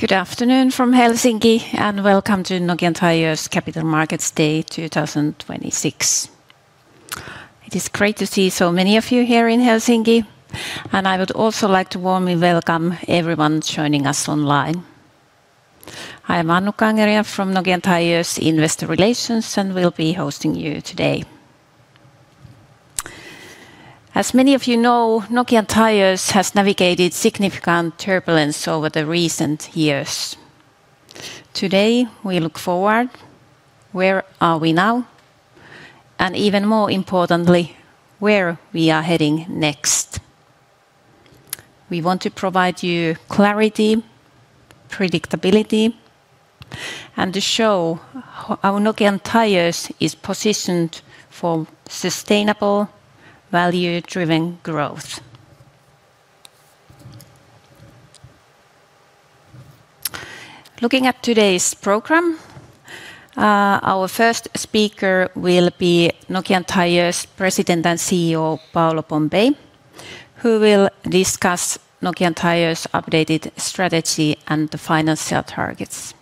Good afternoon from Helsinki and welcome to Nokian Tyres Capital Markets Day 2026. It is great to see so many of you here in Helsinki, and I would also like to warmly welcome everyone joining us online. I am Annukka Angeria from Nokian Tyres Investor Relations and will be hosting you today. As many of you know, Nokian Tyres has navigated significant turbulence over the recent years. Today we look forward: where are we now? And even more importantly, where we are heading next? We want to provide you clarity, predictability, and to show how Nokian Tyres is positioned for sustainable, value-driven growth. Looking at today's program, our first speaker will be Nokian Tyres President and CEO Paolo Pompei, who will discuss Nokian Tyres' updated strategy and the financial targets.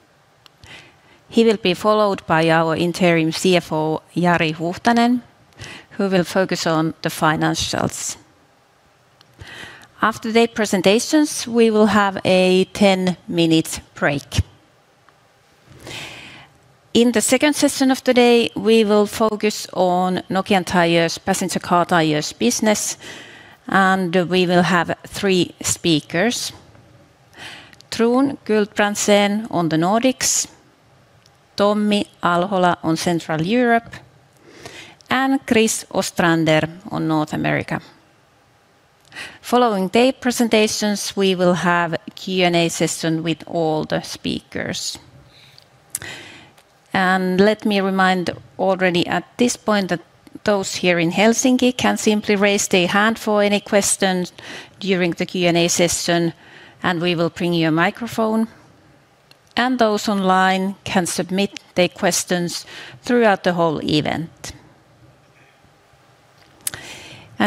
He will be followed by our Interim CFO Jari Huuhtanen, who will focus on the financials. After their presentations, we will have a 10-minute break. In the second session of today, we will focus on Nokian Tyres' passenger car tires business, and we will have three speakers: Tron Gulbrandsen on the Nordics, Tommi Alhola on Central Europe, and Chris Ostrander on North America. Following their presentations, we will have a Q&A session with all the speakers. Let me remind already at this point that those here in Helsinki can simply raise their hand for any questions during the Q&A session, and we will bring you a microphone. Those online can submit their questions throughout the whole event.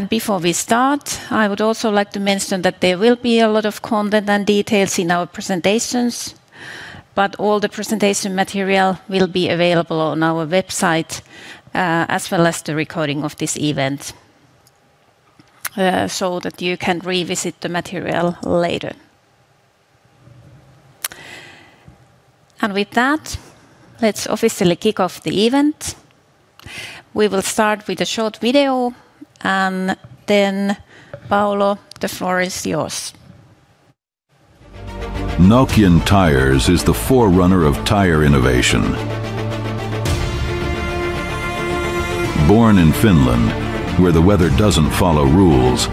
Before we start, I would also like to mention that there will be a lot of content and details in our presentations, but all the presentation material will be available on our website as well as the recording of this event so that you can revisit the material later. With that, let's officially kick off the event. We will start with a short video, and then, Paolo, the floor is yours. Nokian Tyres is the forerunner of tire innovation. Born in Finland, where the weather doesn't follow rules,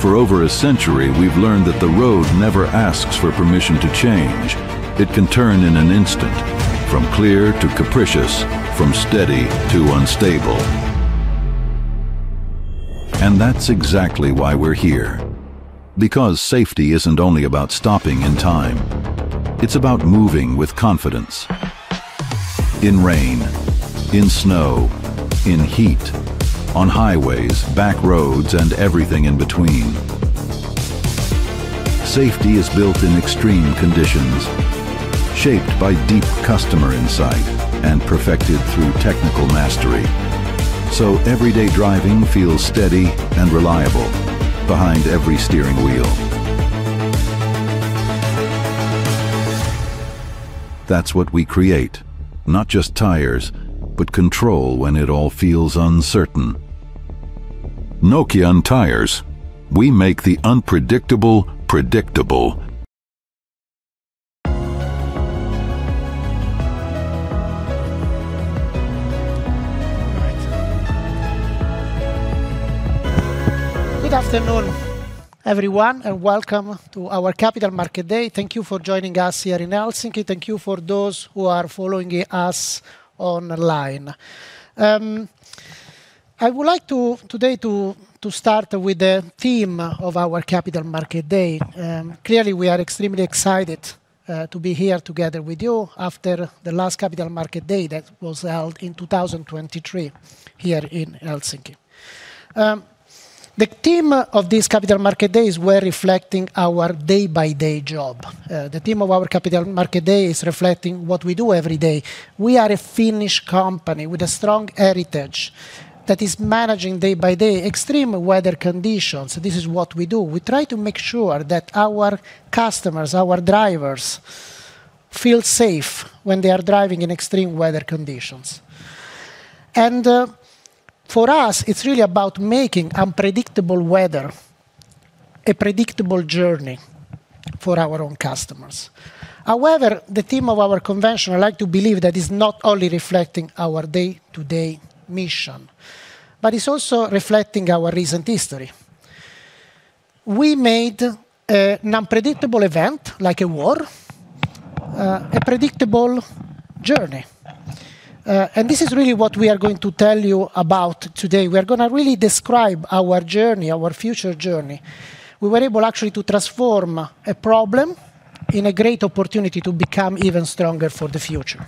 for over a century we've learned that the road never asks for permission to change. It can turn in an instant: from clear to capricious, from steady to unstable. And that's exactly why we're here. Because safety isn't only about stopping in time. It's about moving with confidence. In rain. In snow. In heat. On highways, back roads, and everything in between. Safety is built in extreme conditions, shaped by deep customer insight, and perfected through technical mastery. So everyday driving feels steady and reliable behind every steering wheel. That's what we create: not just tires, but control when it all feels uncertain. Nokian Tyres, we make the unpredictable predictable. Good afternoon, everyone, and welcome to our Capital Markets Day. Thank you for joining us here in Helsinki. Thank you for those who are following us online. I would like today to start with the theme of our Capital Markets Day. Clearly, we are extremely excited to be here together with you after the last Capital Markets Day that was held in 2023 here in Helsinki. The theme of this Capital Markets Day is reflecting our day-by-day job. The theme of our Capital Markets Day is reflecting what we do every day. We are a Finnish company with a strong heritage that is managing day-by-day extreme weather conditions. This is what we do. We try to make sure that our customers, our drivers, feel safe when they are driving in extreme weather conditions. For us, it's really about making unpredictable weather a predictable journey for our own customers. However, the theme of our convention, I like to believe, that is not only reflecting our day-to-day mission, but it's also reflecting our recent history. We made an unpredictable event, like a war, a predictable journey. This is really what we are going to tell you about today. We are going to really describe our journey, our future journey. We were able, actually, to transform a problem in a great opportunity to become even stronger for the future.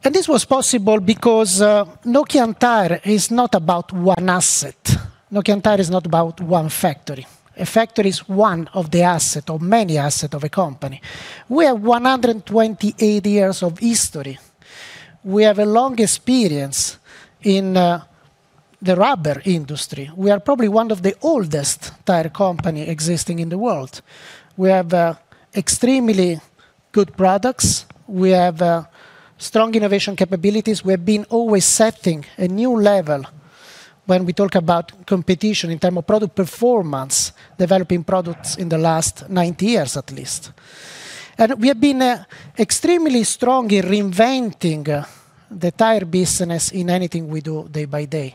This was possible because Nokian Tyres is not about one asset. Nokian Tyres is not about one factory. A factory is one of the assets, or many assets, of a company. We have 128 years of history. We have a long experience in the rubber industry. We are probably one of the oldest tire companies existing in the world. We have extremely good products. We have strong innovation capabilities. We have been always setting a new level when we talk about competition in terms of product performance, developing products in the last 90 years, at least. We have been extremely strong in reinventing the tire business in anything we do day by day.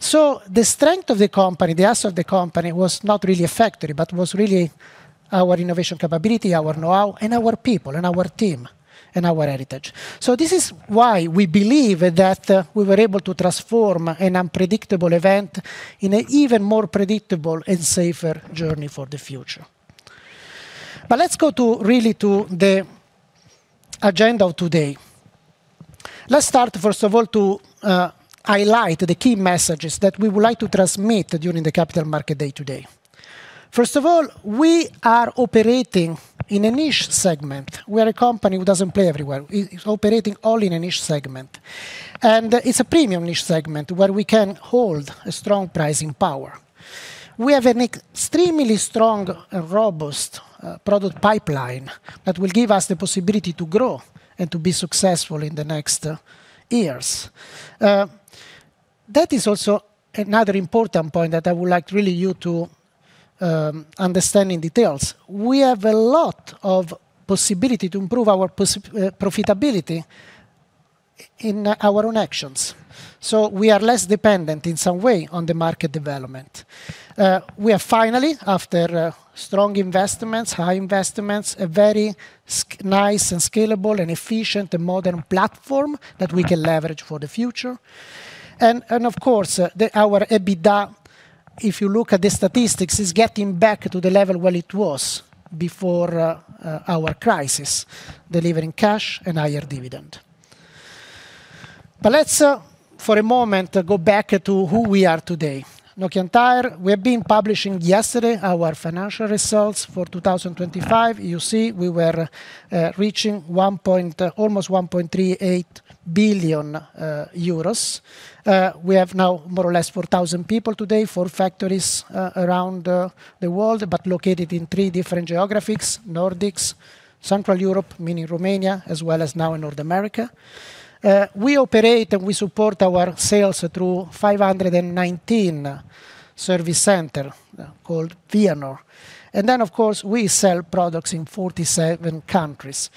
The strength of the company, the asset of the company, was not really a factory, but was really our innovation capability, our know-how, and our people, and our team, and our heritage. This is why we believe that we were able to transform an unpredictable event in an even more predictable and safer journey for the future. Let's go to, really, the agenda of today. Let's start, first of all, to highlight the key messages that we would like to transmit during the Capital Markets Day today. First of all, we are operating in a niche segment. We are a company who doesn't play everywhere. It's operating only in a niche segment. And it's a premium niche segment where we can hold a strong pricing power. We have an extremely strong and robust product pipeline that will give us the possibility to grow and to be successful in the next years. That is also another important point that I would like really you to understand in detail. We have a lot of possibility to improve our profitability in our own actions. So we are less dependent, in some way, on the market development. We have, finally, after strong investments, high investments, a very nice and scalable and efficient and modern platform that we can leverage for the future. And, of course, our EBITDA, if you look at the statistics, is getting back to the level where it was before our crisis: delivering cash and higher dividends. But let's, for a moment, go back to who we are today. Nokian Tyres, we have been publishing yesterday our financial results for 2025. You see, we were reaching almost 1.38 billion euros. We have now more or less 4,000 people today, four factories around the world, but located in three different geographies: Nordics, Central Europe, meaning Romania, as well as now in North America. We operate and we support our sales through 519 service centers called Vianor. And then, of course, we sell products in 47 countries.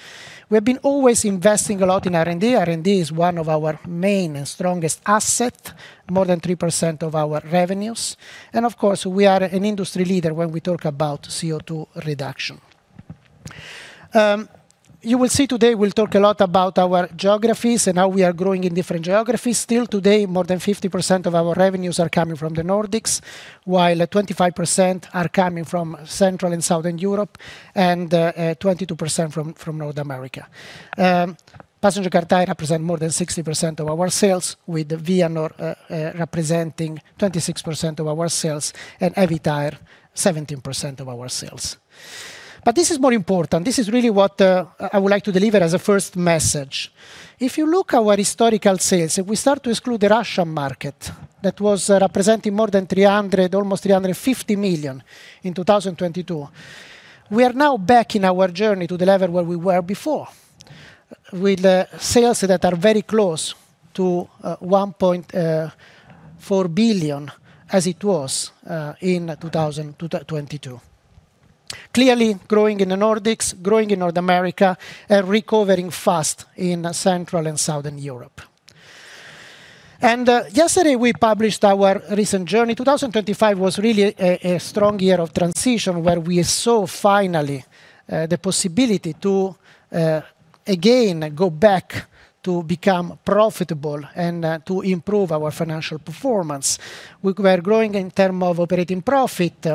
We have been always investing a lot in R&D. R&D is one of our main and strongest assets, more than 3% of our revenues. And, of course, we are an industry leader when we talk about CO2 reduction. You will see today we'll talk a lot about our geographies and how we are growing in different geographies. Still today, more than 50% of our revenues are coming from the Nordics, while 25% are coming from Central and Southern Europe, and 22% from North America. Passenger car tyres represent more than 60% of our sales, with Vianor representing 26% of our sales and EBITDA 17% of our sales. But this is more important. This is really what I would like to deliver as a first message. If you look at our historical sales, if we start to exclude the Russian market, that was representing more than 300 million, almost 350 million in 2022, we are now back in our journey to the level where we were before, with sales that are very close to 1.4 billion as it was in 2022. Clearly growing in the Nordics, growing in North America, and recovering fast in Central and Southern Europe. Yesterday we published our recent journey. 2025 was really a strong year of transition where we saw, finally, the possibility to, again, go back to become profitable and to improve our financial performance. We were growing in terms of operating profit,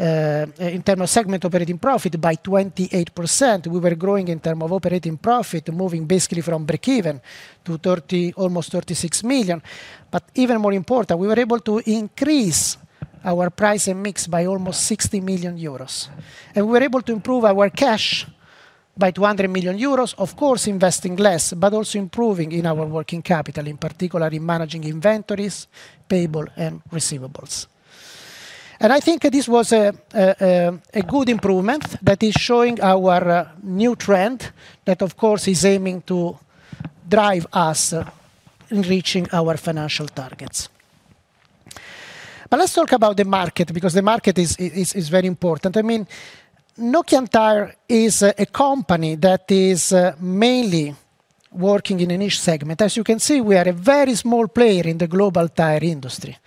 in terms of segment operating profit, by 28%. We were growing in terms of operating profit, moving basically from break-even to almost 36 million. But even more important, we were able to increase our pricing mix by almost 60 million euros. And we were able to improve our cash by 200 million euros, of course investing less, but also improving in our working capital, in particular in managing inventories, payables, and receivables. And I think this was a good improvement that is showing our new trend that, of course, is aiming to drive us in reaching our financial targets. But let's talk about the market, because the market is very important. I mean, Nokian Tyres is a company that is mainly working in a niche segment. As you can see, we are a very small player in the global tire industry.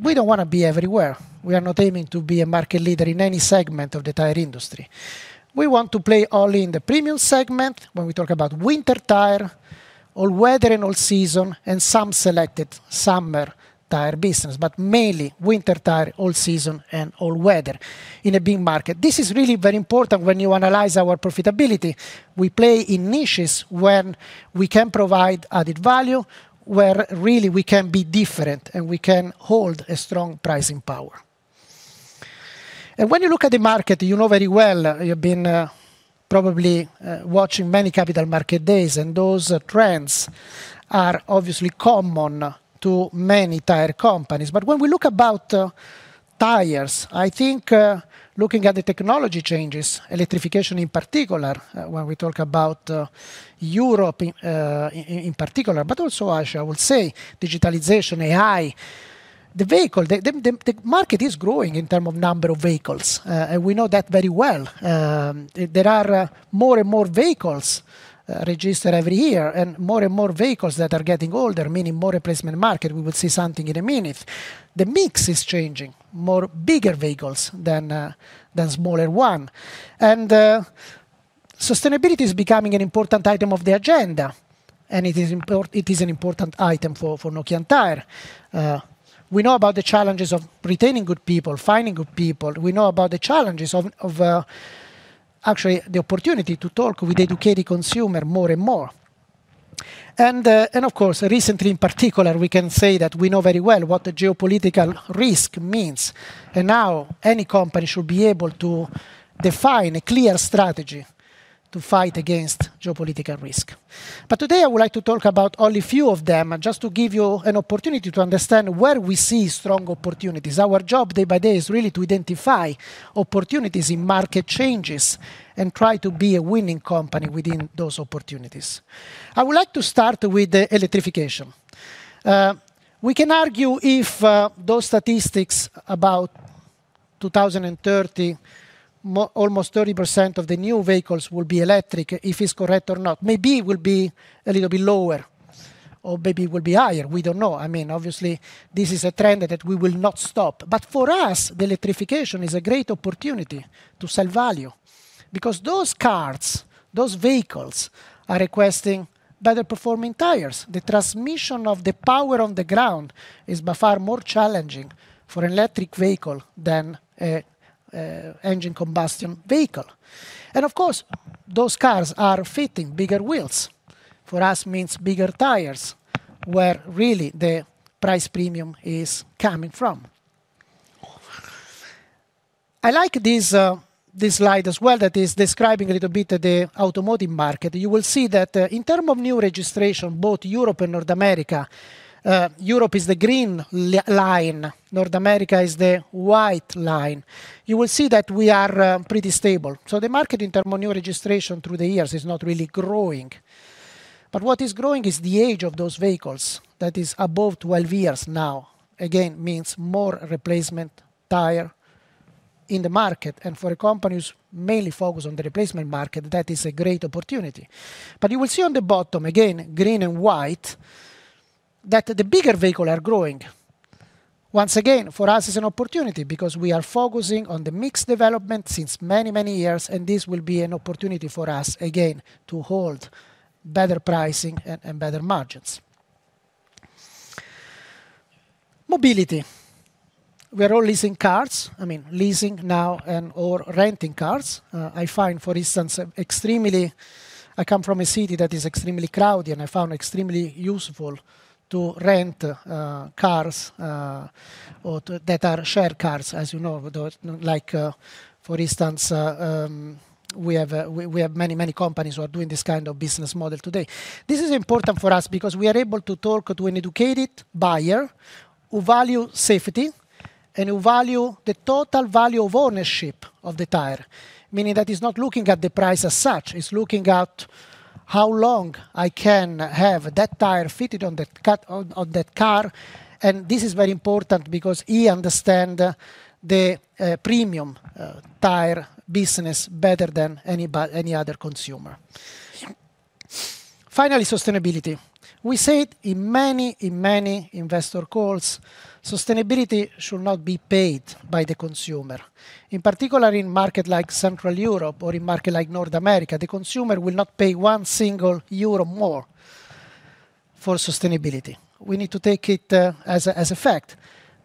We don't want to be everywhere. We are not aiming to be a market leader in any segment of the tire industry. We want to play only in the premium segment when we talk about winter tire, all-weather and all-season, and some selected summer tire business, but mainly winter tire, all-season, and all-weather in a big market. This is really very important when you analyze our profitability. We play in niches where we can provide added value, where, really, we can be different and we can hold a strong pricing power. When you look at the market, you know very well you've been probably watching many Capital Markets Days, and those trends are obviously common to many tire companies. But when we look about tires, I think looking at the technology changes, electrification in particular when we talk about Europe in particular, but also Asia, I would say, digitalization, AI, the vehicle the market is growing in terms of number of vehicles. And we know that very well. There are more and more vehicles registered every year and more and more vehicles that are getting older, meaning more replacement market. We will see something in a minute. The mix is changing: more bigger vehicles than smaller ones. And sustainability is becoming an important item of the agenda. And it is an important item for Nokian Tyres. We know about the challenges of retaining good people, finding good people. We know about the challenges of, actually, the opportunity to talk with educated consumers more and more. And, of course, recently, in particular, we can say that we know very well what geopolitical risk means. And now any company should be able to define a clear strategy to fight against geopolitical risk. But today I would like to talk about only a few of them, just to give you an opportunity to understand where we see strong opportunities. Our job day by day is really to identify opportunities in market changes and try to be a winning company within those opportunities. I would like to start with electrification. We can argue if those statistics about 2030, almost 30% of the new vehicles will be electric, if it's correct or not. Maybe it will be a little bit lower. Or maybe it will be higher. We don't know. I mean, obviously, this is a trend that we will not stop. But for us, the electrification is a great opportunity to sell value. Because those cars, those vehicles, are requesting better performing tires. The transmission of the power on the ground is by far more challenging for an electric vehicle than an engine-combustion vehicle. And, of course, those cars are fitting bigger wheels. For us, it means bigger tires where, really, the price premium is coming from. I like this slide as well that is describing a little bit the automotive market. You will see that in terms of new registration, both Europe and North America. Europe is the green line. North America is the white line. You will see that we are pretty stable. So the market, in terms of new registration through the years, is not really growing. But what is growing is the age of those vehicles that is above 12 years now. Again, it means more replacement tires in the market. And for companies mainly focused on the replacement market, that is a great opportunity. But you will see on the bottom, again, green and white, that the bigger vehicles are growing. Once again, for us, it's an opportunity because we are focusing on the mixed development since many, many years. And this will be an opportunity for us, again, to hold better pricing and better margins. Mobility. We are all leasing cars. I mean, leasing now and/or renting cars. I find, for instance, extremely I come from a city that is extremely crowded. And I found it extremely useful to rent cars, or that are shared cars, as you know. Like, for instance, we have many, many companies who are doing this kind of business model today. This is important for us because we are able to talk to an educated buyer who values safety and who values the total value of ownership of the tire, meaning that he's not looking at the price as such. He's looking at how long I can have that tire fitted on that car. And this is very important because he understands the premium tire business better than any other consumer. Finally, sustainability. We say it in many, in many investor calls. Sustainability should not be paid by the consumer. In particular, in markets like Central Europe or in markets like North America, the consumer will not pay 1 euro more for sustainability. We need to take it as a fact.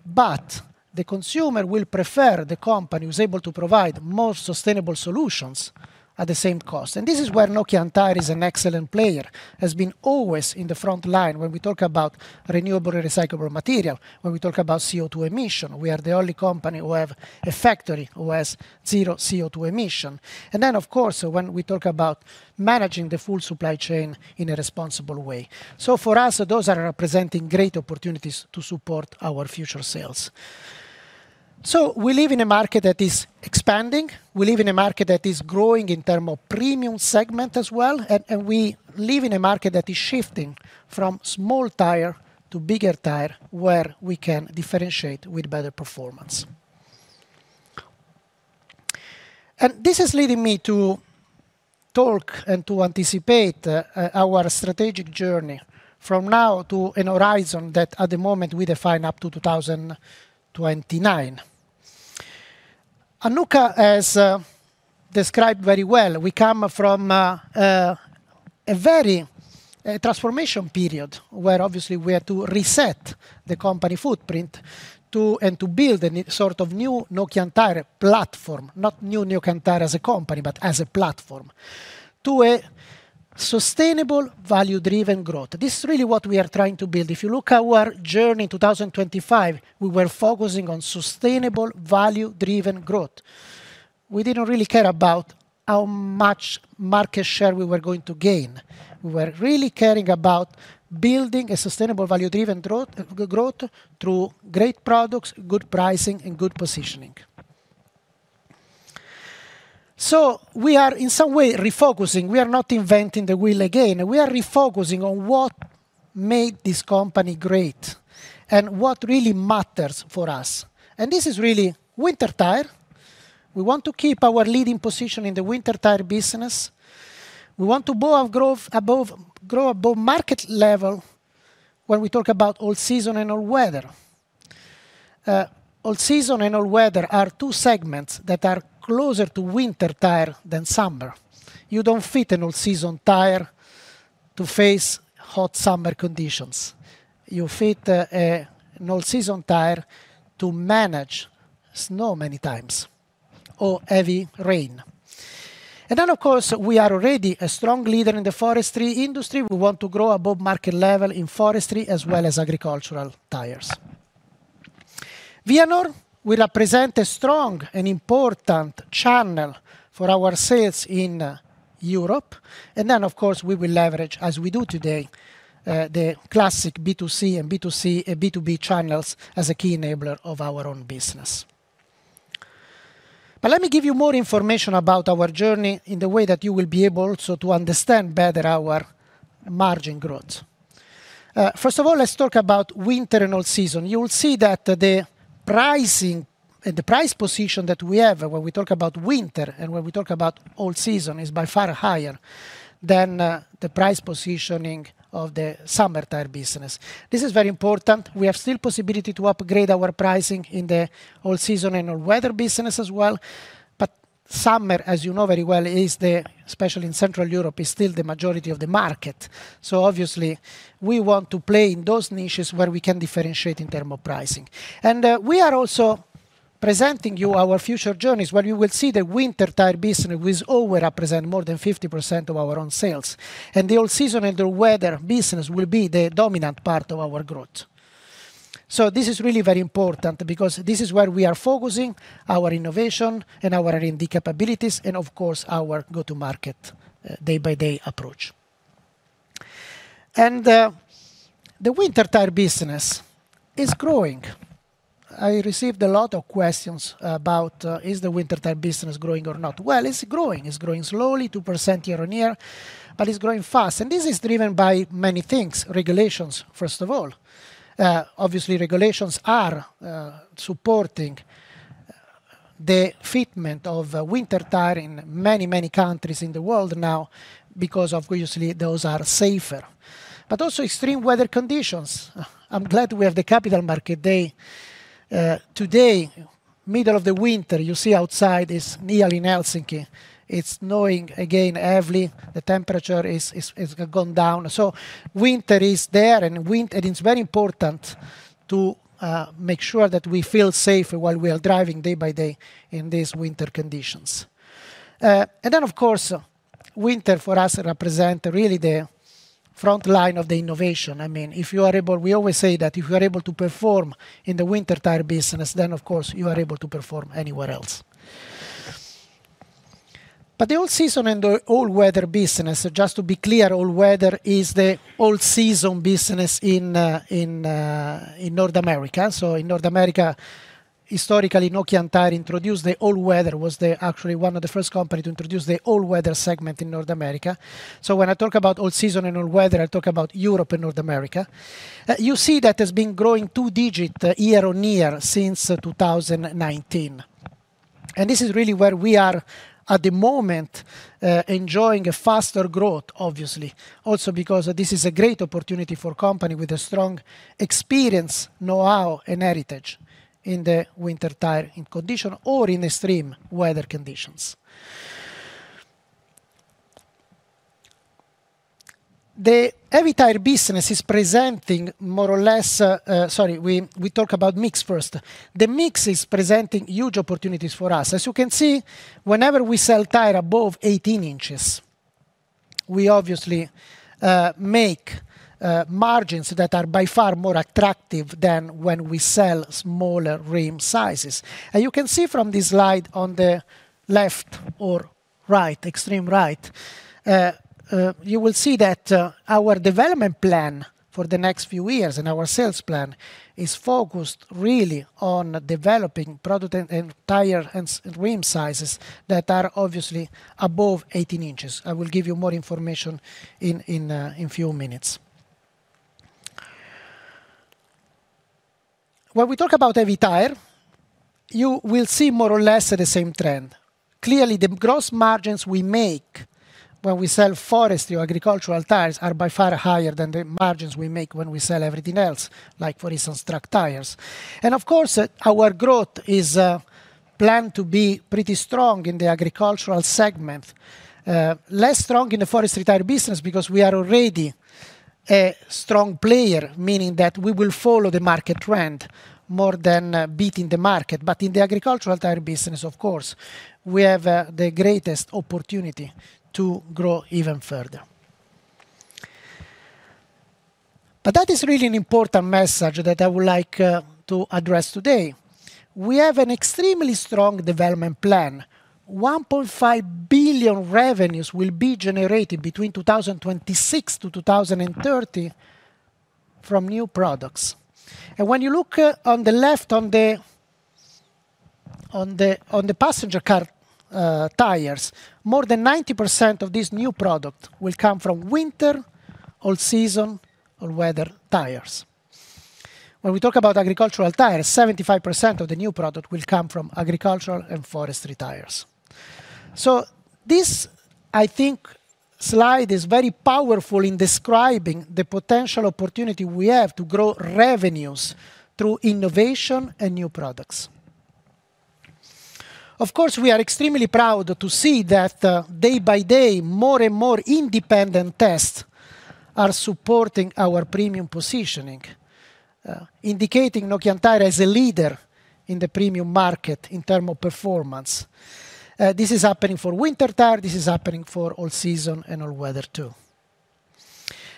The consumer will prefer the company who is able to provide more sustainable solutions at the same cost. This is where Nokian Tyres is an excellent player. It has been always in the front line when we talk about renewable and recyclable material, when we talk about CO2 emission. We are the only company who has a factory who has zero CO2 emission. Then, of course, when we talk about managing the full supply chain in a responsible way. For us, those are representing great opportunities to support our future sales. We live in a market that is expanding. We live in a market that is growing in terms of premium segment as well. We live in a market that is shifting from small tire to bigger tire where we can differentiate with better performance. This is leading me to talk and to anticipate our strategic journey from now to a horizon that, at the moment, we define up to 2029. Annukka has described very well. We come from a very transformation period where, obviously, we have to reset the company footprint and to build a sort of new Nokian Tyres platform, not new Nokian Tyres as a company, but as a platform, to a sustainable, value-driven growth. This is really what we are trying to build. If you look at our journey in 2025, we were focusing on sustainable, value-driven growth. We didn't really care about how much market share we were going to gain. We were really caring about building a sustainable, value-driven growth through great products, good pricing, and good positioning. So we are, in some way, refocusing. We are not inventing the wheel again. We are refocusing on what made this company great and what really matters for us. This is really winter tyre. We want to keep our leading position in the winter tyre business. We want to grow above market level when we talk about all-season and all-weather. All-season and all-weather are two segments that are closer to winter tyre than summer. You don't fit an all-season tyre to face hot summer conditions. You fit an all-season tyre to manage snow many times or heavy rain. And then, of course, we are already a strong leader in the forestry industry. We want to grow above market level in forestry as well as agricultural tyres. Vianor will represent a strong and important channel for our sales in Europe. Then, of course, we will leverage, as we do today, the classic B2C and B2C and B2B channels as a key enabler of our own business. But let me give you more information about our journey in the way that you will be able also to understand better our margin growth. First of all, let's talk about winter and all-season. You will see that the pricing and the price position that we have when we talk about winter and when we talk about all-season is by far higher than the price positioning of the summer tire business. This is very important. We have still the possibility to upgrade our pricing in the all-season and all-weather business as well. But summer, as you know very well, is, especially in Central Europe, still the majority of the market. So obviously, we want to play in those niches where we can differentiate in terms of pricing. We are also presenting you our future journeys where you will see the winter tire business will always represent more than 50% of our own sales. The all-season and all-weather business will be the dominant part of our growth. So this is really very important because this is where we are focusing our innovation and our R&D capabilities and, of course, our go-to-market day-by-day approach. The winter tire business is growing. I received a lot of questions about, is the winter tire business growing or not? Well, it's growing. It's growing slowly, 2% year-over-year. But it's growing fast. This is driven by many things, regulations, first of all. Obviously, regulations are supporting the fitment of winter tires in many, many countries in the world now because, obviously, those are safer. But also extreme weather conditions. I'm glad we have the Capital Markets Day today, middle of the winter. You see outside, it's nearly hell in Helsinki. It's snowing again, heavily. The temperature has gone down. So winter is there. Winter, it's very important to make sure that we feel safer while we are driving day by day in these winter conditions. Then, of course, winter, for us, represents really the front line of the innovation. I mean, we always say that if you are able to perform in the winter tire business, then, of course, you are able to perform anywhere else. But the all-season and the all-weather business, just to be clear, all-weather is the all-season business in North America. So in North America, historically, Nokian Tyres was actually one of the first companies to introduce the all-weather segment in North America. So when I talk about all-season and all-weather, I talk about Europe and North America. You see that it has been growing two-digit year-over-year since 2019. And this is really where we are, at the moment, enjoying a faster growth, obviously, also because this is a great opportunity for a company with a strong experience, know-how, and heritage in the winter tire condition or in extreme weather conditions. The heavy tire business is presenting more or less, sorry, we talk about mix first. The mix is presenting huge opportunities for us. As you can see, whenever we sell tire above 18 inches, we obviously make margins that are by far more attractive than when we sell smaller rim sizes. You can see from this slide on the left or right, extreme right, you will see that our development plan for the next few years and our sales plan is focused really on developing product and tire and rim sizes that are obviously above 18 inches. I will give you more information in a few minutes. When we talk about heavy tire, you will see more or less the same trend. Clearly, the gross margins we make when we sell forestry or agricultural tires are by far higher than the margins we make when we sell everything else, like, for instance, truck tires. And, of course, our growth is planned to be pretty strong in the agricultural segment, less strong in the forestry tire business because we are already a strong player, meaning that we will follow the market trend more than beating the market. In the agricultural tire business, of course, we have the greatest opportunity to grow even further. That is really an important message that I would like to address today. We have an extremely strong development plan. 1.5 billion revenues will be generated between 2026-2030 from new products. When you look on the left on the passenger car tires, more than 90% of this new product will come from winter, all-season, all-weather tires. When we talk about agricultural tires, 75% of the new product will come from agricultural and forestry tires. This, I think, slide is very powerful in describing the potential opportunity we have to grow revenues through innovation and new products. Of course, we are extremely proud to see that, day by day, more and more independent tests are supporting our premium positioning, indicating Nokian Tyres as a leader in the premium market in terms of performance. This is happening for winter tire. This is happening for all-season and all-weather too.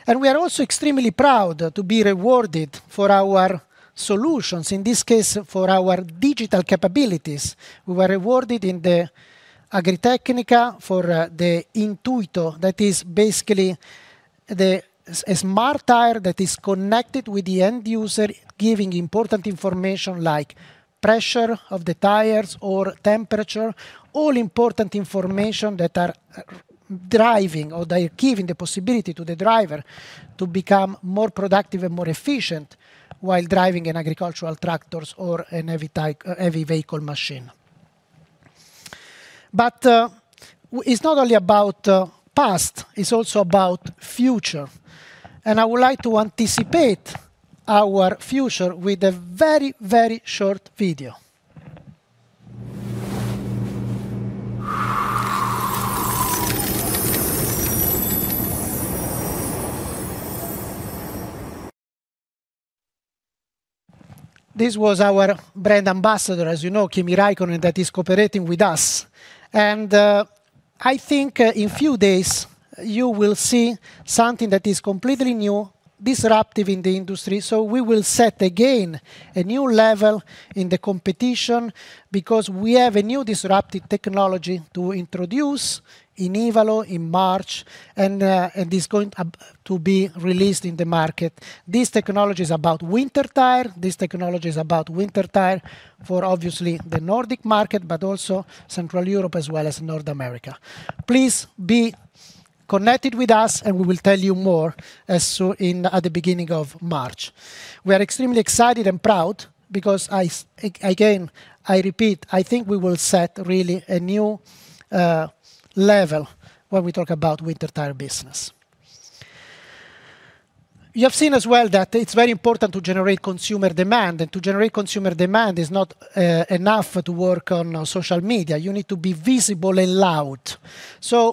And we are also extremely proud to be rewarded for our solutions, in this case, for our digital capabilities. We were rewarded in the Agritechnica for the Intuitu, that is basically a smart tire that is connected with the end user, giving important information like pressure of the tires or temperature, all important information that are driving or that are giving the possibility to the driver to become more productive and more efficient while driving an agricultural tractor or a heavy vehicle machine. But it's not only about past. It's also about future. I would like to anticipate our future with a very, very short video. This was our brand ambassador, as you know, Kimi Räikkönen, that is cooperating with us. I think, in a few days, you will see something that is completely new, disruptive in the industry. We will set, again, a new level in the competition because we have a new disruptive technology to introduce in Ivalo in March. It is going to be released in the market. This technology is about winter tire. This technology is about winter tire for, obviously, the Nordic market but also Central Europe as well as North America. Please be connected with us. We will tell you more as soon as at the beginning of March. We are extremely excited and proud because, again, I repeat, I think we will set, really, a new level when we talk about winter tire business. You have seen as well that it's very important to generate consumer demand. To generate consumer demand is not enough to work on social media. You need to be visible and loud.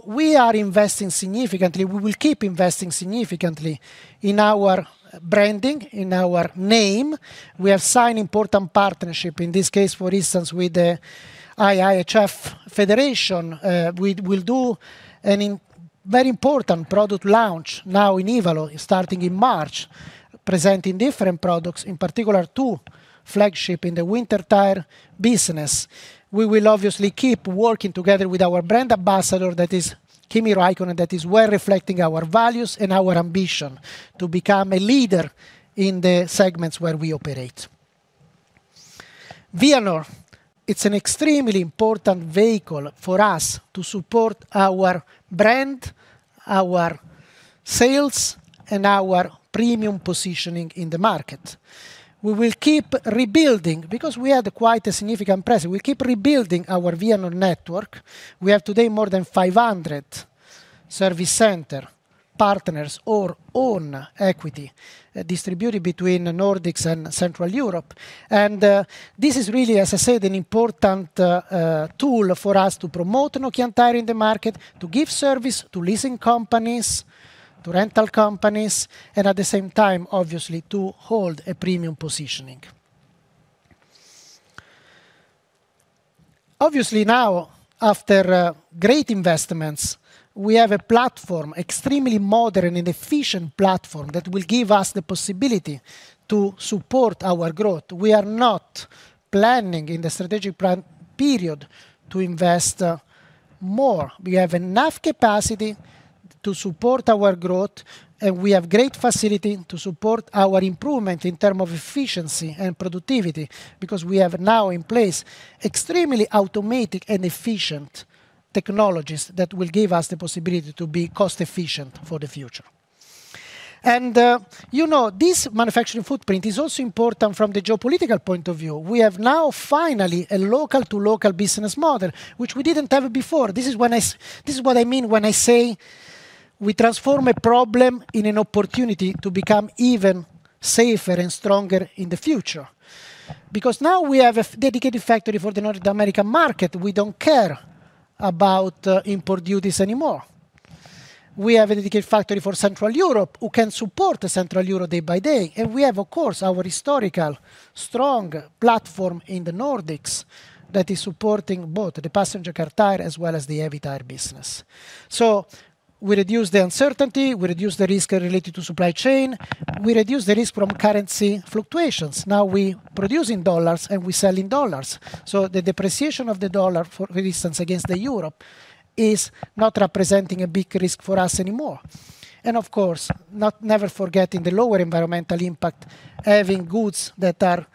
We are investing significantly. We will keep investing significantly in our branding, in our name. We have signed an important partnership, in this case, for instance, with the IIHF Federation. We will do a very important product launch now in Ivalo, starting in March, presenting different products, in particular two flagships in the winter tire business. We will, obviously, keep working together with our brand ambassador, that is Kimi Räikkönen, that is well reflecting our values and our ambition to become a leader in the segments where we operate. Vianor, it's an extremely important vehicle for us to support our brand, our sales, and our premium positioning in the market. We will keep rebuilding because we had quite a significant presence. We'll keep rebuilding our Vianor network. We have, today, more than 500 service center partners or own equity distributed between Nordics and Central Europe. This is really, as I said, an important tool for us to promote Nokian Tyres in the market, to give service to leasing companies, to rental companies, and at the same time, obviously, to hold a premium positioning. Obviously, now, after great investments, we have a platform, extremely modern and efficient platform, that will give us the possibility to support our growth. We are not planning, in the strategic period, to invest more. We have enough capacity to support our growth. We have great facility to support our improvement in terms of efficiency and productivity because we have now in place extremely automatic and efficient technologies that will give us the possibility to be cost-efficient for the future. You know, this manufacturing footprint is also important from the geopolitical point of view. We have now finally a local-to-local business model, which we didn't have before. This is what I mean when I say we transform a problem in an opportunity to become even safer and stronger in the future. Now we have a dedicated factory for the North American market. We don't care about import duties anymore. We have a dedicated factory for Central Europe who can support Central Europe day by day. We have, of course, our historical strong platform in the Nordics that is supporting both the passenger car tire as well as the heavy tire business. So we reduce the uncertainty. We reduce the risk related to supply chain. We reduce the risk from currency fluctuations. Now we produce in dollars and we sell in dollars. So the depreciation of the dollar, for instance, against the euro, is not representing a big risk for us anymore. And, of course, never forgetting the lower environmental impact, having goods that are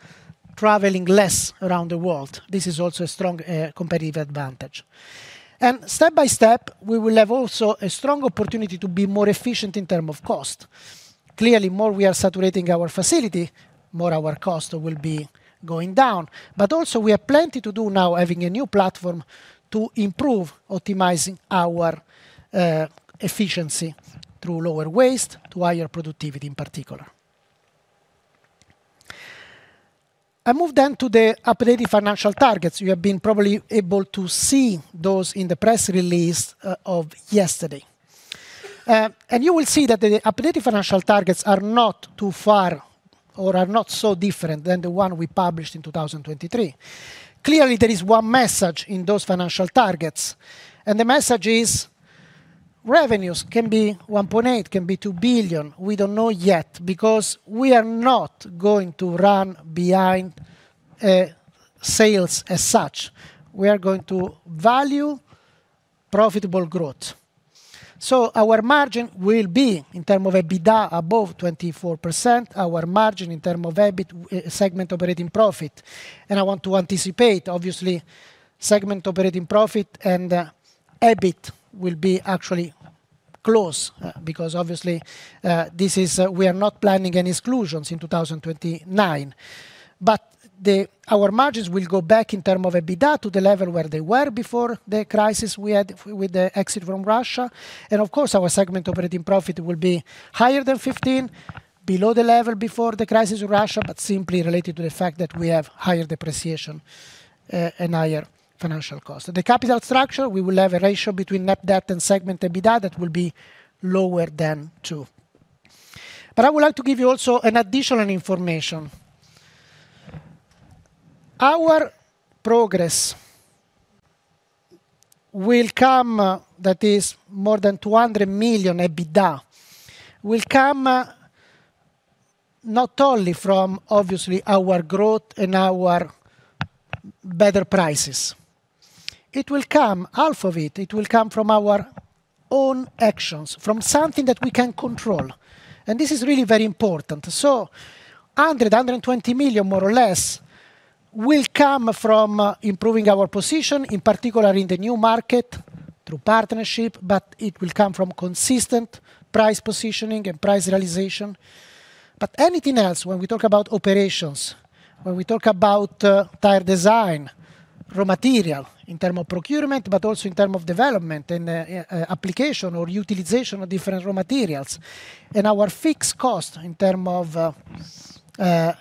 traveling less around the world. This is also a strong competitive advantage. And step by step, we will have also a strong opportunity to be more efficient in terms of cost. Clearly, the more we are saturating our facility, the more our cost will be going down. But also, we have plenty to do now, having a new platform to improve, optimizing our efficiency through lower waste to higher productivity in particular. I move to the updated financial targets. You have probably been able to see those in the press release of yesterday. You will see that the updated financial targets are not too far or are not so different than the one we published in 2023. Clearly, there is one message in those financial targets. The message is revenues can be 1.8 billion, can be 2 billion. We don't know yet because we are not going to run behind sales as such. We are going to value profitable growth. Our margin will be, in terms of EBITDA, above 24%, our margin in terms of EBIT, segment operating profit. I want to anticipate, obviously, segment operating profit and EBIT will be actually close because, obviously, this is we are not planning any exclusions in 2029. But our margins will go back, in terms of EBITDA, to the level where they were before the crisis we had with the exit from Russia. And, of course, our segment operating profit will be higher than 15, below the level before the crisis in Russia but simply related to the fact that we have higher depreciation and higher financial costs. The capital structure, we will have a ratio between net debt and segment EBITDA that will be lower than two. But I would like to give you also additional information. Our progress will come, that is, more than 200 million EBITDA will come not only from, obviously, our growth and our better prices. It will come half of it. It will come from our own actions, from something that we can control. And this is really very important. So 100 million-120 million, more or less, will come from improving our position, in particular in the new market through partnership. But it will come from consistent price positioning and price realization. But anything else, when we talk about operations, when we talk about tire design, raw material in terms of procurement but also in terms of development and application or utilization of different raw materials, and our fixed cost in terms of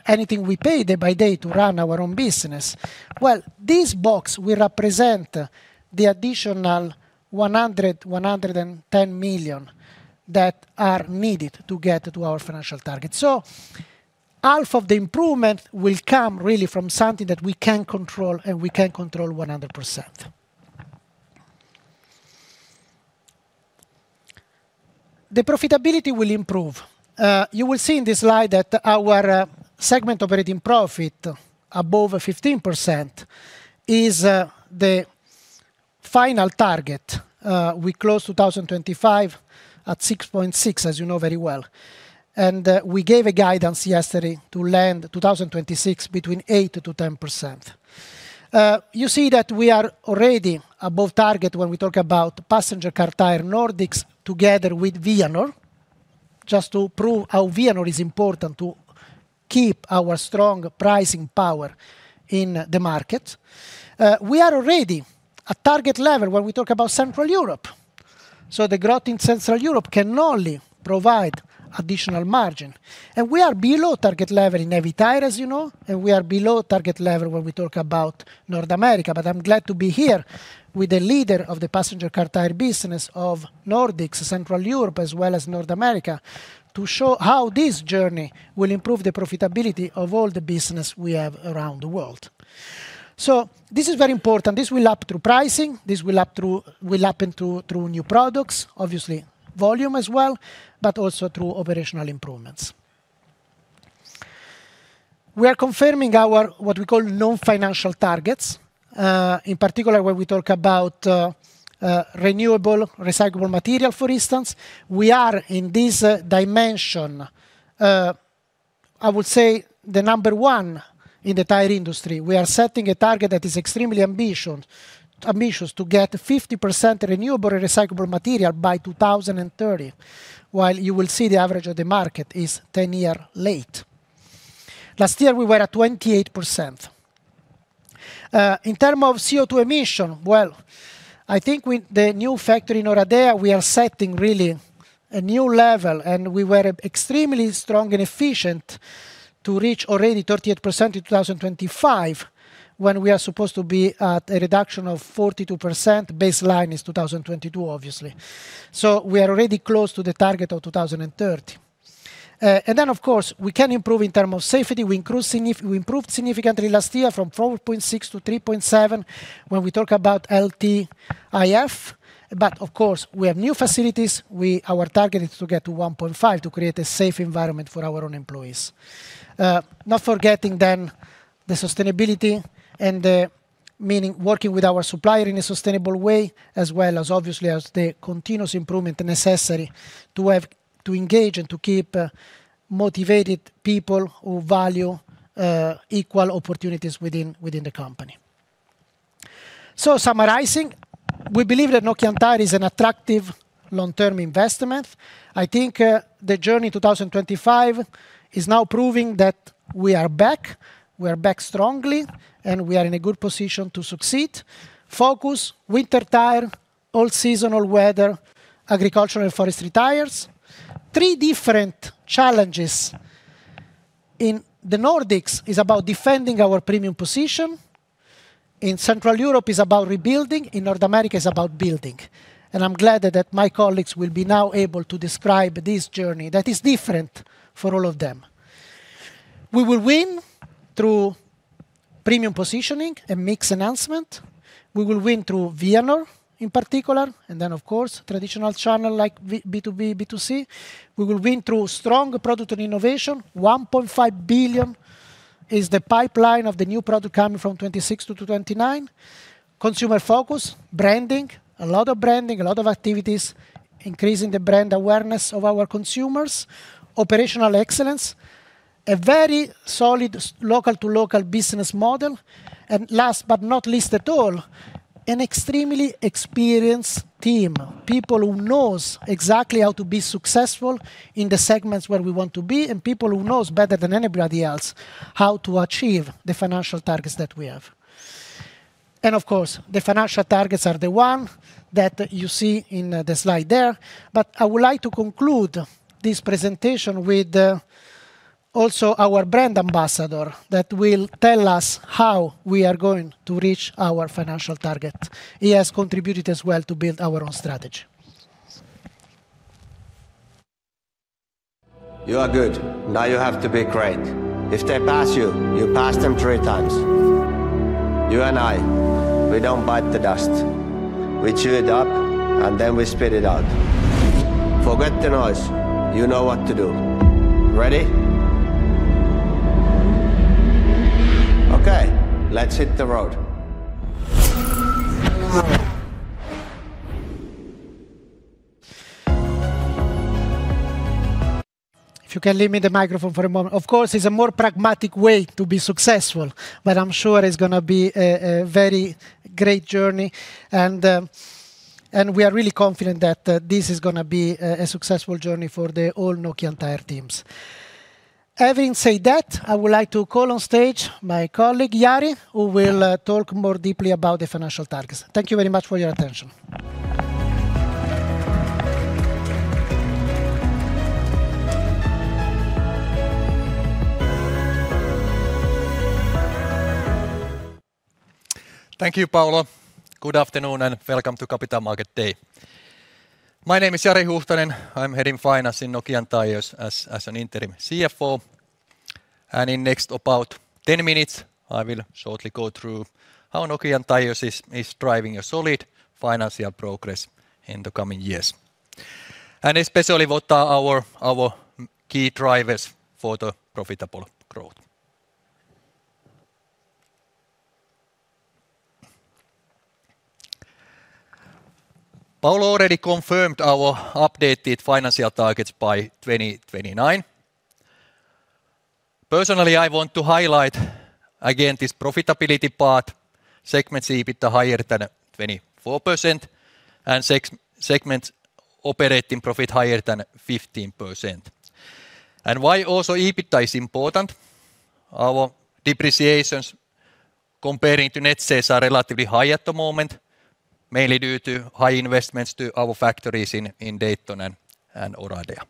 anything we pay day by day to run our own business, well, this box will represent the additional 100 million-110 million that are needed to get to our financial target. So half of the improvement will come, really, from something that we can control. And we can control 100%. The profitability will improve. You will see in this slide that our segment operating profit above 15% is the final target. We closed 2025 at 6.6%, as you know very well. We gave a guidance yesterday to land 2026 between 8%-10%. You see that we are already above target when we talk about passenger car tire Nordics together with Vianor, just to prove how Vianor is important to keep our strong pricing power in the market. We are already at target level when we talk about Central Europe. So the growth in Central Europe can only provide additional margin. We are below target level in heavy tire, as you know. We are below target level when we talk about North America. But I'm glad to be here with the leader of the passenger car tire business of Nordics, Central Europe, as well as North America, to show how this journey will improve the profitability of all the business we have around the world. So this is very important. This will up through pricing. This will up through will happen through new products, obviously, volume as well, but also through operational improvements. We are confirming our what we call non-financial targets, in particular when we talk about, renewable, recyclable material, for instance. We are, in this dimension, I would say the number one in the tire industry. We are setting a target that is extremely ambitious to get 50% renewable and recyclable material by 2030, while you will see the average of the market is 10 years late. Last year, we were at 28%. In terms of CO2 emission, well, I think with the new factory in Oradea, we are setting, really, a new level. And we were extremely strong and efficient to reach already 38% in 2025 when we are supposed to be at a reduction of 42%. Baseline is 2022, obviously. So we are already close to the target of 2030. And then, of course, we can improve in terms of safety. We improved significantly last year from 4.6% to 3.7% when we talk about LTIF. But, of course, we have new facilities. Our target is to get to 1.5% to create a safe environment for our own employees. Not forgetting, then, the sustainability and the meaning working with our supplier in a sustainable way, as well as, obviously, the continuous improvement necessary to have to engage and to keep motivated people who value, equal opportunities within the company. So summarizing, we believe that Nokian Tyres is an attractive long-term investment. I think the journey in 2025 is now proving that we are back. We are back strongly. We are in a good position to succeed. Focus: winter tire, all-season, all-weather, agricultural and forestry tires. Three different challenges in the Nordics are about defending our premium position. In Central Europe, it's about rebuilding. In North America, it's about building. I'm glad that my colleagues will be now able to describe this journey that is different for all of them. We will win through premium positioning and mixed announcement. We will win through Vianor, in particular, and then, of course, traditional channels like B2B, B2C. We will win through strong product and innovation. 1.5 billion is the pipeline of the new product coming from 2026 to 2029. Consumer focus, branding, a lot of branding, a lot of activities, increasing the brand awareness of our consumers, operational excellence, a very solid local-to-local business model. Last but not least at all, an extremely experienced team, people who know exactly how to be successful in the segments where we want to be and people who know better than anybody else how to achieve the financial targets that we have. Of course, the financial targets are the one that you see in the slide there. But I would like to conclude this presentation with also our brand ambassador that will tell us how we are going to reach our financial target. He has contributed as well to build our own strategy. You are good. Now you have to be great. If they pass you, you pass them three times. You and I, we don't bite the dust. We chew it up and then we spit it out. Forget the noise. You know what to do. Ready? OK, let's hit the road. If you can leave me the microphone for a moment. Of course, it's a more pragmatic way to be successful. But I'm sure it's going to be a very great journey. And we are really confident that this is going to be a successful journey for all Nokian Tyres teams. Having said that, I would like to call on stage my colleague Jari, who will talk more deeply about the financial targets. Thank you very much for your attention. Thank you, Paolo. Good afternoon and welcome to Capital Markets Day. My name is Jari Huuhtanen. I'm heading finance in Nokian Tyres as an Interim CFO. In next about 10 minutes, I will shortly go through how Nokian Tyres is driving a solid financial progress in the coming years. Especially what are our key drivers for the profitable growth. Paolo already confirmed our updated financial targets by 2029. Personally, I want to highlight again this profitability part: segments EBITDA higher than 24% and segments operating profit higher than 15%. Why also EBITDA is important: our depreciations comparing to net sales are relatively high at the moment, mainly due to high investments to our factories in Dayton and Oradea.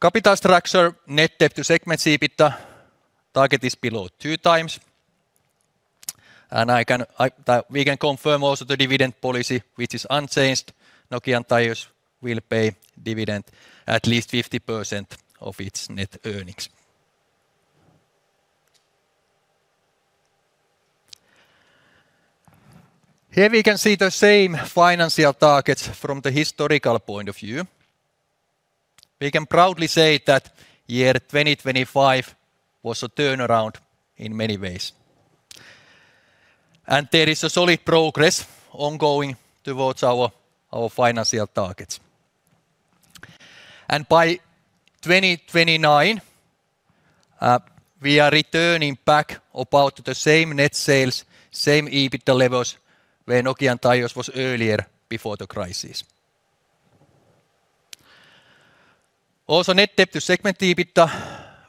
Capital structure, net debt to segments EBITDA, target is below 2x. We can confirm also the dividend policy, which is unchanged. Nokian Tyres will pay dividend at least 50% of its net earnings. Here we can see the same financial targets from the historical point of view. We can proudly say that 2025 was a turnaround in many ways. There is solid progress ongoing towards our financial targets. By 2029, we are returning back about to the same net sales, same EBITDA levels where Nokian Tyres was earlier before the crisis. Also, net debt to segments EBITDA,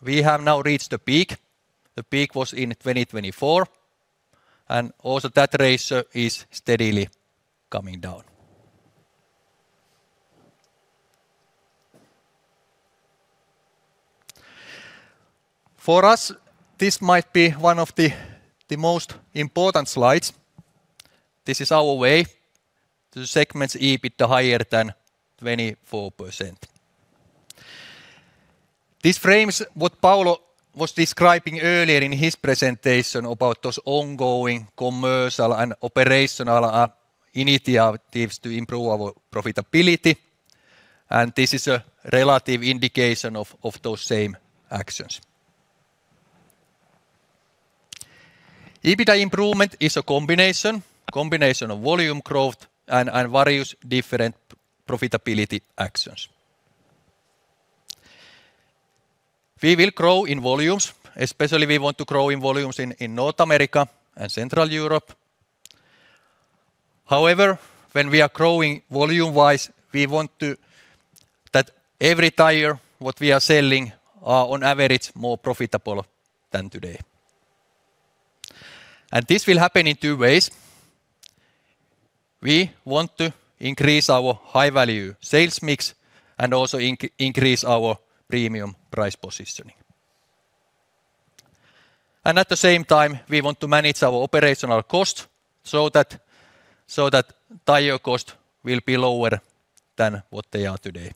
we have now reached the peak. The peak was in 2024. Also that ratio is steadily coming down. For us, this might be one of the most important slides. This is our way to segments EBITDA higher than 24%. This frames what Paolo was describing earlier in his presentation about those ongoing commercial and operational initiatives to improve our profitability. This is a relative indication of those same actions. EBITDA improvement is a combination of volume growth and various different profitability actions. We will grow in volumes. Especially, we want to grow in volumes in North America and Central Europe. However, when we are growing volume-wise, we want that every tire what we are selling are, on average, more profitable than today. This will happen in two ways. We want to increase our high-value sales mix and also increase our premium price positioning. At the same time, we want to manage our operational costs so that tire costs will be lower than what they are today.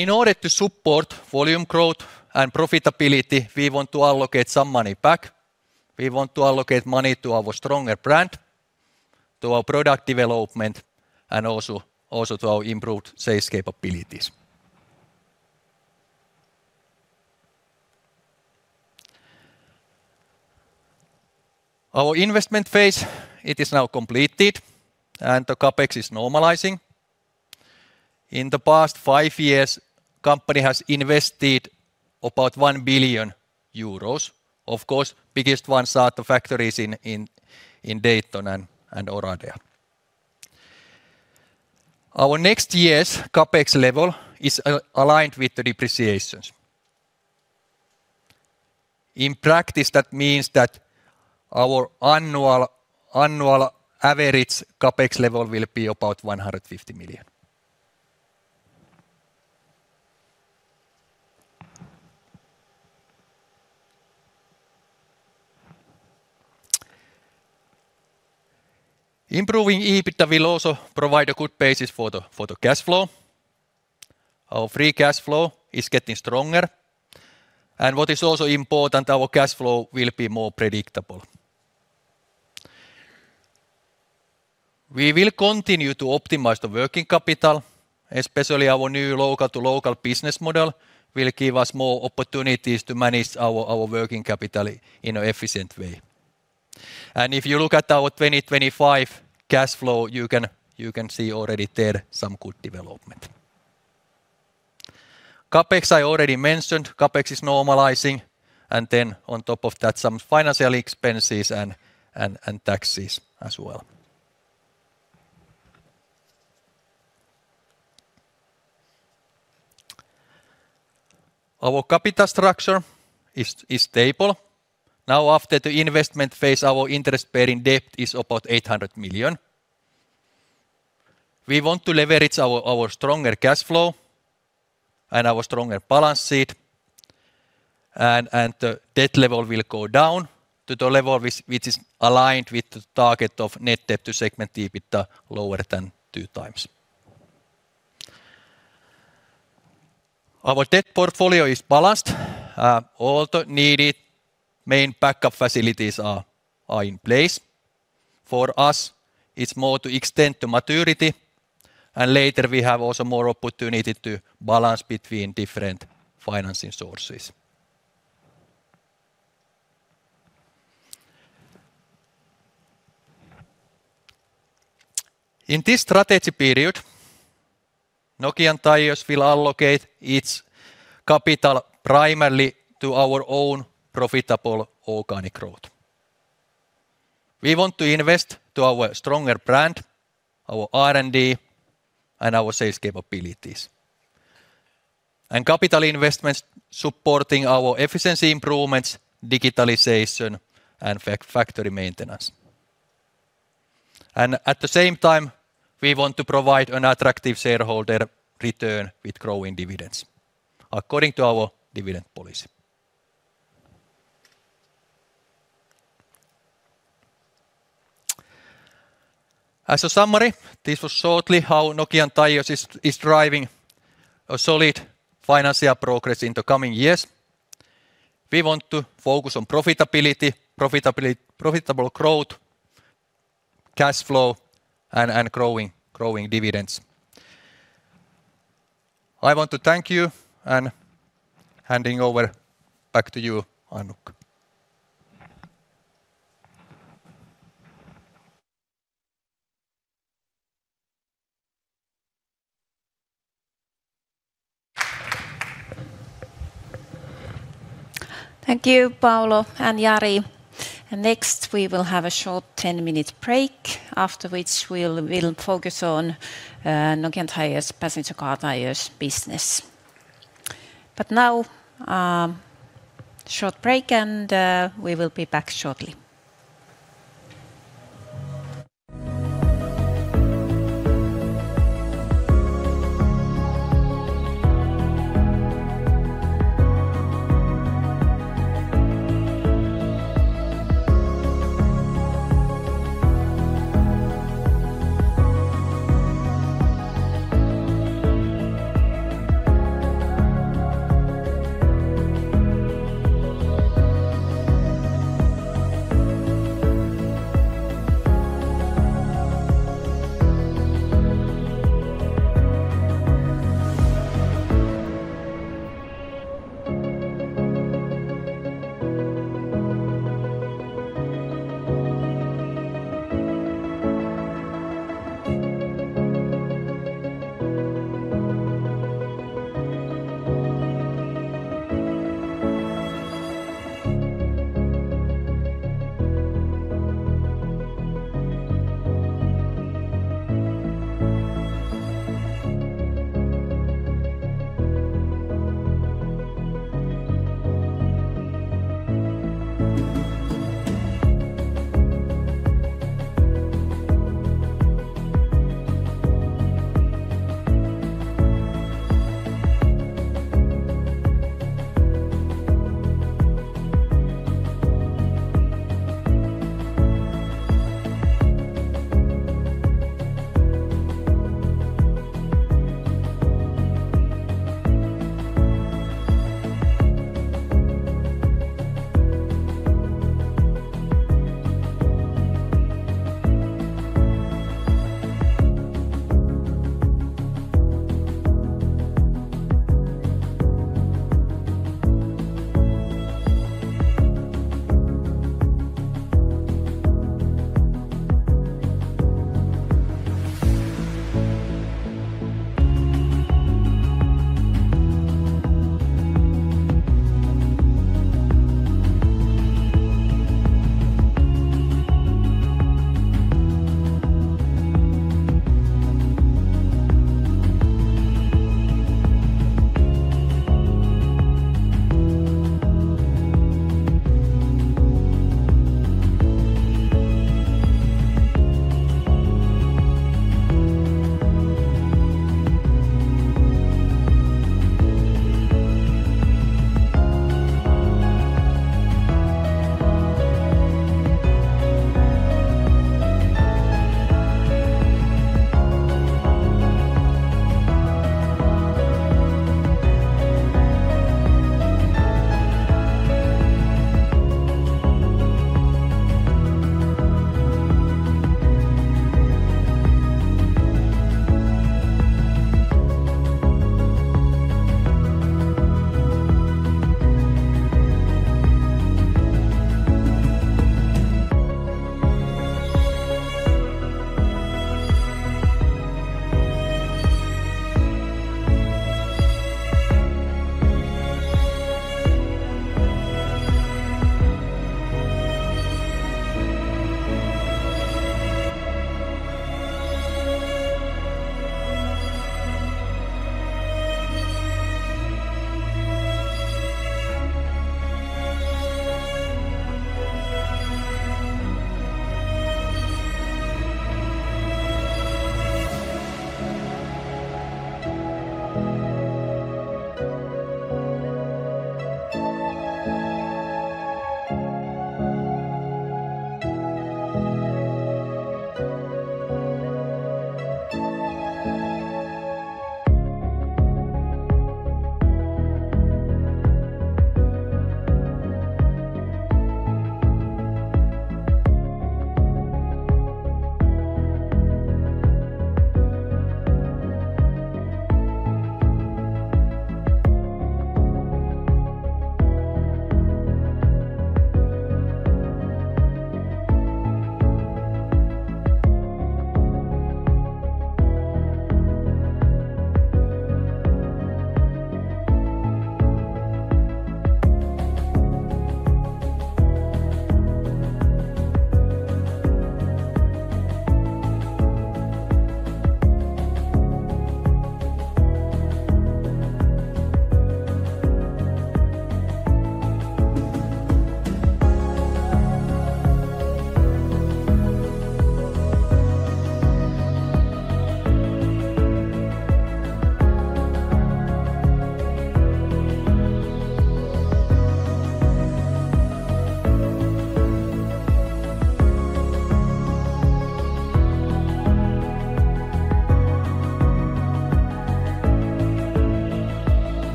In order to support volume growth and profitability, we want to allocate some money back. We want to allocate money to our stronger brand, to our product development, and also to our improved sales capabilities. Our investment phase, it is now completed. The CapEx is normalizing. In the past five years, the company has invested about 1 billion euros. Of course, the biggest one are the factories in Dayton, Tennessee and Oradea. Our next year's CapEx level is aligned with the depreciations. In practice, that means that our annual average CapEx level will be about 150 million. Improving EBITDA will also provide a good basis for the cash flow. Our free cash flow is getting stronger. And what is also important, our cash flow will be more predictable. We will continue to optimize the working capital. Especially, our new local-to-local business model will give us more opportunities to manage our working capital in an efficient way. And if you look at our 2025 cash flow, you can see already there some good development. CapEx, I already mentioned, CapEx is normalizing. And then, on top of that, some financial expenses and taxes as well. Our capital structure is stable. Now, after the investment phase, our interest-bearing debt is about 800 million. We want to leverage our stronger cash flow and our stronger balance sheet. The debt level will go down to the level which is aligned with the target of net debt to segments EBITDA lower than 2x. Our debt portfolio is balanced. All the needed main backup facilities are in place. For us, it's more to extend to maturity. Later, we have also more opportunity to balance between different financing sources. In this strategy period, Nokian Tyres will allocate its capital primarily to our own profitable organic growth. We want to invest to our stronger brand, our R&D, and our sales capabilities. And capital investments supporting our efficiency improvements, digitalization, and factory maintenance. At the same time, we want to provide an attractive shareholder return with growing dividends, according to our dividend policy. As a summary, this was shortly how Nokian Tyres is driving a solid financial progress in the coming years. We want to focus on profitability, profitable growth, cash flow, and growing dividends. I want to thank you and hand over back to you, Annukka. Thank you, Paolo and Jari. Next, we will have a short 10-minute break, after which we will focus on Nokian Tyres' passenger car tyres business. But now, short break, and we will be back shortly.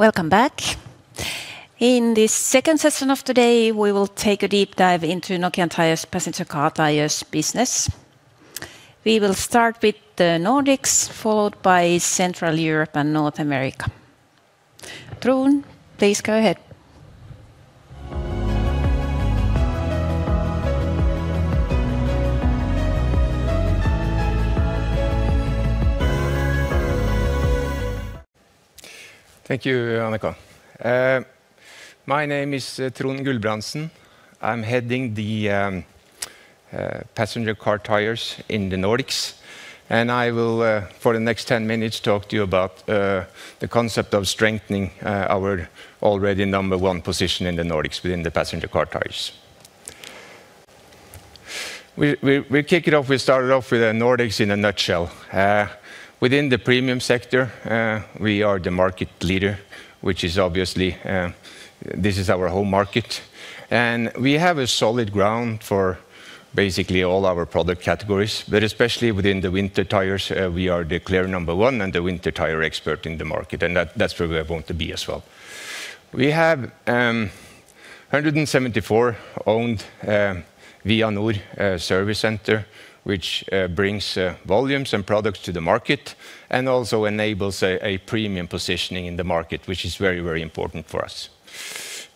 Welcome back. In this second session of today, we will take a deep dive into Nokian Tyres' passenger car tyres business. We will start with the Nordics, followed by Central Europe and North America. Tron, please go ahead. Thank you, Annukka. My name is Tron Gulbrandsen. I'm heading the passenger car tyres in the Nordics. I will, for the next 10 minutes, talk to you about the concept of strengthening our already number one position in the Nordics within the passenger car tires. We kick it off, we started off with the Nordics in a nutshell. Within the premium sector, we are the market leader, which is obviously, this is our home market. And we have a solid ground for basically all our product categories. But especially within the winter tires, we are declared number one and the winter tire expert in the market. And that's where we want to be as well. We have 174 Vianor service centers, which brings volumes and products to the market and also enables a premium positioning in the market, which is very, very important for us.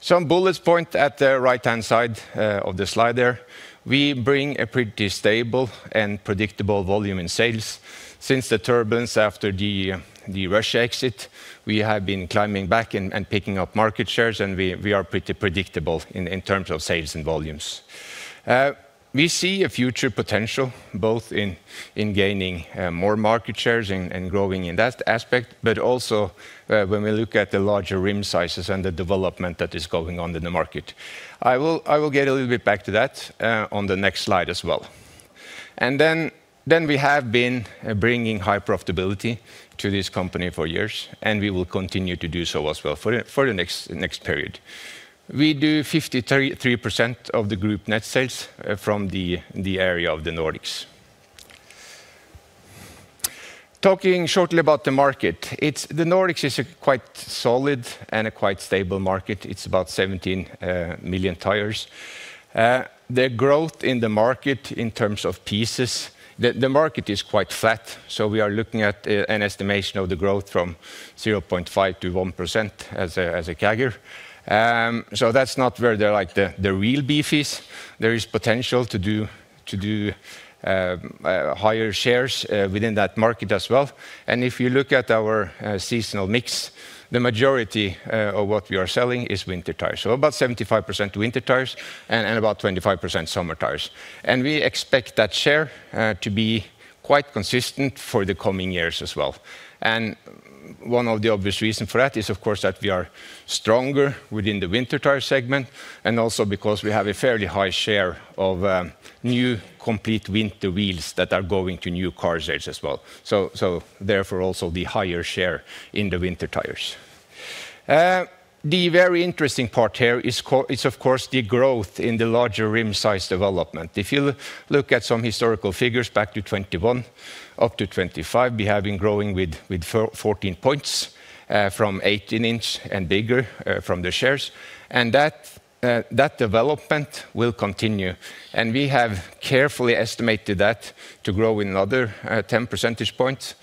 Some bullet points at the right-hand side of the slide there. We bring a pretty stable and predictable volume in sales. Since the turbulence after the Russia exit, we have been climbing back and picking up market shares. We are pretty predictable in terms of sales and volumes. We see a future potential both in gaining more market shares and growing in that aspect, but also when we look at the larger rim sizes and the development that is going on in the market. I will get a little bit back to that on the next slide as well. We have been bringing high profitability to this company for years. We will continue to do so as well for the next period. We do 53% of the group net sales from the area of the Nordics. Talking shortly about the market, the Nordics is a quite solid and a quite stable market. It's about 17 million tires. The growth in the market in terms of pieces, the market is quite flat. So we are looking at an estimation of the growth from 0.5%-1% as a CAGR. So that's not where they're like the real beefies. There is potential to do higher shares within that market as well. And if you look at our seasonal mix, the majority of what we are selling is winter tires. So about 75% winter tires and about 25% summer tires. And we expect that share to be quite consistent for the coming years as well. And one of the obvious reasons for that is, of course, that we are stronger within the winter tire segment and also because we have a fairly high share of new complete winter wheels that are going to new car sales as well. So therefore, also the higher share in the winter tires. The very interesting part here is, of course, the growth in the larger rim size development. If you look at some historical figures back to 2021 up to 2025, we have been growing with 14 points from 18-inch and bigger from the shares. That development will continue. We have carefully estimated that to grow in another 10 percentage points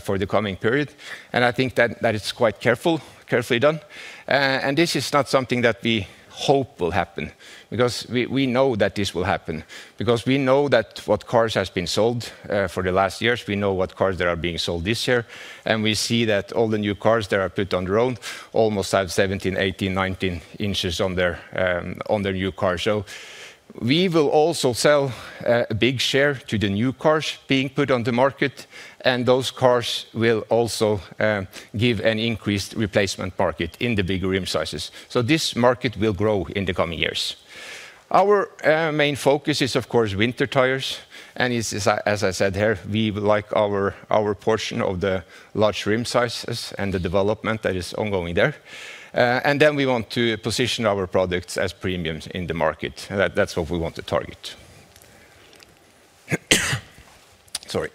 for the coming period. I think that it's quite carefully done. This is not something that we hope will happen because we know that this will happen. Because we know that what cars have been sold for the last years, we know what cars that are being sold this year. We see that all the new cars that are put on their own almost have 17, 18, 19 inches on their new car. So we will also sell a big share to the new cars being put on the market. And those cars will also give an increased replacement market in the bigger rim sizes. So this market will grow in the coming years. Our main focus is, of course, winter tires. And as I said here, we like our portion of the large rim sizes and the development that is ongoing there. And then we want to position our products as premium in the market. That's what we want to target. Sorry.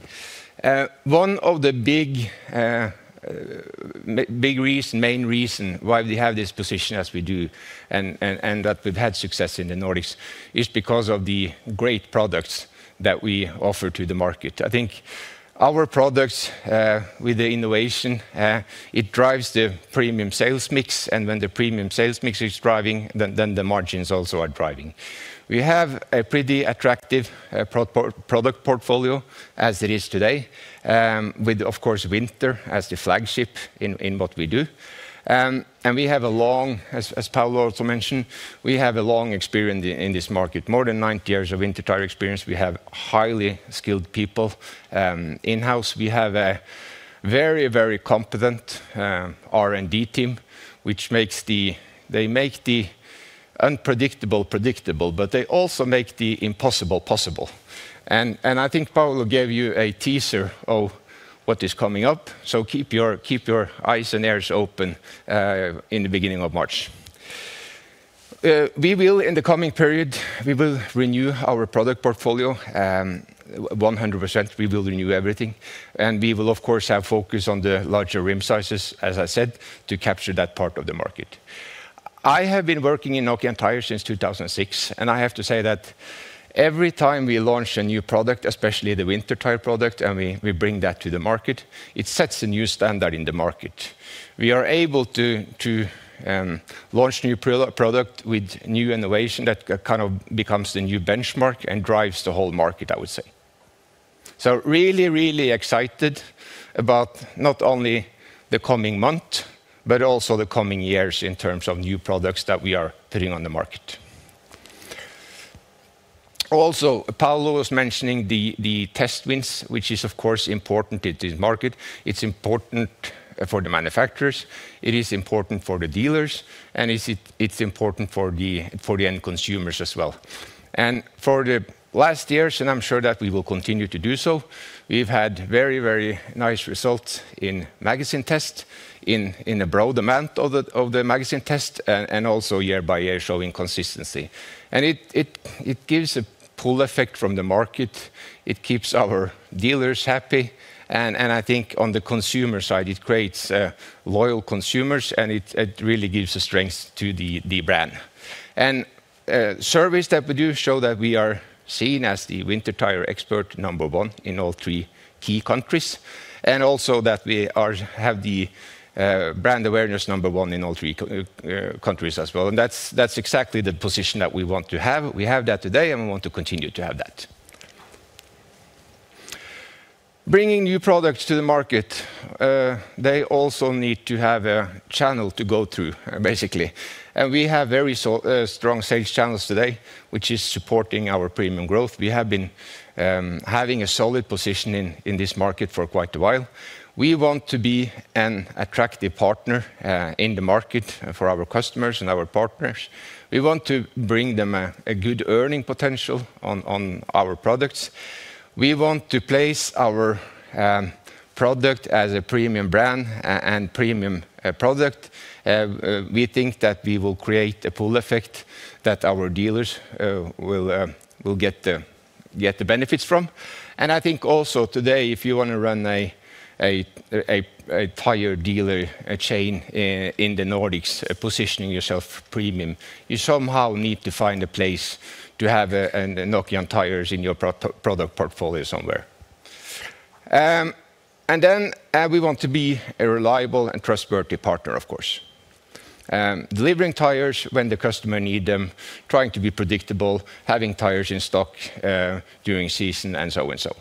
One of the big reasons, main reason why we have this position as we do and that we've had success in the Nordics is because of the great products that we offer to the market. I think our products with the innovation, it drives the premium sales mix. When the premium sales mix is driving, then the margins also are driving. We have a pretty attractive product portfolio as it is today, with, of course, winter as the flagship in what we do. We have a long, as Paolo also mentioned, we have a long experience in this market, more than 90 years of winter tire experience. We have highly skilled people in-house. We have a very, very competent R&D team, which makes the unpredictable predictable, but they also make the impossible possible. I think Paolo gave you a teaser of what is coming up. Keep your eyes and ears open in the beginning of March. We will, in the coming period, we will renew our product portfolio 100%. We will renew everything. We will, of course, have focus on the larger rim sizes, as I said, to capture that part of the market. I have been working in Nokian Tyres since 2006. I have to say that every time we launch a new product, especially the winter tire product, and we bring that to the market, it sets a new standard in the market. We are able to launch a new product with new innovation that kind of becomes the new benchmark and drives the whole market, I would say. Really, really excited about not only the coming month, but also the coming years in terms of new products that we are putting on the market. Also, Paolo was mentioning the test wins, which is, of course, important in this market. It's important for the manufacturers. It is important for the dealers. And it's important for the end consumers as well. For the last years, and I'm sure that we will continue to do so, we've had very, very nice results in magazine tests, in a broad amount of the magazine tests, and also year-by-year showing consistency. And it gives a pull effect from the market. It keeps our dealers happy. And I think on the consumer side, it creates loyal consumers. And it really gives strength to the brand. And surveys that we do show that we are seen as the winter tire expert number one in all three key countries. And also that we have the brand awareness number one in all three countries as well. And that's exactly the position that we want to have. We have that today. And we want to continue to have that. Bringing new products to the market, they also need to have a channel to go through, basically. We have very strong sales channels today, which is supporting our premium growth. We have been having a solid position in this market for quite a while. We want to be an attractive partner in the market for our customers and our partners. We want to bring them a good earning potential on our products. We want to place our product as a premium brand and premium product. We think that we will create a pull effect that our dealers will get the benefits from. I think also today, if you want to run a tire dealer chain in the Nordics, positioning yourself premium, you somehow need to find a place to have Nokian Tyres in your product portfolio somewhere. And then we want to be a reliable and trustworthy partner, of course. Delivering tires when the customer needs them, trying to be predictable, having tires in stock during season, and so and so.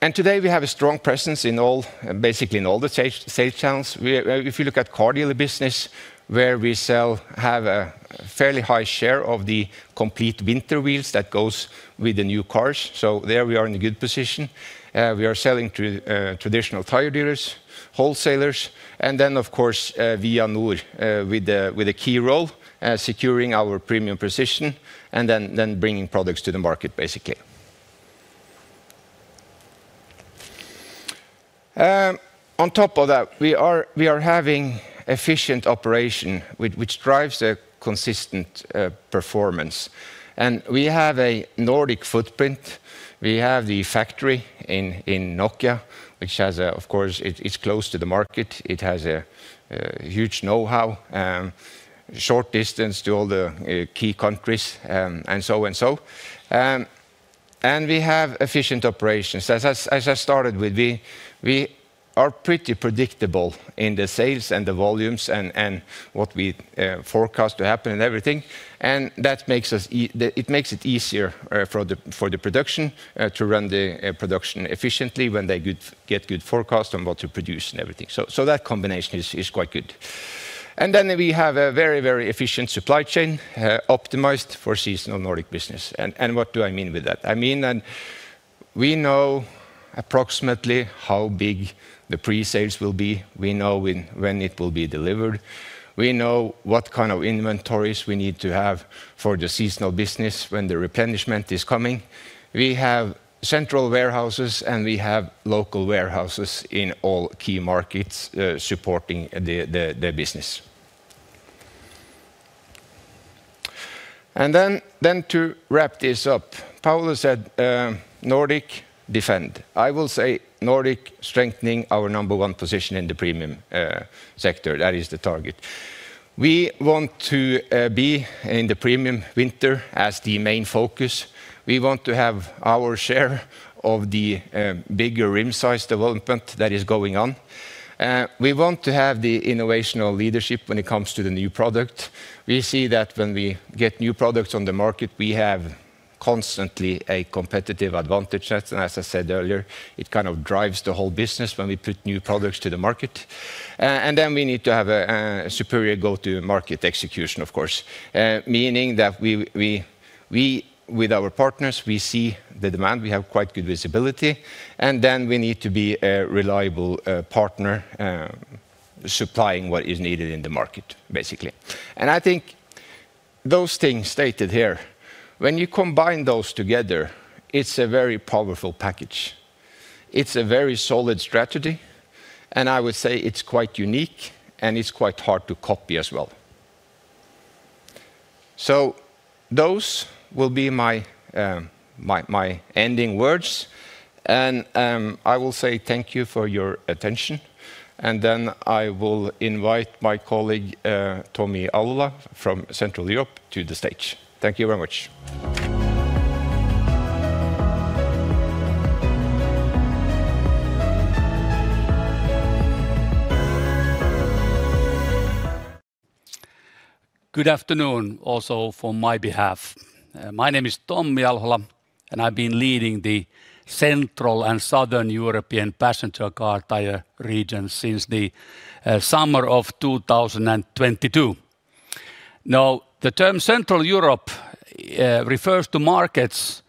And today, we have a strong presence in all, basically in all the sales channels. If you look at car dealer business, where we sell, have a fairly high share of the complete winter wheels that goes with the new cars. So there, we are in a good position. We are selling to traditional tire dealers, wholesalers, and then, of course, Vianor with a key role securing our premium position and then bringing products to the market, basically. On top of that, we are having efficient operation, which drives a consistent performance. And we have a Nordic footprint. We have the factory in Nokia, which has, of course, it's close to the market. It has a huge know-how, short distance to all the key countries, and so and so. We have efficient operations. As I started with, we are pretty predictable in the sales and the volumes and what we forecast to happen and everything. That makes us, it makes it easier for the production to run the production efficiently when they get good forecasts on what to produce and everything. So that combination is quite good. Then we have a very, very efficient supply chain optimized for seasonal Nordic business. What do I mean with that? I mean that we know approximately how big the pre-sales will be. We know when it will be delivered. We know what kind of inventories we need to have for the seasonal business when the replenishment is coming. We have central warehouses. We have local warehouses in all key markets supporting the business. Then to wrap this up, Paolo said, "Nordic, defend." I will say Nordic, strengthening our number one position in the premium sector. That is the target. We want to be in the premium winter as the main focus. We want to have our share of the bigger rim size development that is going on. We want to have the innovational leadership when it comes to the new product. We see that when we get new products on the market, we have constantly a competitive advantage. And as I said earlier, it kind of drives the whole business when we put new products to the market. And then we need to have a superior go-to-market execution, of course, meaning that we, with our partners, we see the demand. We have quite good visibility. Then we need to be a reliable partner supplying what is needed in the market, basically. I think those things stated here, when you combine those together, it's a very powerful package. It's a very solid strategy. I would say it's quite unique. It's quite hard to copy as well. So those will be my ending words. I will say thank you for your attention. Then I will invite my colleague, Tommi Alhola, from Central Europe, to the stage. Thank you very much. Good afternoon also from my behalf. My name is Tommi Alhola. I've been leading the Central and Southern European Passenger Car Tire Region since the summer of 2022. Now, the term Central Europe refers to markets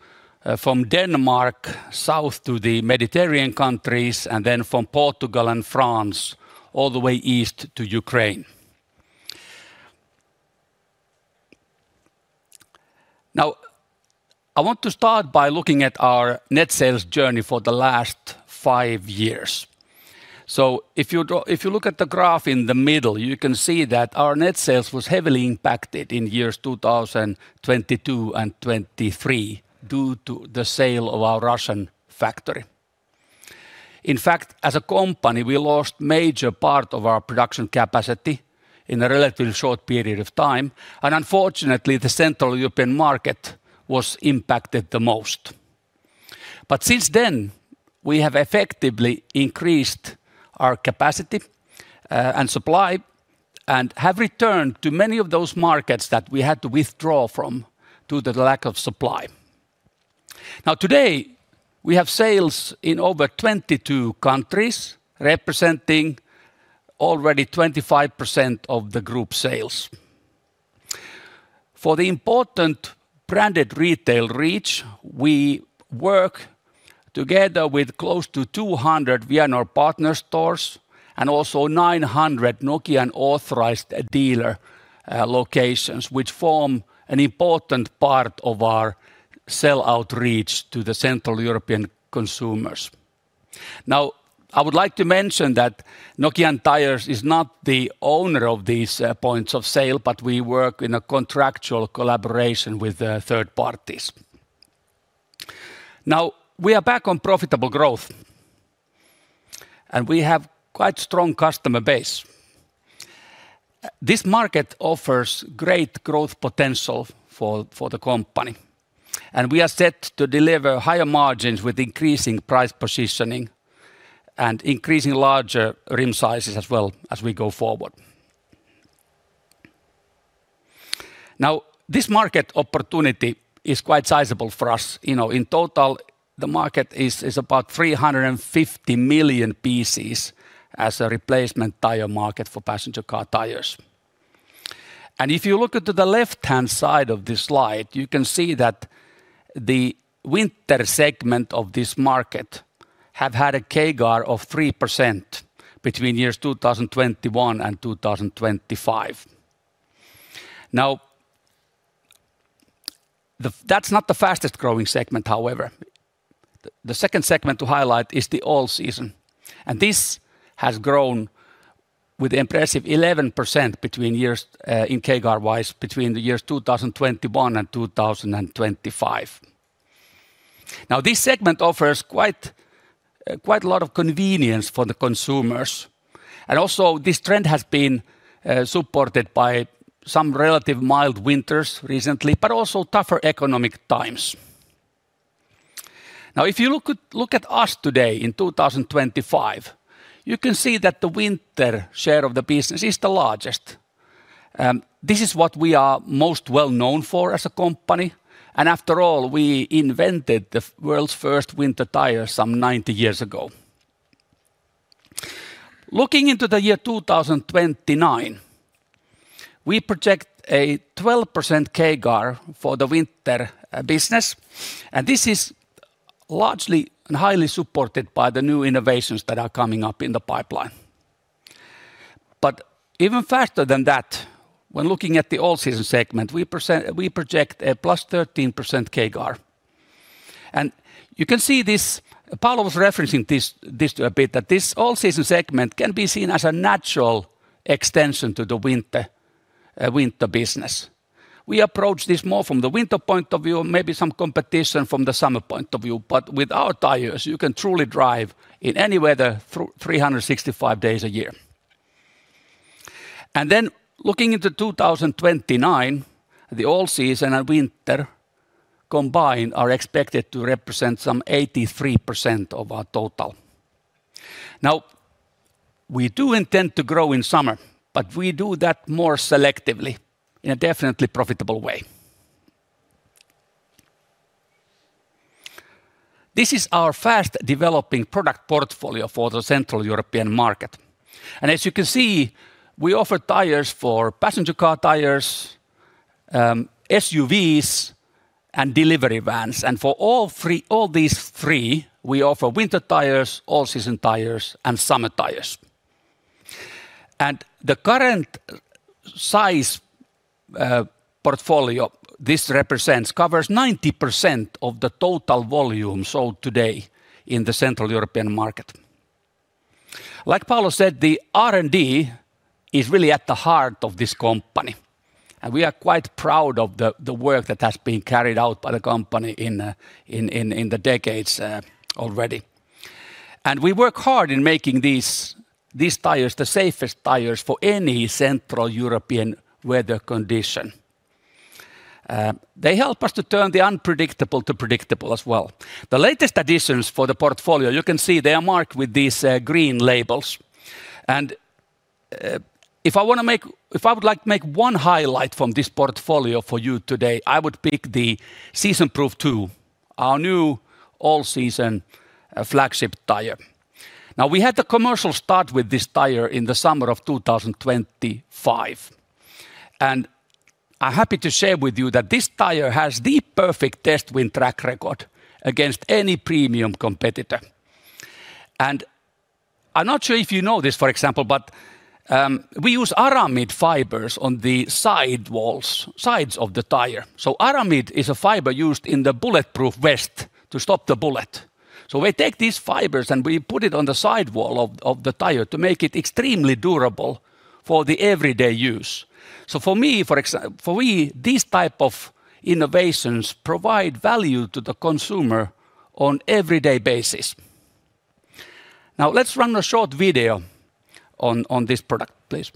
from Denmark, south to the Mediterranean countries, and then from Portugal and France all the way east to Ukraine. Now, I want to start by looking at our net sales journey for the last five years. If you look at the graph in the middle, you can see that our net sales were heavily impacted in years 2022 and 2023 due to the sale of our Russian factory. In fact, as a company, we lost a major part of our production capacity in a relatively short period of time. Unfortunately, the Central European market was impacted the most. Since then, we have effectively increased our capacity and supply and have returned to many of those markets that we had to withdraw from due to the lack of supply. Now, today, we have sales in over 22 countries representing already 25% of the group sales. For the important branded retail reach, we work together with close to 200 Vianor partner stores and also 900 Nokian Authorized Dealer locations, which form an important part of our sellout reach to the Central European consumers. Now, I would like to mention that Nokian Tyres is not the owner of these points of sale, but we work in a contractual collaboration with third parties. Now, we are back on profitable growth. We have quite a strong customer base. This market offers great growth potential for the company. We are set to deliver higher margins with increasing price positioning and increasing larger rim sizes as well as we go forward. Now, this market opportunity is quite sizable for us. In total, the market is about 350 million pieces as a replacement tire market for passenger car tires. If you look into the left-hand side of this slide, you can see that the winter segment of this market has had a CAGR of 3% between years 2021 and 2025. Now, that's not the fastest growing segment, however. The second segment to highlight is the all-season. This has grown with an impressive 11% between years, in CAGR-wise, between the years 2021 and 2025. Now, this segment offers quite a lot of convenience for the consumers. Also, this trend has been supported by some relatively mild winters recently, but also tougher economic times. Now, if you look at us today in 2025, you can see that the winter share of the business is the largest. This is what we are most well known for as a company. And after all, we invented the world's first winter tires some 90 years ago. Looking into the year 2029, we project a 12% CAGR for the winter business. And this is largely and highly supported by the new innovations that are coming up in the pipeline. But even faster than that, when looking at the all-season segment, we project a +13% CAGR. And you can see this, Paolo was referencing this a bit, that this all-season segment can be seen as a natural extension to the winter business. We approach this more from the winter point of view, maybe some competition from the summer point of view. But with our tires, you can truly drive in any weather 365 days a year. And then looking into 2029, the all-season and winter combined are expected to represent some 83% of our total. Now, we do intend to grow in summer. But we do that more selectively in a definitely profitable way. This is our fast-developing product portfolio for the Central European market. As you can see, we offer tires for passenger car tires, SUVs, and delivery vans. For all these three, we offer winter tires, all-season tires, and summer tires. The current size portfolio this represents covers 90% of the total volume sold today in the Central European market. Like Paolo said, the R&D is really at the heart of this company. We are quite proud of the work that has been carried out by the company in the decades already. We work hard in making these tires the safest tires for any Central European weather condition. They help us to turn the unpredictable to predictable as well. The latest additions for the portfolio, you can see they are marked with these green labels. If I want to make, if I would like to make one highlight from this portfolio for you today, I would pick the Seasonproof 2, our new all-season flagship tire. Now, we had the commercial start with this tire in the summer of 2025. And I'm happy to share with you that this tire has the perfect test win track record against any premium competitor. And I'm not sure if you know this, for example, but we use aramid fibers on the side walls, sides of the tire. So aramid is a fiber used in the bulletproof vest to stop the bullet. So we take these fibers and we put it on the side wall of the tire to make it extremely durable for everyday use. So for me, for example, for we, these types of innovations provide value to the consumer on an everyday basis. Now, let's run a short video on this product, please.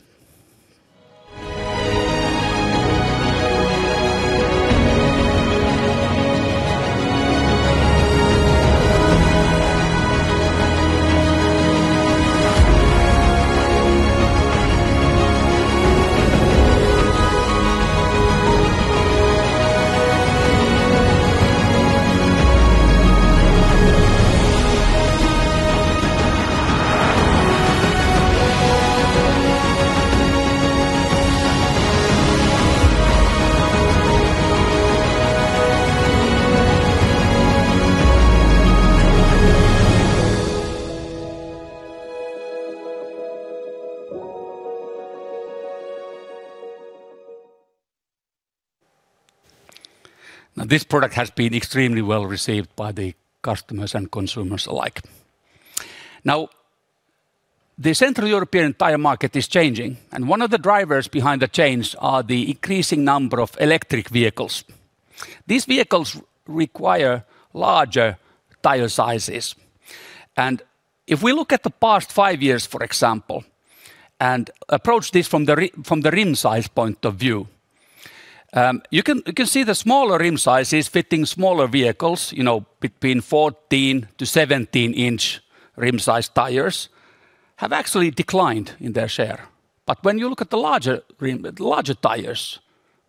Now, this product has been extremely well received by the customers and consumers alike. Now, the Central European tire market is changing. And one of the drivers behind the change are the increasing number of electric vehicles. These vehicles require larger tire sizes. And if we look at the past five years, for example, and approach this from the rim size point of view, you can see the smaller rim sizes fitting smaller vehicles, you know, between 14 to 17-inch rim size tires have actually declined in their share. But when you look at the larger tires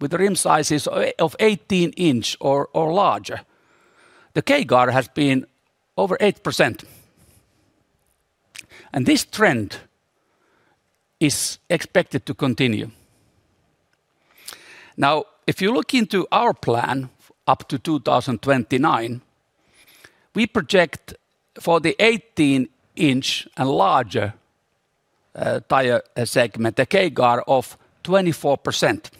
with the rim sizes of 18-inch or larger, the CAGR has been over 8%. And this trend is expected to continue. Now, if you look into our plan up to 2029, we project for the 18-inch and larger tire segment, the CAGR, of 24%.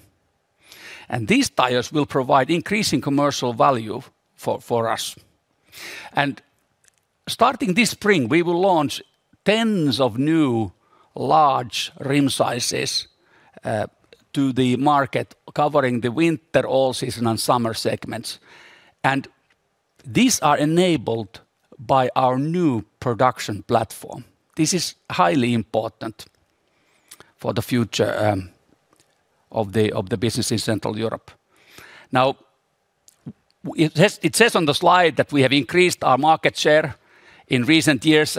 These tires will provide increasing commercial value for us. Starting this spring, we will launch tens of new large rim sizes to the market covering the winter, all-season, and summer segments. These are enabled by our new production platform. This is highly important for the future of the business in Central Europe. Now, it says on the slide that we have increased our market share in recent years.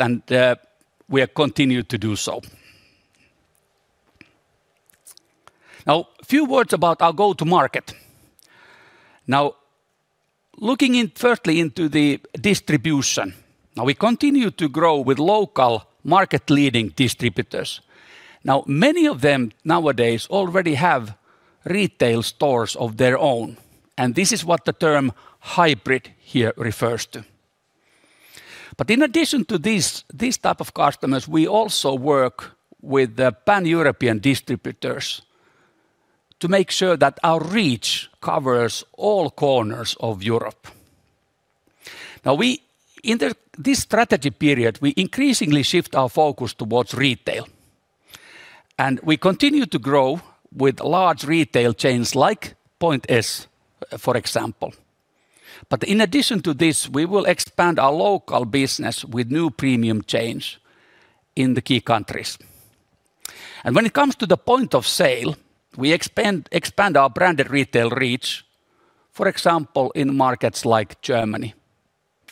We have continued to do so. Now, a few words about our go-to-market. Now, looking firstly into the distribution, now we continue to grow with local market-leading distributors. Now, many of them nowadays already have retail stores of their own. This is what the term "hybrid" here refers to. But in addition to these types of customers, we also work with the pan-European distributors to make sure that our reach covers all corners of Europe. Now, in this strategy period, we increasingly shift our focus towards retail. We continue to grow with large retail chains like Point S, for example. But in addition to this, we will expand our local business with new premium chains in the key countries. And when it comes to the point of sale, we expand our branded retail reach, for example, in markets like Germany,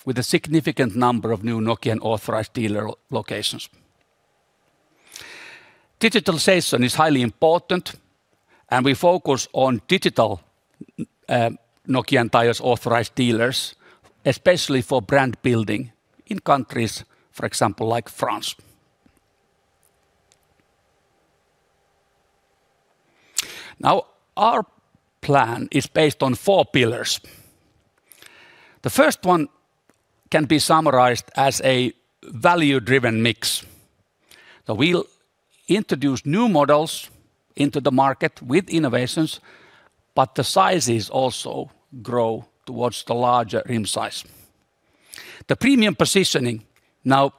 with a significant number of new Nokian Authorized Dealer locations. Digitalization is highly important. And we focus on digital Nokian Tyres Authorized Dealers, especially for brand building in countries, for example, like France. Now, our plan is based on four pillars. The first one can be summarized as a value-driven mix. We'll introduce new models into the market with innovations. But the sizes also grow towards the larger rim size. The premium positioning, now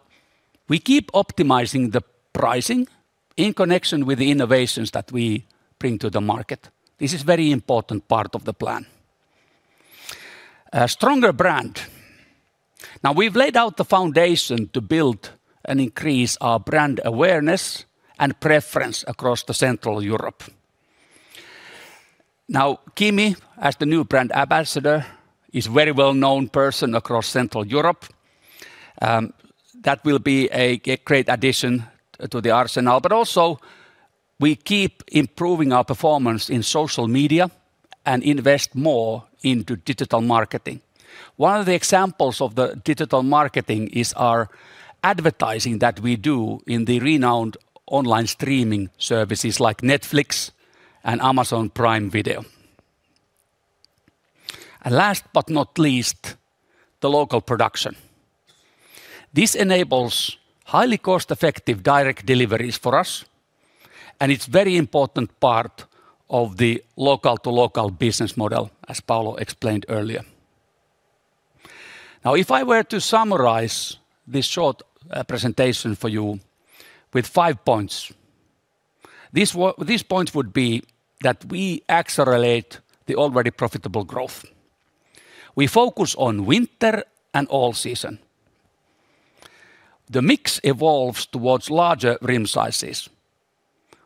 we keep optimizing the pricing in connection with the innovations that we bring to the market. This is a very important part of the plan. A stronger brand. Now, we've laid out the foundation to build and increase our brand awareness and preference across Central Europe. Now, Kimi, as the new brand ambassador, is a very well-known person across Central Europe. That will be a great addition to the arsenal. But also, we keep improving our performance in social media and invest more into digital marketing. One of the examples of the digital marketing is our advertising that we do in the renowned online streaming services like Netflix and Amazon Prime Video. And last but not least, the local production. This enables highly cost-effective direct deliveries for us. It's a very important part of the local-to-local business model, as Paolo explained earlier. Now, if I were to summarize this short presentation for you with five points, these points would be that we accelerate the already profitable growth. We focus on winter and all-season. The mix evolves towards larger rim sizes.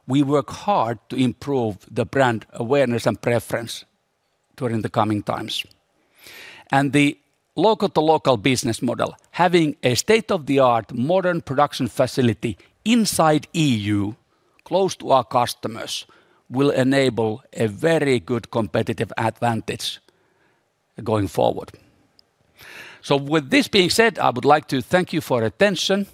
We work hard to improve the brand awareness and preference during the coming times. The local-to-local business model, having a state-of-the-art modern production facility inside the EU, close to our customers, will enable a very good competitive advantage going forward. With this being said, I would like to thank you for your attention.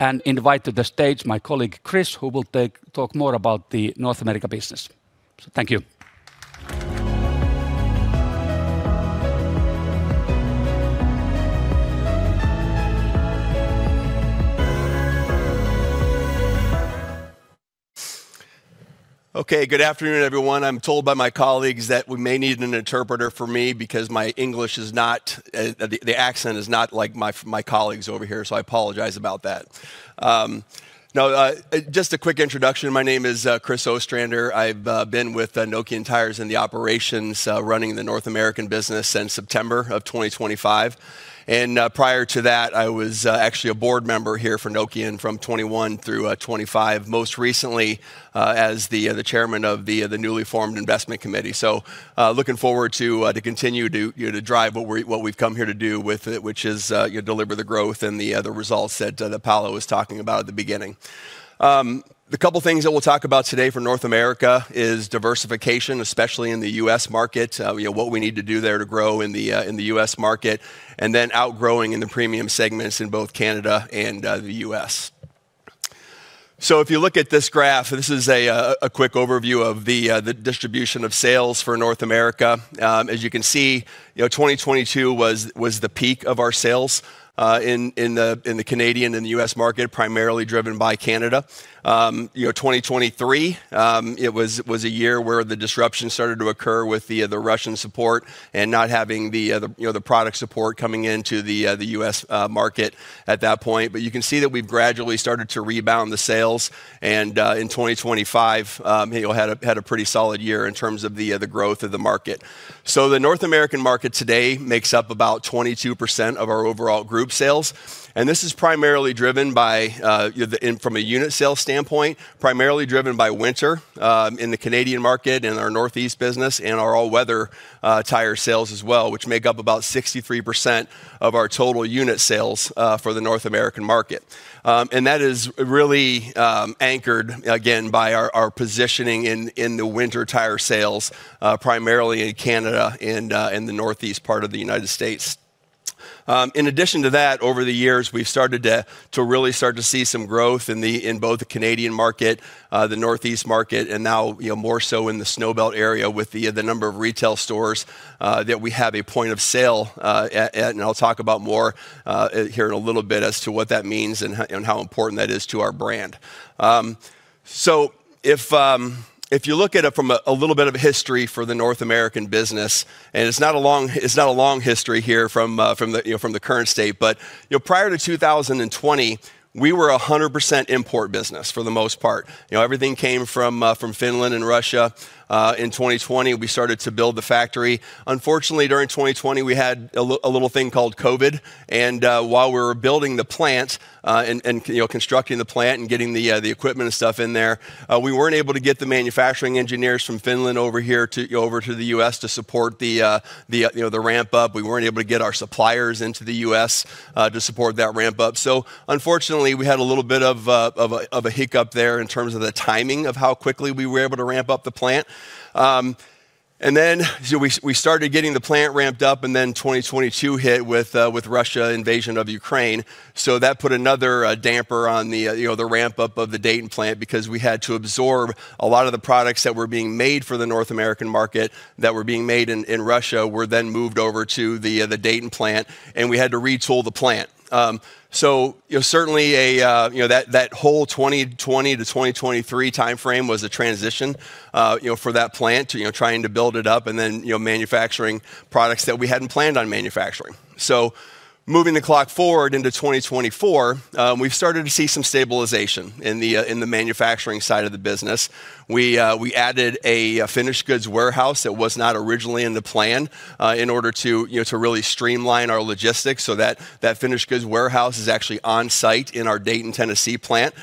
And invite to the stage my colleague Chris, who will talk more about the North America business. Thank you. Okay, good afternoon, everyone. I'm told by my colleagues that we may need an interpreter for me because my English is not, the accent is not like my colleagues over here. So I apologize about that. Now, just a quick introduction. My name is Chris Ostrander. I've been with Nokian Tyres in the operations, running the North American business since September of 2025. And prior to that, I was actually a board member here for Nokian from 2021 through 2025, most recently as the chairman of the newly formed Investment Committee. So looking forward to continuing to drive what we've come here to do with it, which is deliver the growth and the results that Paolo was talking about at the beginning. The couple of things that we'll talk about today for North America is diversification, especially in the U.S. market, what we need to do there to grow in the U.S. market, and then outgrowing in the premium segments in both Canada and the U.S. So if you look at this graph, this is a quick overview of the distribution of sales for North America. As you can see, 2022 was the peak of our sales in the Canadian and the U.S. market, primarily driven by Canada. 2023, it was a year where the disruption started to occur with the Russian support and not having the product support coming into the U.S. market at that point. But you can see that we've gradually started to rebound the sales. And in 2025, you'll have had a pretty solid year in terms of the growth of the market. So the North American market today makes up about 22% of our overall group sales. This is primarily driven by, from a unit sales standpoint, primarily driven by winter in the Canadian market and our Northeast business and our all-weather tire sales as well, which make up about 63% of our total unit sales for the North American market. That is really anchored, again, by our positioning in the winter tire sales, primarily in Canada and the Northeast part of the United States. In addition to that, over the years, we've started to really start to see some growth in both the Canadian market, the Northeast market, and now more so in the Snowbelt area with the number of retail stores that we have a point of sale. I'll talk about more here in a little bit as to what that means and how important that is to our brand. So if you look at it from a little bit of a history for the North American business, and it's not a long history here from the current state, but prior to 2020, we were a 100% import business for the most part. Everything came from Finland and Russia. In 2020, we started to build the factory. Unfortunately, during 2020, we had a little thing called COVID. And while we were building the plant and constructing the plant and getting the equipment and stuff in there, we weren't able to get the manufacturing engineers from Finland over here to the U.S. to support the ramp-up. We weren't able to get our suppliers into the U.S. to support that ramp-up. So unfortunately, we had a little bit of a hiccup there in terms of the timing of how quickly we were able to ramp up the plant. And then we started getting the plant ramped up. And then 2022 hit with Russia's invasion of Ukraine. So that put another damper on the ramp-up of the Dayton plant because we had to absorb a lot of the products that were being made for the North American market that were being made in Russia were then moved over to the Dayton plant. And we had to retool the plant. So certainly, that whole 2020 to 2023 time frame was a transition for that plant to trying to build it up and then manufacturing products that we hadn't planned on manufacturing. So moving the clock forward into 2024, we've started to see some stabilization in the manufacturing side of the business. We added a finished goods warehouse that was not originally in the plan in order to really streamline our logistics so that finished goods warehouse is actually on site in our Dayton, Tennessee plant,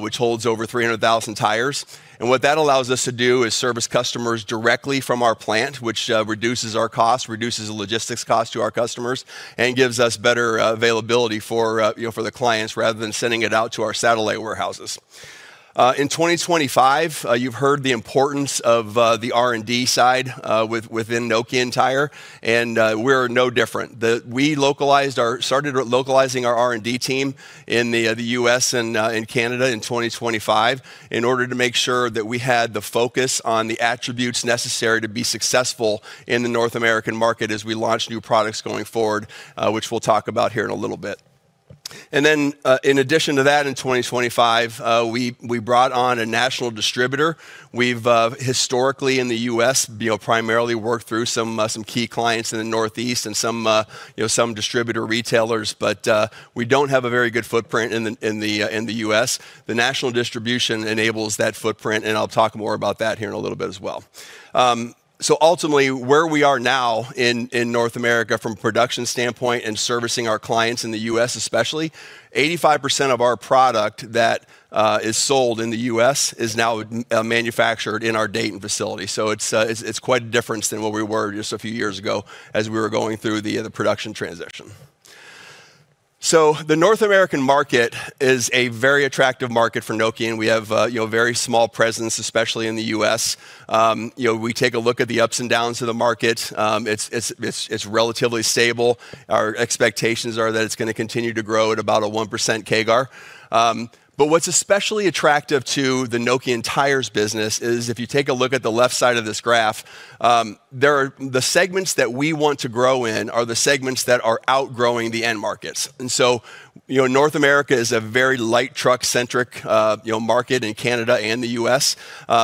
which holds over 300,000 tires. What that allows us to do is service customers directly from our plant, which reduces our costs, reduces the logistics costs to our customers, and gives us better availability for the clients rather than sending it out to our satellite warehouses. In 2025, you've heard the importance of the R&D side within Nokian Tyres. We're no different. We started localizing our R&D team in the U.S. and Canada in 2025 in order to make sure that we had the focus on the attributes necessary to be successful in the North American market as we launch new products going forward, which we'll talk about here in a little bit. And then in addition to that, in 2025, we brought on a national distributor. We've historically in the U.S. primarily worked through some key clients in the Northeast and some distributor retailers. But we don't have a very good footprint in the U.S. The national distribution enables that footprint. And I'll talk more about that here in a little bit as well. So ultimately, where we are now in North America from a production standpoint and servicing our clients in the U.S. especially, 85% of our product that is sold in the U.S. is now manufactured in our Dayton facility. So it's quite different than what we were just a few years ago as we were going through the production transition. So the North American market is a very attractive market for Nokian. We have a very small presence, especially in the U.S. We take a look at the ups and downs of the market. It's relatively stable. Our expectations are that it's going to continue to grow at about a 1% CAGR. But what's especially attractive to the Nokian Tyres business is if you take a look at the left side of this graph, the segments that we want to grow in are the segments that are outgrowing the end markets. And so North America is a very light truck-centric market in Canada and the U.S.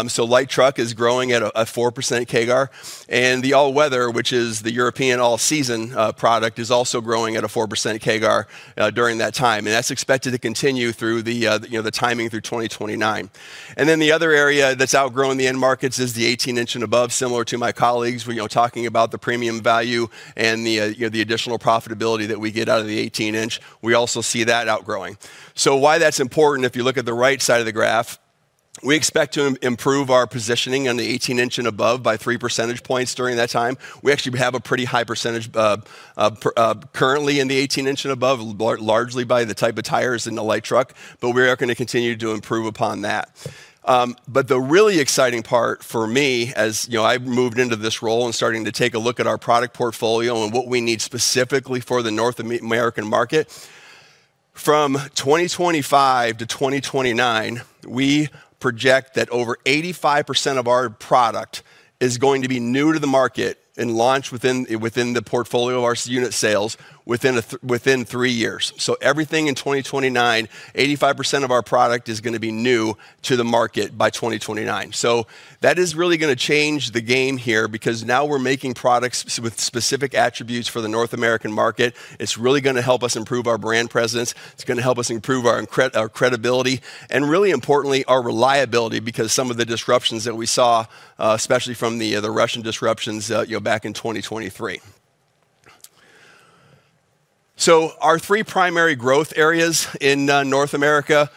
So light truck is growing at a 4% CAGR. And the all-weather, which is the European all-season product, is also growing at a 4% CAGR during that time. And that's expected to continue through the timing through 2029. And then the other area that's outgrowing the end markets is the 18-inch and above, similar to my colleagues talking about the premium value and the additional profitability that we get out of the 18-inch. We also see that outgrowing. So why that's important, if you look at the right side of the graph, we expect to improve our positioning on the 18-inch and above by three percentage points during that time. We actually have a pretty high percentage currently in the 18-inch and above, largely by the type of tires and the light truck. But we are going to continue to improve upon that. But the really exciting part for me, as I've moved into this role and starting to take a look at our product portfolio and what we need specifically for the North American market, from 2025 to 2029, we project that over 85% of our product is going to be new to the market and launched within the portfolio of our unit sales within three years. So everything in 2029, 85% of our product is going to be new to the market by 2029. So that is really going to change the game here because now we're making products with specific attributes for the North American market. It's really going to help us improve our brand presence. It's going to help us improve our credibility and, really importantly, our reliability because some of the disruptions that we saw, especially from the Russian disruptions back in 2023. So our three primary growth areas in North America,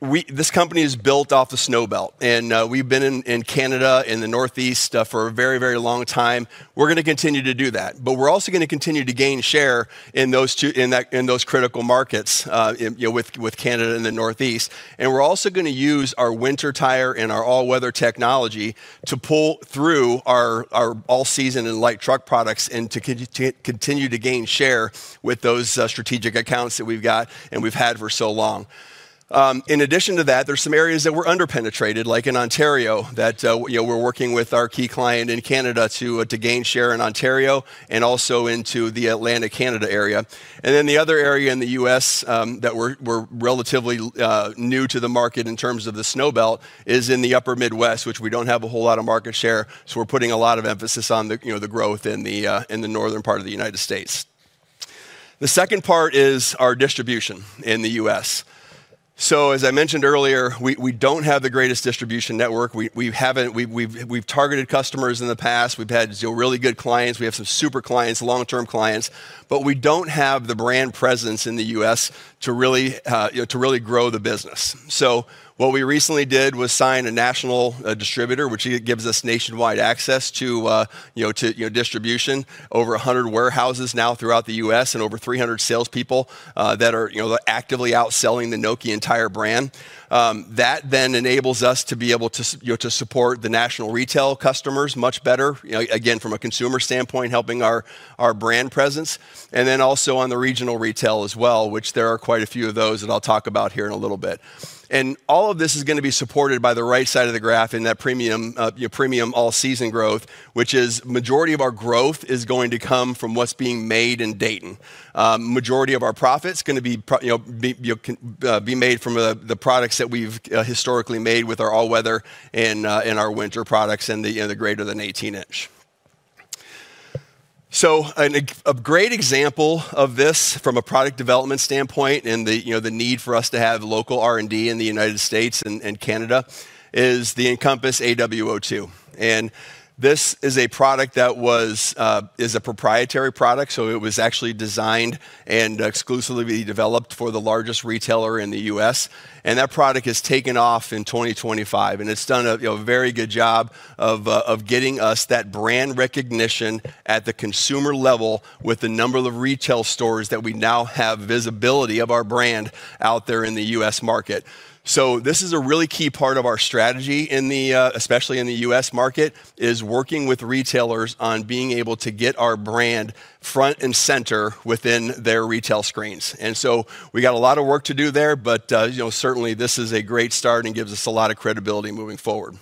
this company is built off the Snowbelt. And we've been in Canada and the Northeast for a very, very long time. We're going to continue to do that. But we're also going to continue to gain share in those critical markets with Canada and the Northeast. And we're also going to use our winter tire and our all-weather technology to pull through our all-season and light truck products and to continue to gain share with those strategic accounts that we've got and we've had for so long. In addition to that, there's some areas that were underpenetrated, like in Ontario, that we're working with our key client in Canada to gain share in Ontario and also into the Atlantic Canada area. And then the other area in the U.S. that we're relatively new to the market in terms of the Snowbelt is in the upper Midwest, which we don't have a whole lot of market share. So we're putting a lot of emphasis on the growth in the northern part of the United States. The second part is our distribution in the U.S. So as I mentioned earlier, we don't have the greatest distribution network. We've targeted customers in the past. We've had really good clients. We have some super clients, long-term clients. But we don't have the brand presence in the U.S. to really grow the business. So what we recently did was sign a national distributor, which gives us nationwide access to distribution, over 100 warehouses now throughout the U.S., and over 300 salespeople that are actively outselling the Nokian Tyres brand. That then enables us to be able to support the national retail customers much better, again, from a consumer standpoint, helping our brand presence. Then also on the regional retail as well, which there are quite a few of those that I'll talk about here in a little bit. All of this is going to be supported by the right side of the graph in that premium all-season growth, which is majority of our growth is going to come from what's being made in Dayton. Majority of our profit's going to be made from the products that we've historically made with our all-weather and our winter products and the greater than 18-inch. So a great example of this from a product development standpoint and the need for us to have local R&D in the United States and Canada is the Encompass AW02. And this is a product that is a proprietary product. So it was actually designed and exclusively developed for the largest retailer in the U.S. And that product has taken off in 2025. And it's done a very good job of getting us that brand recognition at the consumer level with the number of retail stores that we now have visibility of our brand out there in the U.S. market. So this is a really key part of our strategy, especially in the U.S. market, is working with retailers on being able to get our brand front and center within their retail screens. And so we got a lot of work to do there. But certainly, this is a great start and gives us a lot of credibility moving forward.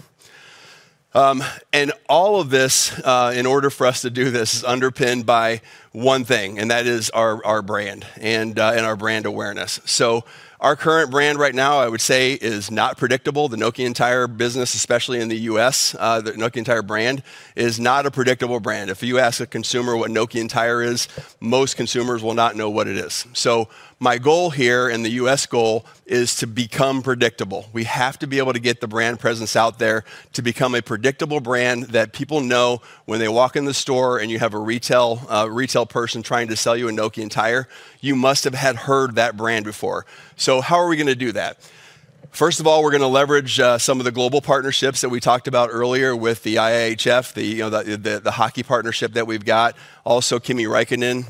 And all of this, in order for us to do this, is underpinned by one thing. That is our brand and our brand awareness. So our current brand right now, I would say, is not predictable. The Nokian Tyres business, especially in the U.S., the Nokian Tyres brand, is not a predictable brand. If you ask a consumer what Nokian Tyres is, most consumers will not know what it is. So my goal here and the U.S. goal is to become predictable. We have to be able to get the brand presence out there to become a predictable brand that people know when they walk in the store and you have a retail person trying to sell you a Nokian Tyres, you must have heard that brand before. So how are we going to do that? First of all, we're going to leverage some of the global partnerships that we talked about earlier with the IIHF, the hockey partnership that we've got, also Kimi Räikkönen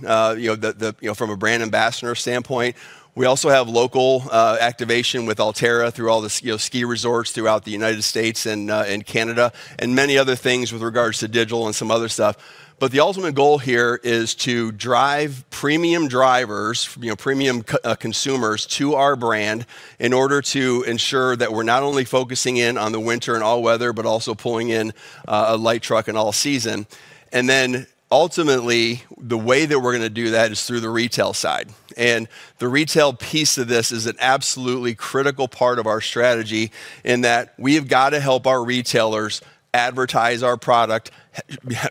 from a brand ambassador standpoint. We also have local activation with Alterra through all the ski resorts throughout the United States and Canada and many other things with regards to digital and some other stuff. But the ultimate goal here is to drive premium drivers, premium consumers to our brand in order to ensure that we're not only focusing in on the winter and all-weather but also pulling in a light truck and all-season. And then ultimately, the way that we're going to do that is through the retail side. And the retail piece of this is an absolutely critical part of our strategy in that we have got to help our retailers advertise our product,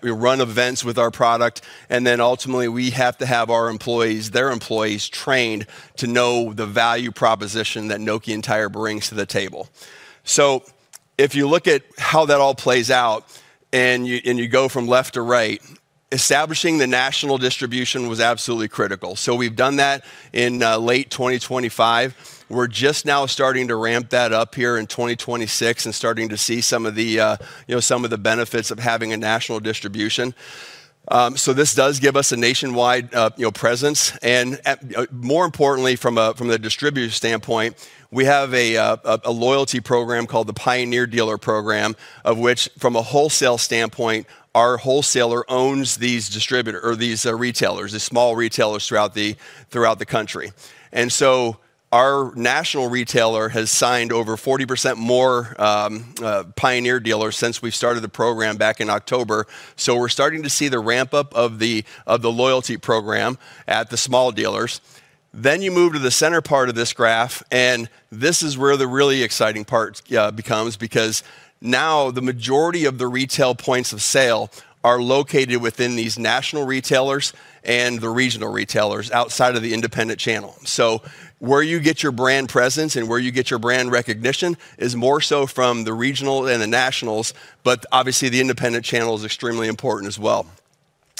run events with our product. And then ultimately, we have to have our employees, their employees, trained to know the value proposition that Nokian Tyres brings to the table. So if you look at how that all plays out and you go from left to right, establishing the national distribution was absolutely critical. So we've done that in late 2025. We're just now starting to ramp that up here in 2026 and starting to see some of the benefits of having a national distribution. So this does give us a nationwide presence. And more importantly, from the distributor standpoint, we have a loyalty program called the Pioneer Dealer Program, of which from a wholesale standpoint, our wholesaler owns these retailers, the small retailers throughout the country. And so our national retailer has signed over 40% more Pioneer Dealers since we've started the program back in October. So we're starting to see the ramp-up of the loyalty program at the small dealers. Then you move to the center part of this graph. And this is where the really exciting part becomes because now the majority of the retail points of sale are located within these national retailers and the regional retailers outside of the independent channel. So where you get your brand presence and where you get your brand recognition is more so from the regional and the nationals. But obviously, the independent channel is extremely important as well.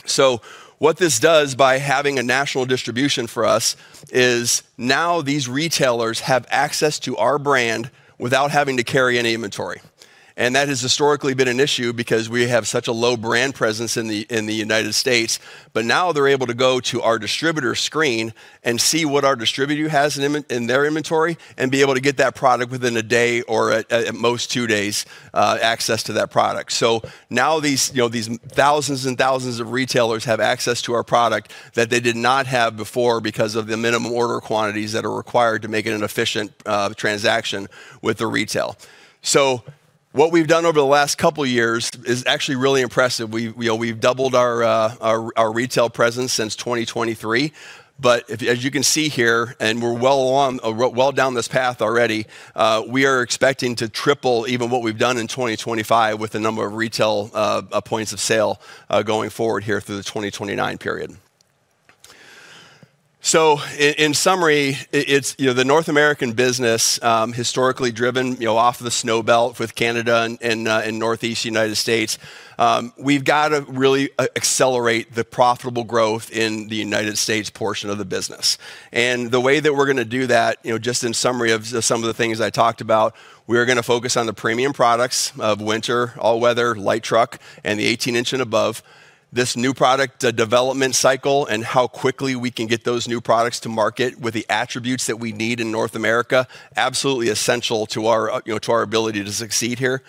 So what this does by having a national distribution for us is now these retailers have access to our brand without having to carry any inventory. And that has historically been an issue because we have such a low brand presence in the United States. But now they're able to go to our distributor screen and see what our distributor has in their inventory and be able to get that product within a day or at most two days, access to that product. So now these thousands and thousands of retailers have access to our product that they did not have before because of the minimum order quantities that are required to make it an efficient transaction with the retail. So what we've done over the last couple of years is actually really impressive. We've doubled our retail presence since 2023. But as you can see here, and we're well down this path already, we are expecting to triple even what we've done in 2025 with the number of retail points of sale going forward here through the 2029 period. So in summary, the North American business, historically driven off the Snowbelt with Canada and Northeast United States, we've got to really accelerate the profitable growth in the United States portion of the business. And the way that we're going to do that, just in summary of some of the things I talked about, we are going to focus on the premium products of winter, all-weather, light truck, and the 18-inch and above. This new product development cycle and how quickly we can get those new products to market with the attributes that we need in North America, absolutely essential to our ability to succeed here.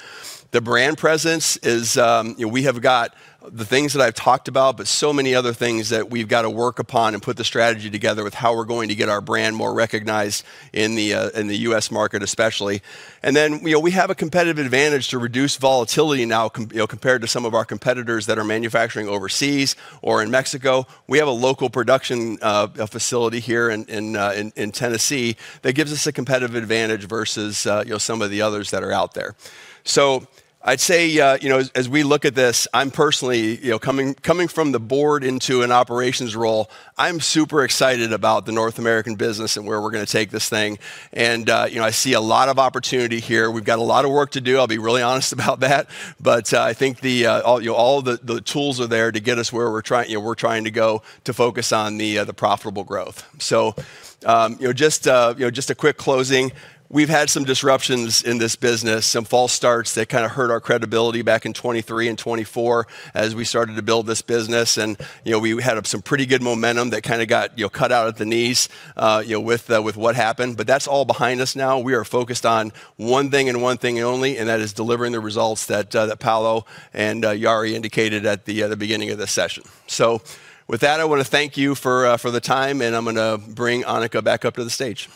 The brand presence is we have got the things that I've talked about but so many other things that we've got to work upon and put the strategy together with how we're going to get our brand more recognized in the U.S. market, especially. We have a competitive advantage to reduce volatility now compared to some of our competitors that are manufacturing overseas or in Mexico. We have a local production facility here in Tennessee that gives us a competitive advantage versus some of the others that are out there. So I'd say as we look at this, I'm personally, coming from the board into an operations role, I'm super excited about the North American business and where we're going to take this thing. I see a lot of opportunity here. We've got a lot of work to do. I'll be really honest about that. But I think all the tools are there to get us where we're trying to go to focus on the profitable growth. So just a quick closing, we've had some disruptions in this business, some false starts that kind of hurt our credibility back in 2023 and 2024 as we started to build this business. And we had some pretty good momentum that kind of got cut out at the knees with what happened. But that's all behind us now. We are focused on one thing and one thing only. And that is delivering the results that Paolo and Jari indicated at the beginning of this session. So with that, I want to thank you for the time. And I'm going to bring Annukka back up to the stage.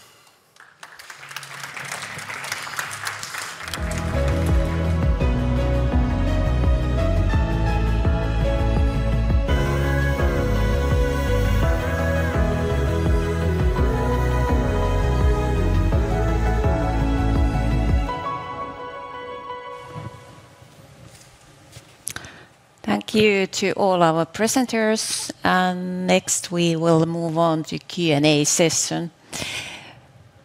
Thank you to all our presenters. Next, we will move on to Q&A session.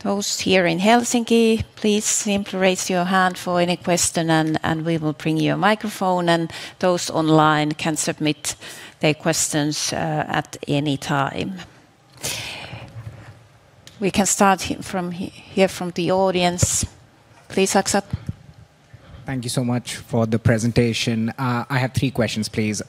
Those here in Helsinki, please raise your hand for any question. And we will bring your microphone. And those online can submit their questions at any time. We can start here from the audience. Please, Akshat. Thank you so much for the presentation. I have three questions, please.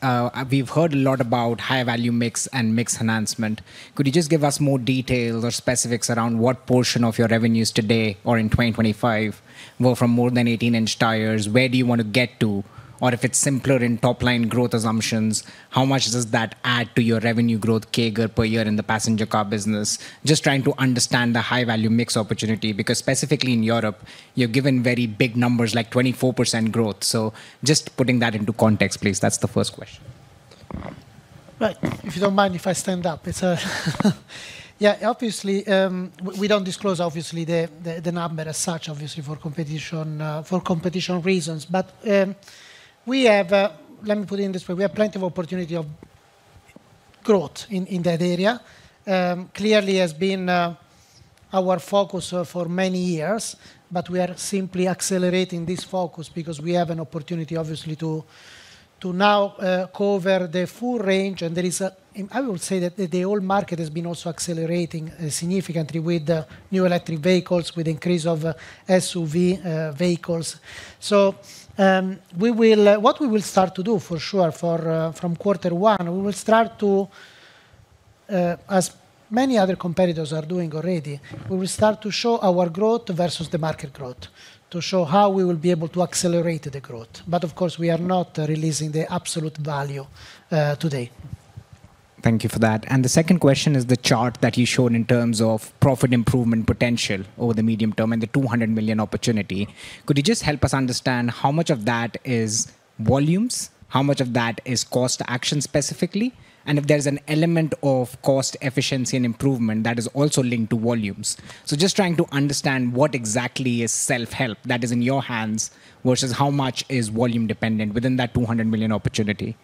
We've heard a lot about high-value mix and mix enhancement. Could you just give us more details or specifics around what portion of your revenues today or in 2025 were from more than 18-inch tires? Where do you want to get to? Or if it's simpler in top-line growth assumptions, how much does that add to your revenue growth CAGR per year in the passenger car business? Just trying to understand the high-value mix opportunity because specifically in Europe, you're given very big numbers like 24% growth. So just putting that into context, please. That's the first question. Right. If you don't mind if I stand up. Yeah, obviously, we don't disclose the number as such, obviously, for competition reasons. But we have. Let me put it in this way. We have plenty of opportunity of growth in that area. Clearly, it has been our focus for many years. But we are simply accelerating this focus because we have an opportunity, obviously, to now cover the full range. And I would say that the whole market has been also accelerating significantly with new electric vehicles, with the increase of SUV vehicles. So what we will start to do for sure from quarter one, we will start to, as many other competitors are doing already, we will start to show our growth versus the market growth, to show how we will be able to accelerate the growth. But of course, we are not releasing the absolute value today. Thank you for that. The second question is the chart that you showed in terms of profit improvement potential over the medium term and the 200 million opportunity. Could you just help us understand how much of that is volumes, how much of that is cost action specifically, and if there's an element of cost efficiency and improvement that is also linked to volumes? Just trying to understand what exactly is self-help that is in your hands versus how much is volume-dependent within that 200 million opportunity.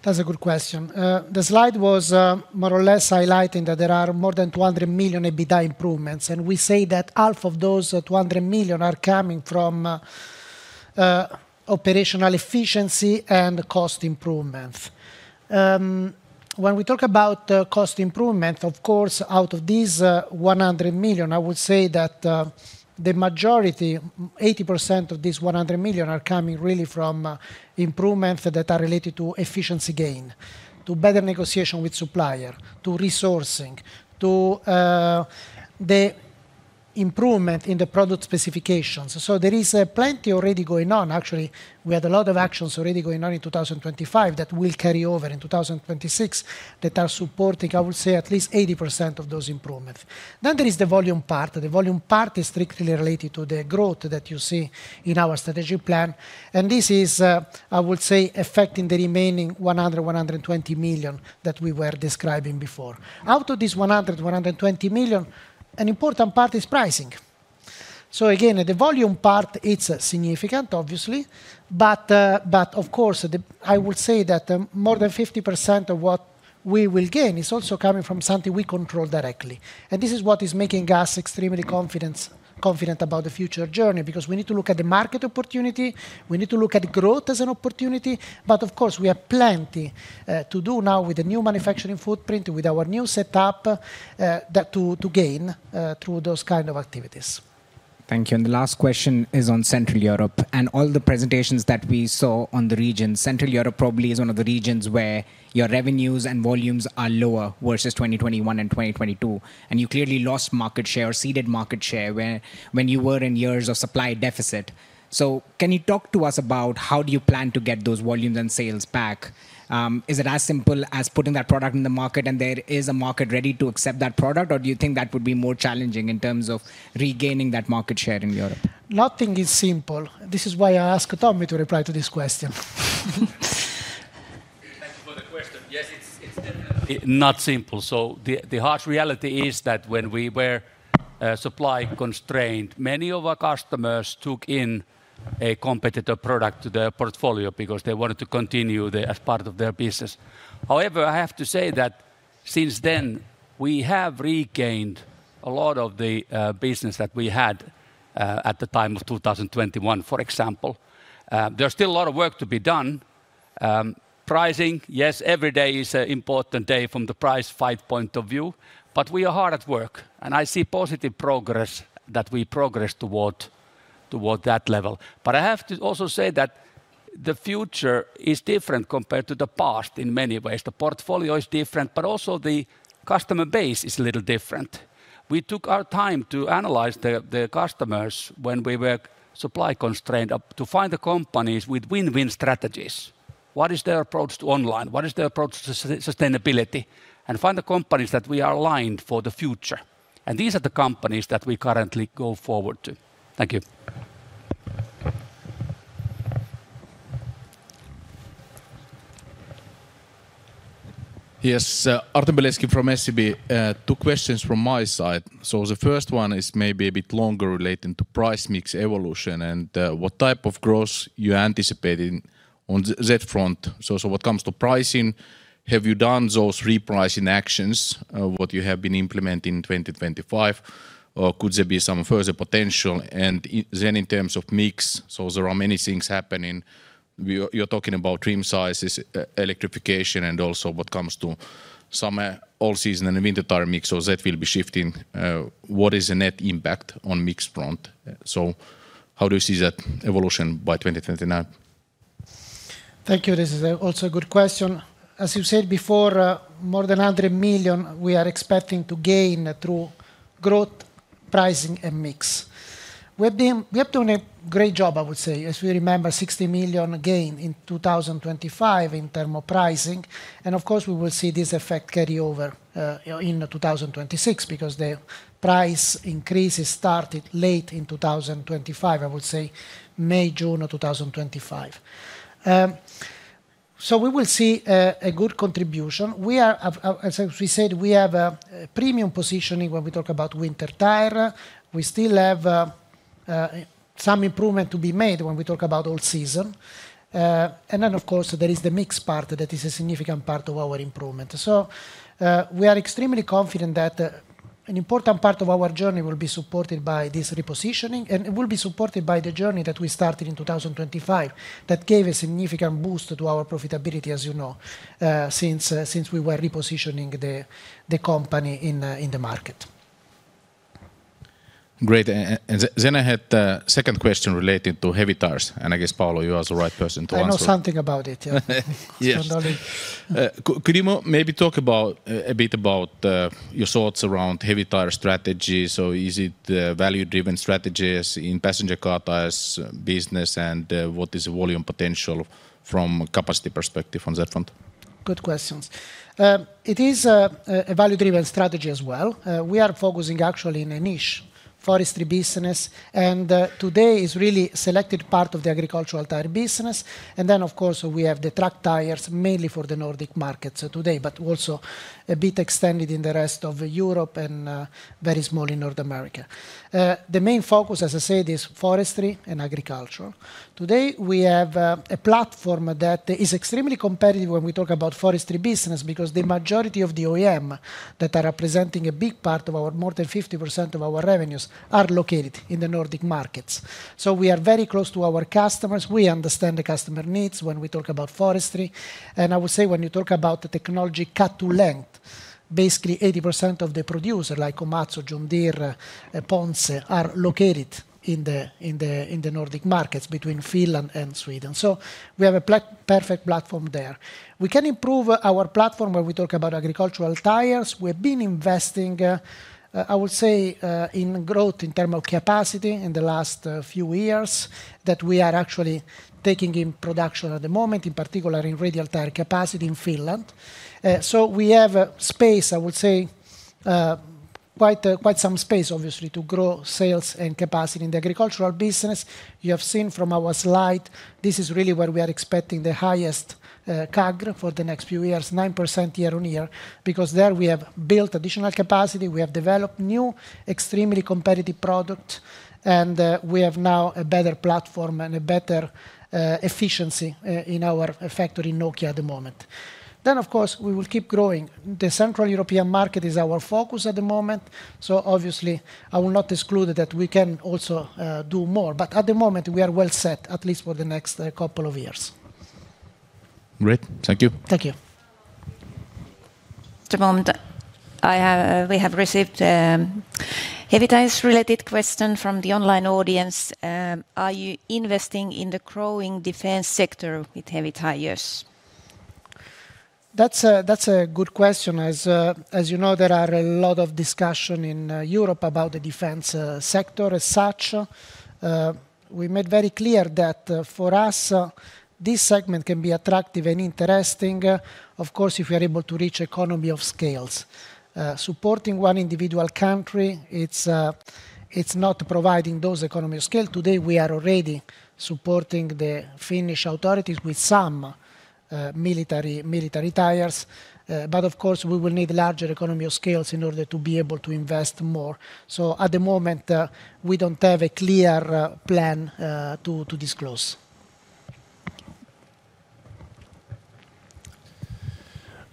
That's a good question. The slide was more or less highlighting that there are more than 200 million EBITDA improvements. And we say that half of those 200 million are coming from operational efficiency and cost improvements. When we talk about cost improvement, of course, out of these 100 million, I would say that the majority, 80% of these 100 million, are coming really from improvements that are related to efficiency gain, to better negotiation with supplier, to resourcing, to the improvement in the product specifications. So there is plenty already going on. Actually, we had a lot of actions already going on in 2025 that will carry over in 2026 that are supporting, I would say, at least 80% of those improvements. Then there is the volume part. The volume part is strictly related to the growth that you see in our strategy plan. And this is, I would say, affecting the remaining 100 million-120 million that we were describing before. Out of these 100 million-120 million, an important part is pricing. So again, the volume part, it's significant, obviously. But of course, I would say that more than 50% of what we will gain is also coming from something we control directly. And this is what is making us extremely confident about the future journey because we need to look at the market opportunity. We need to look at growth as an opportunity. But of course, we have plenty to do now with the new manufacturing footprint, with our new setup, to gain through those kind of activities. Thank you. The last question is on Central Europe. All the presentations that we saw on the region, Central Europe probably is one of the regions where your revenues and volumes are lower versus 2021 and 2022. You clearly lost market share or ceded market share when you were in years of supply deficit. Can you talk to us about how do you plan to get those volumes and sales back? Is it as simple as putting that product in the market? There is a market ready to accept that product? Or do you think that would be more challenging in terms of regaining that market share in Europe? Nothing is simple. This is why I ask Tommi to reply to this question. Thank you for the question. Yes, it's definitely. Not simple. So the harsh reality is that when we were supply-constrained, many of our customers took in a competitor product to their portfolio because they wanted to continue as part of their business. However, I have to say that since then, we have regained a lot of the business that we had at the time of 2021, for example. There's still a lot of work to be done. Pricing, yes, every day is an important day from the price fight point of view. But we are hard at work. And I see positive progress that we progressed toward that level. But I have to also say that the future is different compared to the past in many ways. The portfolio is different. But also the customer base is a little different. We took our time to analyze the customers when we were supply-constrained to find the companies with win-win strategies. What is their approach to online? What is their approach to sustainability? And find the companies that we are aligned for the future. And these are the companies that we currently go forward to. Thank you. Yes. Artem Beletski from SEB. Two questions from my side. So the first one is maybe a bit longer relating to price mix evolution and what type of growth you anticipate on that front. So what comes to pricing, have you done those repricing actions, what you have been implementing in 2025? Could there be some further potential? And then in terms of mix, so there are many things happening. You're talking about trim sizes, electrification, and also what comes to some all-season and winter tire mix. So that will be shifting. What is the net impact on mix front? So how do you see that evolution by 2029? Thank you. This is also a good question. As you said before, more than 100 million, we are expecting to gain through growth, pricing, and mix. We have done a great job, I would say, as we remember, 60 million gain in 2025 in thermal pricing. And of course, we will see this effect carry over in 2026 because the price increase started late in 2025, I would say, May, June of 2025. So we will see a good contribution. As we said, we have premium positioning when we talk about winter tire. We still have some improvement to be made when we talk about all-season. And then, of course, there is the mix part that is a significant part of our improvement. So we are extremely confident that an important part of our journey will be supported by this repositioning. It will be supported by the journey that we started in 2025 that gave a significant boost to our profitability, as you know, since we were repositioning the company in the market. Great. And then I had a second question relating to heavy tires. And I guess, Paolo, you are the right person to answer. I know something about it. Yeah. Yes. Could you maybe talk a bit about your thoughts around heavy tire strategy? So is it value-driven strategies in passenger car tires business? And what is the volume potential from a capacity perspective on that front? Good questions. It is a value-driven strategy as well. We are focusing, actually, in a niche, forestry business. And today is really a selected part of the agricultural tire business. And then, of course, we have the truck tires mainly for the Nordic markets today but also a bit extended in the rest of Europe and very small in North America. The main focus, as I said, is forestry and agriculture. Today, we have a platform that is extremely competitive when we talk about forestry business because the majority of the OEM that are representing a big part of our more than 50% of our revenues are located in the Nordic markets. So we are very close to our customers. We understand the customer needs when we talk about forestry. And I would say when you talk about the technology cut-to-length, basically, 80% of the producers, like Komatsu, John Deere, Ponsse, are located in the Nordic markets between Finland and Sweden. So we have a perfect platform there. We can improve our platform when we talk about agricultural tires. We have been investing, I would say, in growth in terms of capacity in the last few years that we are actually taking in production at the moment, in particular in radial tire capacity in Finland. So we have space, I would say, quite some space, obviously, to grow sales and capacity in the agricultural business. You have seen from our slide; this is really where we are expecting the highest CAGR for the next few years, 9% year-on-year, because there we have built additional capacity. We have developed new, extremely competitive products. We have now a better platform and a better efficiency in our factory in Nokia at the moment. Then, of course, we will keep growing. The Central European market is our focus at the moment. So obviously, I will not exclude that we can also do more. But at the moment, we are well set, at least for the next couple of years. Great. Thank you. Thank you. Jukka Moisio, we have received a heavy tires-related question from the online audience. Are you investing in the growing defense sector with heavy tires? That's a good question. As you know, there are a lot of discussions in Europe about the defense sector as such. We made very clear that for us, this segment can be attractive and interesting, of course, if we are able to reach economies of scale. Supporting one individual country, it's not providing those economies of scale. Today, we are already supporting the Finnish authorities with some military tires. But of course, we will need larger economies of scale in order to be able to invest more. So at the moment, we don't have a clear plan to disclose.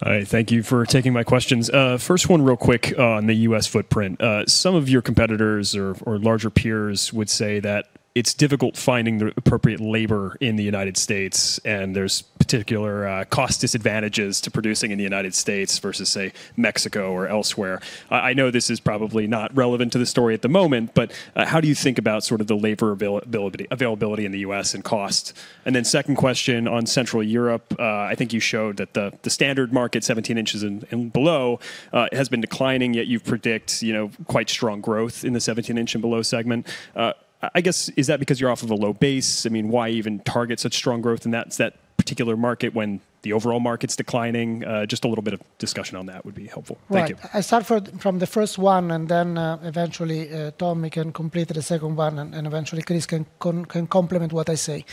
All right. Thank you for taking my questions. First one, real quick, on the U.S. footprint. Some of your competitors or larger peers would say that it's difficult finding the appropriate labor in the United States. There's particular cost disadvantages to producing in the United States versus, say, Mexico or elsewhere. I know this is probably not relevant to the story at the moment. How do you think about sort of the labor availability in the U.S. and cost? Then second question on Central Europe. I think you showed that the standard market, 17 inches and below, has been declining. Yet you predict quite strong growth in the 17-inch and below segment. I guess, is that because you're off of a low base? I mean, why even target such strong growth in that particular market when the overall market's declining? Just a little bit of discussion on that would be helpful. Thank you. I start from the first one. Then eventually, Tommi, you can complete the second one. And eventually, Chris can complement what I say.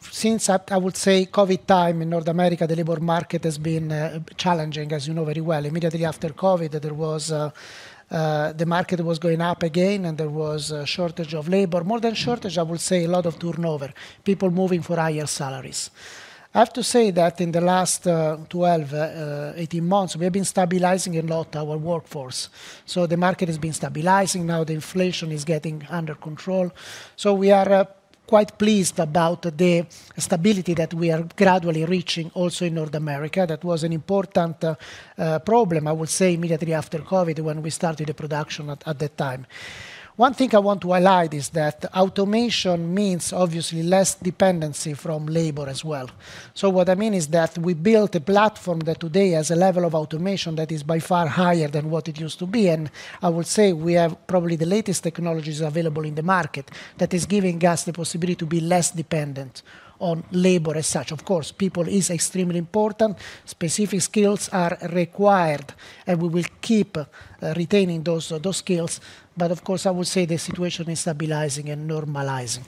Since, I would say, COVID time, in North America, the labor market has been challenging, as you know very well. Immediately after COVID, the market was going up again. And there was a shortage of labor, more than shortage, I would say, a lot of turnover, people moving for higher salaries. I have to say that in the last 12-18 months, we have been stabilizing a lot our workforce. So the market has been stabilizing. Now, the inflation is getting under control. So we are quite pleased about the stability that we are gradually reaching also in North America. That was an important problem, I would say, immediately after COVID when we started the production at that time. One thing I want to highlight is that automation means, obviously, less dependency from labor as well. So what I mean is that we built a platform that today has a level of automation that is by far higher than what it used to be. And I would say we have probably the latest technologies available in the market that is giving us the possibility to be less dependent on labor as such. Of course, people are extremely important. Specific skills are required. And we will keep retaining those skills. But of course, I would say the situation is stabilizing and normalizing.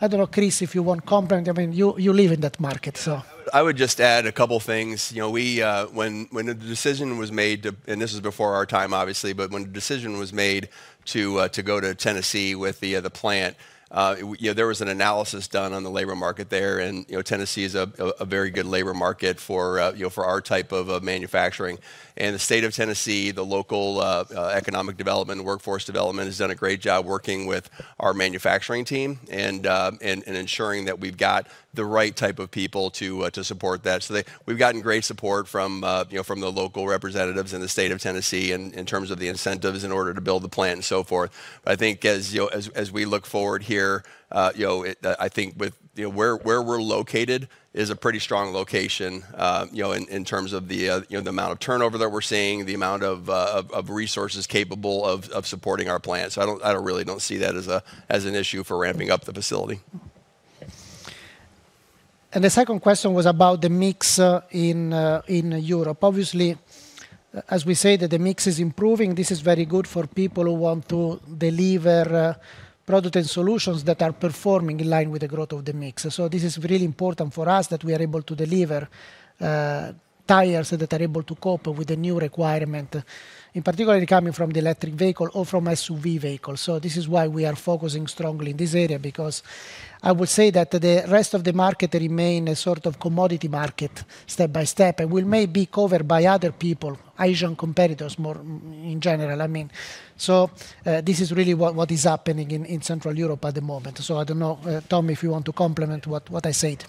I don't know, Chris, if you want to comment. I mean, you live in that market, so. I would just add a couple of things. When the decision was made to, and this is before our time, obviously. But when the decision was made to go to Tennessee with the plant, there was an analysis done on the labor market there. Tennessee is a very good labor market for our type of manufacturing. The state of Tennessee, the local economic development, workforce development has done a great job working with our manufacturing team and ensuring that we've got the right type of people to support that. So we've gotten great support from the local representatives in the state of Tennessee in terms of the incentives in order to build the plant and so forth. I think as we look forward here, I think where we're located is a pretty strong location in terms of the amount of turnover that we're seeing, the amount of resources capable of supporting our plant. I don't really see that as an issue for ramping up the facility. The second question was about the mix in Europe. Obviously, as we say that the mix is improving, this is very good for people who want to deliver products and solutions that are performing in line with the growth of the mix. So this is really important for us that we are able to deliver tires that are able to cope with the new requirement, in particular coming from the electric vehicle or from SUV vehicles. So this is why we are focusing strongly in this area because I would say that the rest of the market remains a sort of commodity market step by step and will maybe be covered by other people, Asian competitors more in general. I mean, so this is really what is happening in Central Europe at the moment. So I don't know, Tommi, if you want to complement what I said.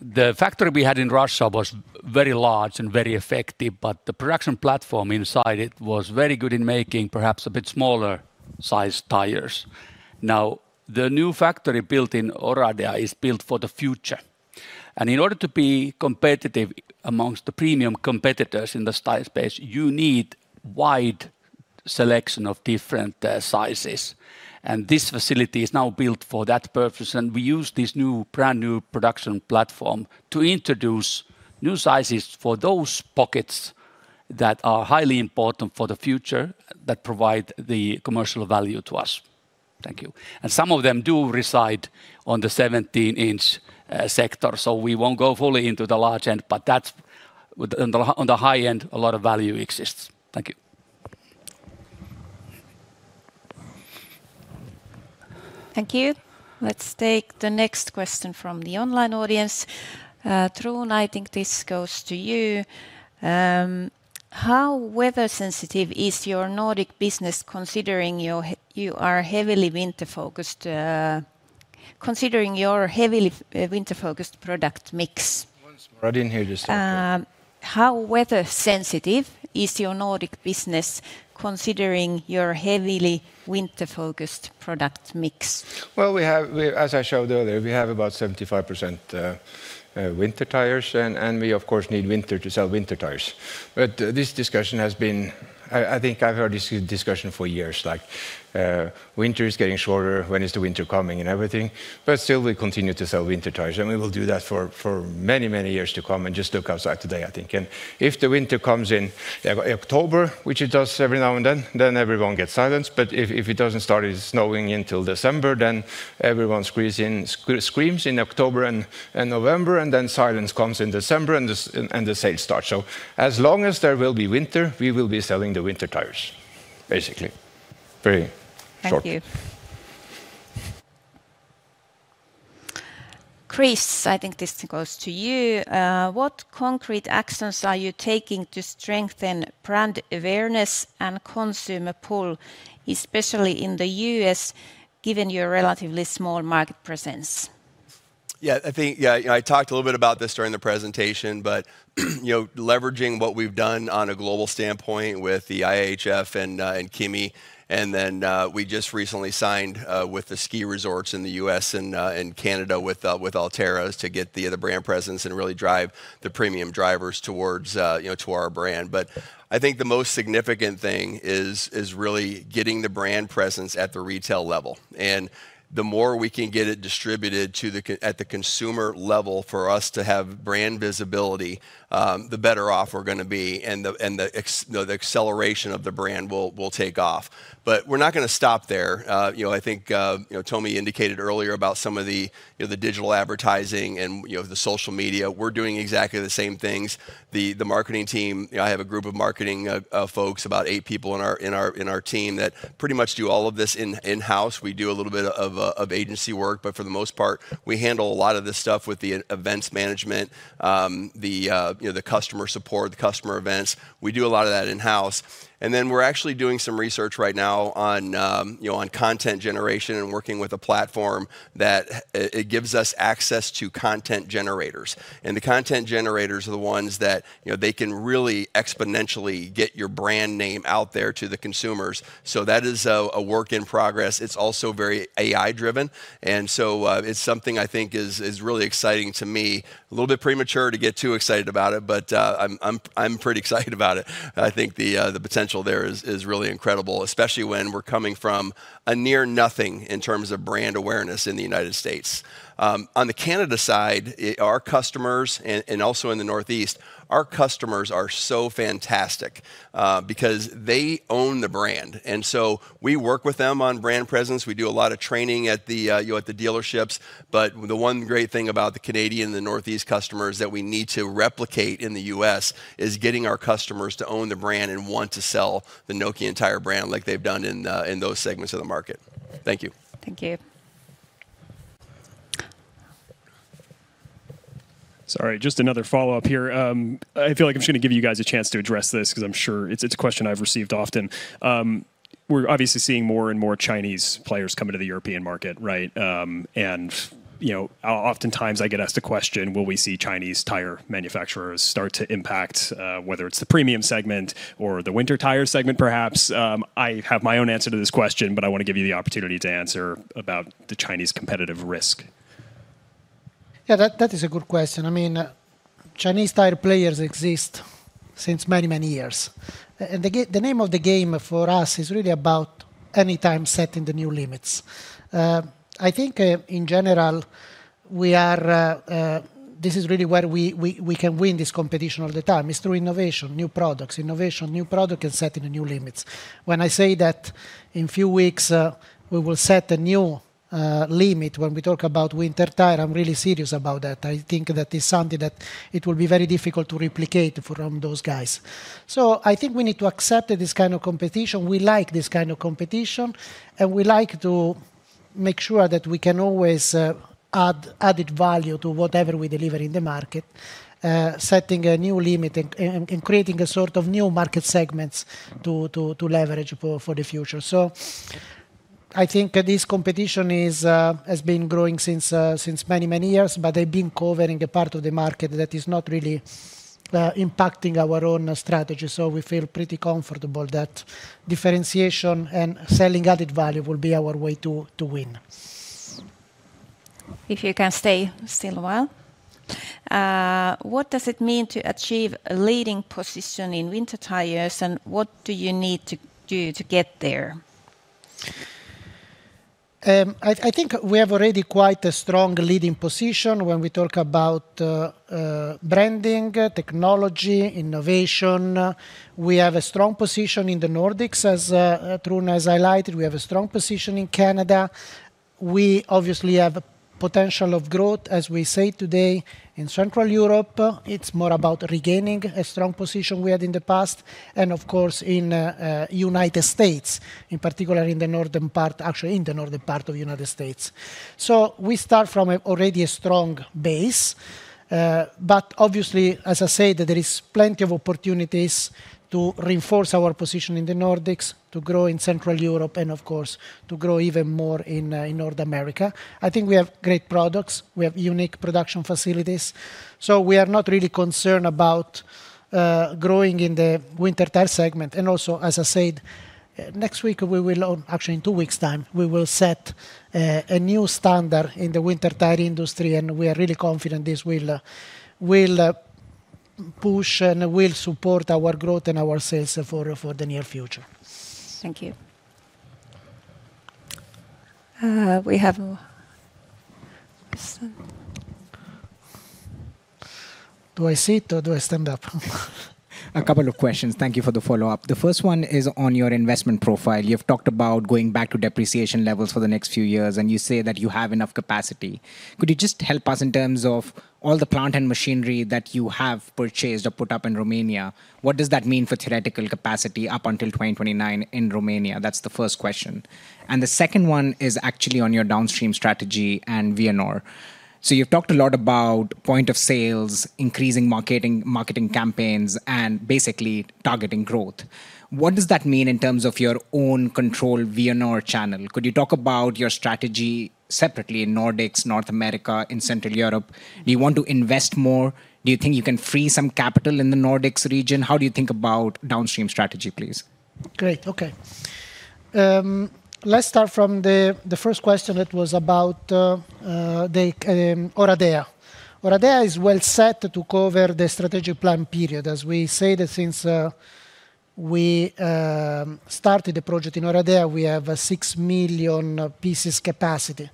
The factory we had in Vsevolozhsk was very large and very effective. But the production platform inside it was very good in making perhaps a bit smaller-sized tires. Now, the new factory built in Oradea is built for the future. In order to be competitive amongst the premium competitors in the tire space, you need a wide selection of different sizes. And this facility is now built for that purpose. And we use this brand new production platform to introduce new sizes for those pockets that are highly important for the future that provide the commercial value to us. Thank you. And some of them do reside on the 17-inch sector. So we won't go fully into the large end. But on the high end, a lot of value exists. Thank you. Thank you. Let's take the next question from the online audience. Tron, I think this goes to you. How weather-sensitive is your Nordic business considering you are heavily winter-focused considering your heavily winter-focused product mix? Once more. I didn't hear you say it. How weather-sensitive is your Nordic business considering your heavily winter-focused product mix? Well, as I showed earlier, we have about 75% winter tires. We, of course, need winter to sell winter tires. But this discussion has been. I think I've heard this discussion for years. Winter is getting shorter. When is the winter coming and everything? Still, we continue to sell winter tires. We will do that for many, many years to come. Just look outside today, I think. If the winter comes in October, which it does every now and then, then everyone gets silenced. But if it doesn't start snowing until December, then everyone screams in October and November. Then silence comes in December. The sales start. So as long as there will be winter, we will be selling the winter tires, basically. Very short. Thank you. Chris, I think this goes to you. What concrete actions are you taking to strengthen brand awareness and consumer pull, especially in the U.S., given your relatively small market presence? Yeah. I think I talked a little bit about this during the presentation. But leveraging what we've done on a global standpoint with the IIHF and Kimi. And then we just recently signed with the ski resorts in the U.S. and Canada with Alterra to get the brand presence and really drive the premium drivers towards our brand. But I think the most significant thing is really getting the brand presence at the retail level. And the more we can get it distributed at the consumer level for us to have brand visibility, the better off we're going to be. And the acceleration of the brand will take off. But we're not going to stop there. I think Tommi indicated earlier about some of the digital advertising and the social media. We're doing exactly the same things. The marketing team. I have a group of marketing folks, about eight people in our team, that pretty much do all of this in-house. We do a little bit of agency work. But for the most part, we handle a lot of this stuff with the events management, the customer support, the customer events. We do a lot of that in-house. And then we're actually doing some research right now on content generation and working with a platform that gives us access to content generators. And the content generators are the ones that they can really exponentially get your brand name out there to the consumers. So that is a work in progress. It's also very AI-driven. And so it's something I think is really exciting to me, a little bit premature to get too excited about it. But I'm pretty excited about it. I think the potential there is really incredible, especially when we're coming from a near-nothing in terms of brand awareness in the United States. On the Canada side, our customers and also in the Northeast, our customers are so fantastic because they own the brand. And so we work with them on brand presence. We do a lot of training at the dealerships. But the one great thing about the Canadian and the Northeast customers that we need to replicate in the US is getting our customers to own the brand and want to sell the Nokian tire brand like they've done in those segments of the market. Thank you. Thank you. Sorry, just another follow-up here. I feel like I'm just going to give you guys a chance to address this because I'm sure it's a question I've received often. We're obviously seeing more and more Chinese players come into the European market, right? And oftentimes, I get asked a question, will we see Chinese tire manufacturers start to impact, whether it's the premium segment or the winter tire segment, perhaps? I have my own answer to this question. But I want to give you the opportunity to answer about the Chinese competitive risk. Yeah, that is a good question. I mean, Chinese tire players exist since many, many years. The name of the game for us is really about anytime setting the new limits. I think, in general, this is really where we can win this competition all the time. It's through innovation, new products, innovation, new product, and setting the new limits. When I say that in few weeks, we will set a new limit when we talk about winter tire, I'm really serious about that. I think that is something that it will be very difficult to replicate from those guys. I think we need to accept this kind of competition. We like this kind of competition. We like to make sure that we can always add added value to whatever we deliver in the market, setting a new limit and creating a sort of new market segments to leverage for the future. So I think this competition has been growing since many, many years. But they've been covering a part of the market that is not really impacting our own strategy. So we feel pretty comfortable that differentiation and selling added value will be our way to win. If you can stay still a while. What does it mean to achieve a leading position in winter tires? And what do you need to do to get there? I think we have already quite a strong leading position when we talk about branding, technology, innovation. We have a strong position in the Nordics. Tron, as I highlighted, we have a strong position in Canada. We obviously have potential of growth, as we say today, in Central Europe. It's more about regaining a strong position we had in the past and, of course, in the United States, in particular in the northern part actually, in the northern part of the United States. So we start from already a strong base. But obviously, as I said, there is plenty of opportunities to reinforce our position in the Nordics, to grow in Central Europe, and, of course, to grow even more in North America. I think we have great products. We have unique production facilities. So we are not really concerned about growing in the winter tire segment. And also, as I said, next week, we will actually, in two weeks' time, we will set a new standard in the winter tire industry. And we are really confident this will push and will support our growth and our sales for the near future. Thank you. We have a question. Do I sit or do I stand up? A couple of questions. Thank you for the follow-up. The first one is on your investment profile. You've talked about going back to depreciation levels for the next few years. And you say that you have enough capacity. Could you just help us in terms of all the plant and machinery that you have purchased or put up in Romania? What does that mean for theoretical capacity up until 2029 in Romania? That's the first question. And the second one is actually on your downstream strategy and Vianor. So you've talked a lot about point of sales, increasing marketing campaigns, and basically targeting growth. What does that mean in terms of your own controlled Vianor channel? Could you talk about your strategy separately in Nordics, North America, in Central Europe? Do you want to invest more? Do you think you can free some capital in the Nordics region? How do you think about downstream strategy, please? Great. OK. Let's start from the first question. It was about Oradea. Oradea is well set to cover the strategic plan period. As we say that since we started the project in Oradea, we have 6 million pieces capacity.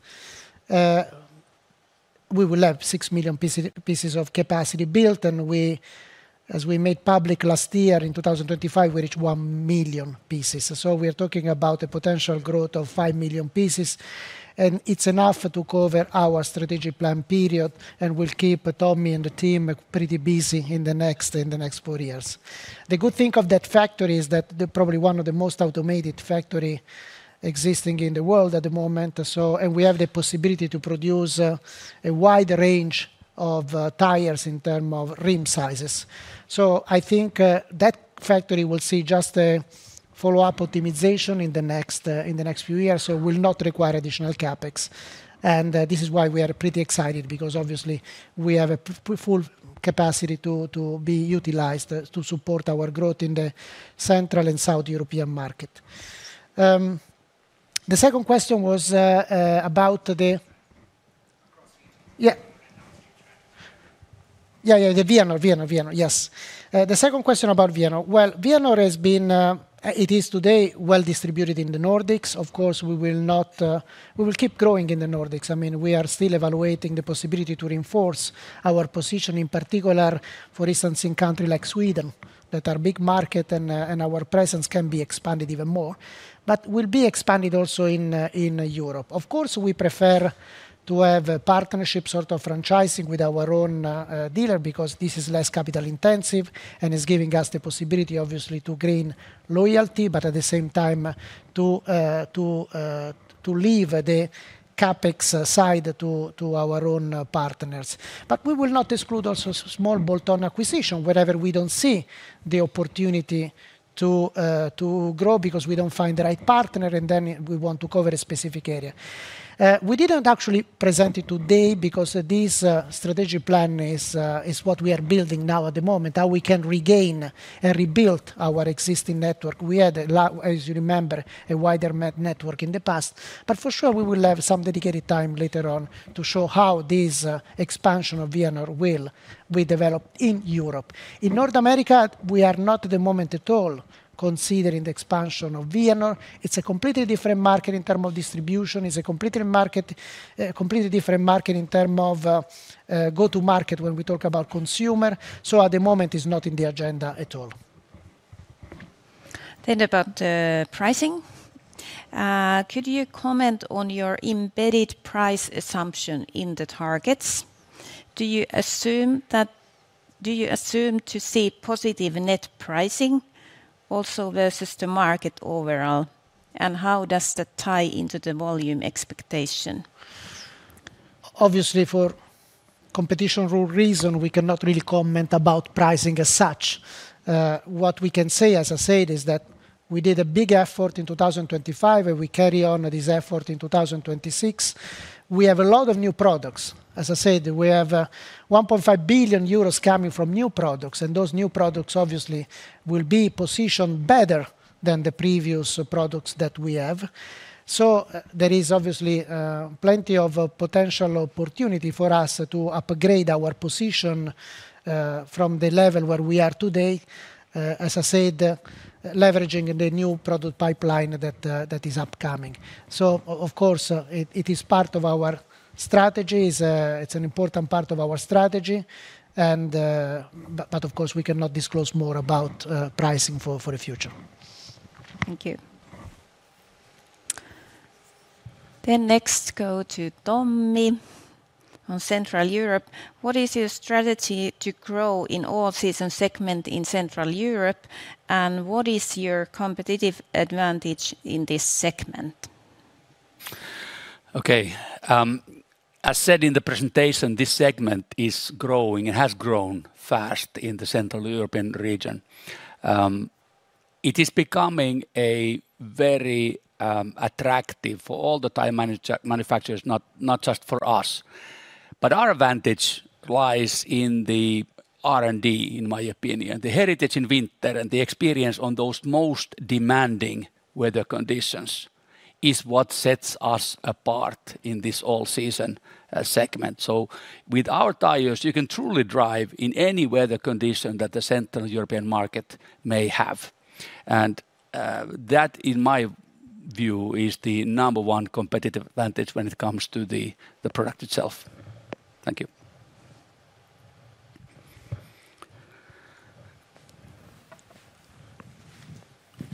We will have 6 million pieces of capacity built. And as we made public last year in 2025, we reached 1 million pieces. So we are talking about a potential growth of 5 million pieces. And it's enough to cover our strategic plan period. And we'll keep Tommi and the team pretty busy in the next four years. The good thing of that factory is that they're probably one of the most automated factories existing in the world at the moment. And we have the possibility to produce a wide range of tires in terms of rim sizes. So I think that factory will see just a follow-up optimization in the next few years. So it will not require additional CapEx. And this is why we are pretty excited because, obviously, we have a full capacity to be utilized to support our growth in the Central and South European market. The second question was about Vianor. Yes, the second question about Vianor. Well, Vianor is today well distributed in the Nordics. Of course, we will keep growing in the Nordics. I mean, we are still evaluating the possibility to reinforce our position, in particular, for instance, in countries like Sweden that are big markets. And our presence can be expanded even more. But we'll be expanded also in Europe. Of course, we prefer to have a partnership, sort of franchising, with our own dealer because this is less capital-intensive and is giving us the possibility, obviously, to gain loyalty but at the same time to leave the CapEx side to our own partners. But we will not exclude also small bolt-on acquisition wherever we don't see the opportunity to grow because we don't find the right partner. And then we want to cover a specific area. We didn't actually present it today because this strategic plan is what we are building now at the moment, how we can regain and rebuild our existing network. We had, as you remember, a wider network in the past. But for sure, we will have some dedicated time later on to show how this expansion of Vianor will be developed in Europe. In North America, we are not at the moment at all considering the expansion of Vianor. It's a completely different market in terms of distribution. It's a completely different market in terms of go-to-market when we talk about consumer. So at the moment, it's not in the agenda at all. About pricing. Could you comment on your embedded price assumption in the targets? Do you assume to see positive net pricing also versus the market overall? And how does that tie into the volume expectation? Obviously, for competition rule reasons, we cannot really comment about pricing as such. What we can say, as I said, is that we did a big effort in 2025. We carry on this effort in 2026. We have a lot of new products. As I said, we have 1.5 billion euros coming from new products. Those new products, obviously, will be positioned better than the previous products that we have. There is, obviously, plenty of potential opportunity for us to upgrade our position from the level where we are today, as I said, leveraging the new product pipeline that is upcoming. Of course, it is part of our strategy. It's an important part of our strategy. Of course, we cannot disclose more about pricing for the future. Thank you. Then next, go to Tommi on Central Europe. What is your strategy to grow in all-season segment in Central Europe? And what is your competitive advantage in this segment? OK. As said in the presentation, this segment is growing and has grown fast in the Central European region. It is becoming very attractive for all the tire manufacturers, not just for us. But our advantage lies in the R&D, in my opinion. The heritage in winter and the experience on those most demanding weather conditions is what sets us apart in this all-season segment. So with our tires, you can truly drive in any weather condition that the Central European market may have. And that, in my view, is the number one competitive advantage when it comes to the product itself. Thank you.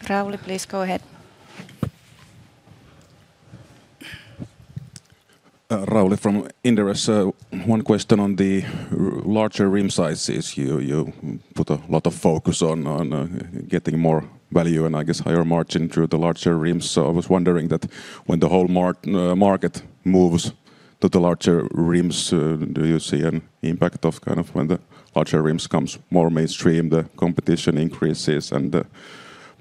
Rauli, please go ahead. Rauli from Inderes. One question on the larger rim sizes. You put a lot of focus on getting more value and, I guess, higher margin through the larger rims. So I was wondering that when the whole market moves to the larger rims, do you see an impact of kind of when the larger rims come more mainstream, the competition increases, and the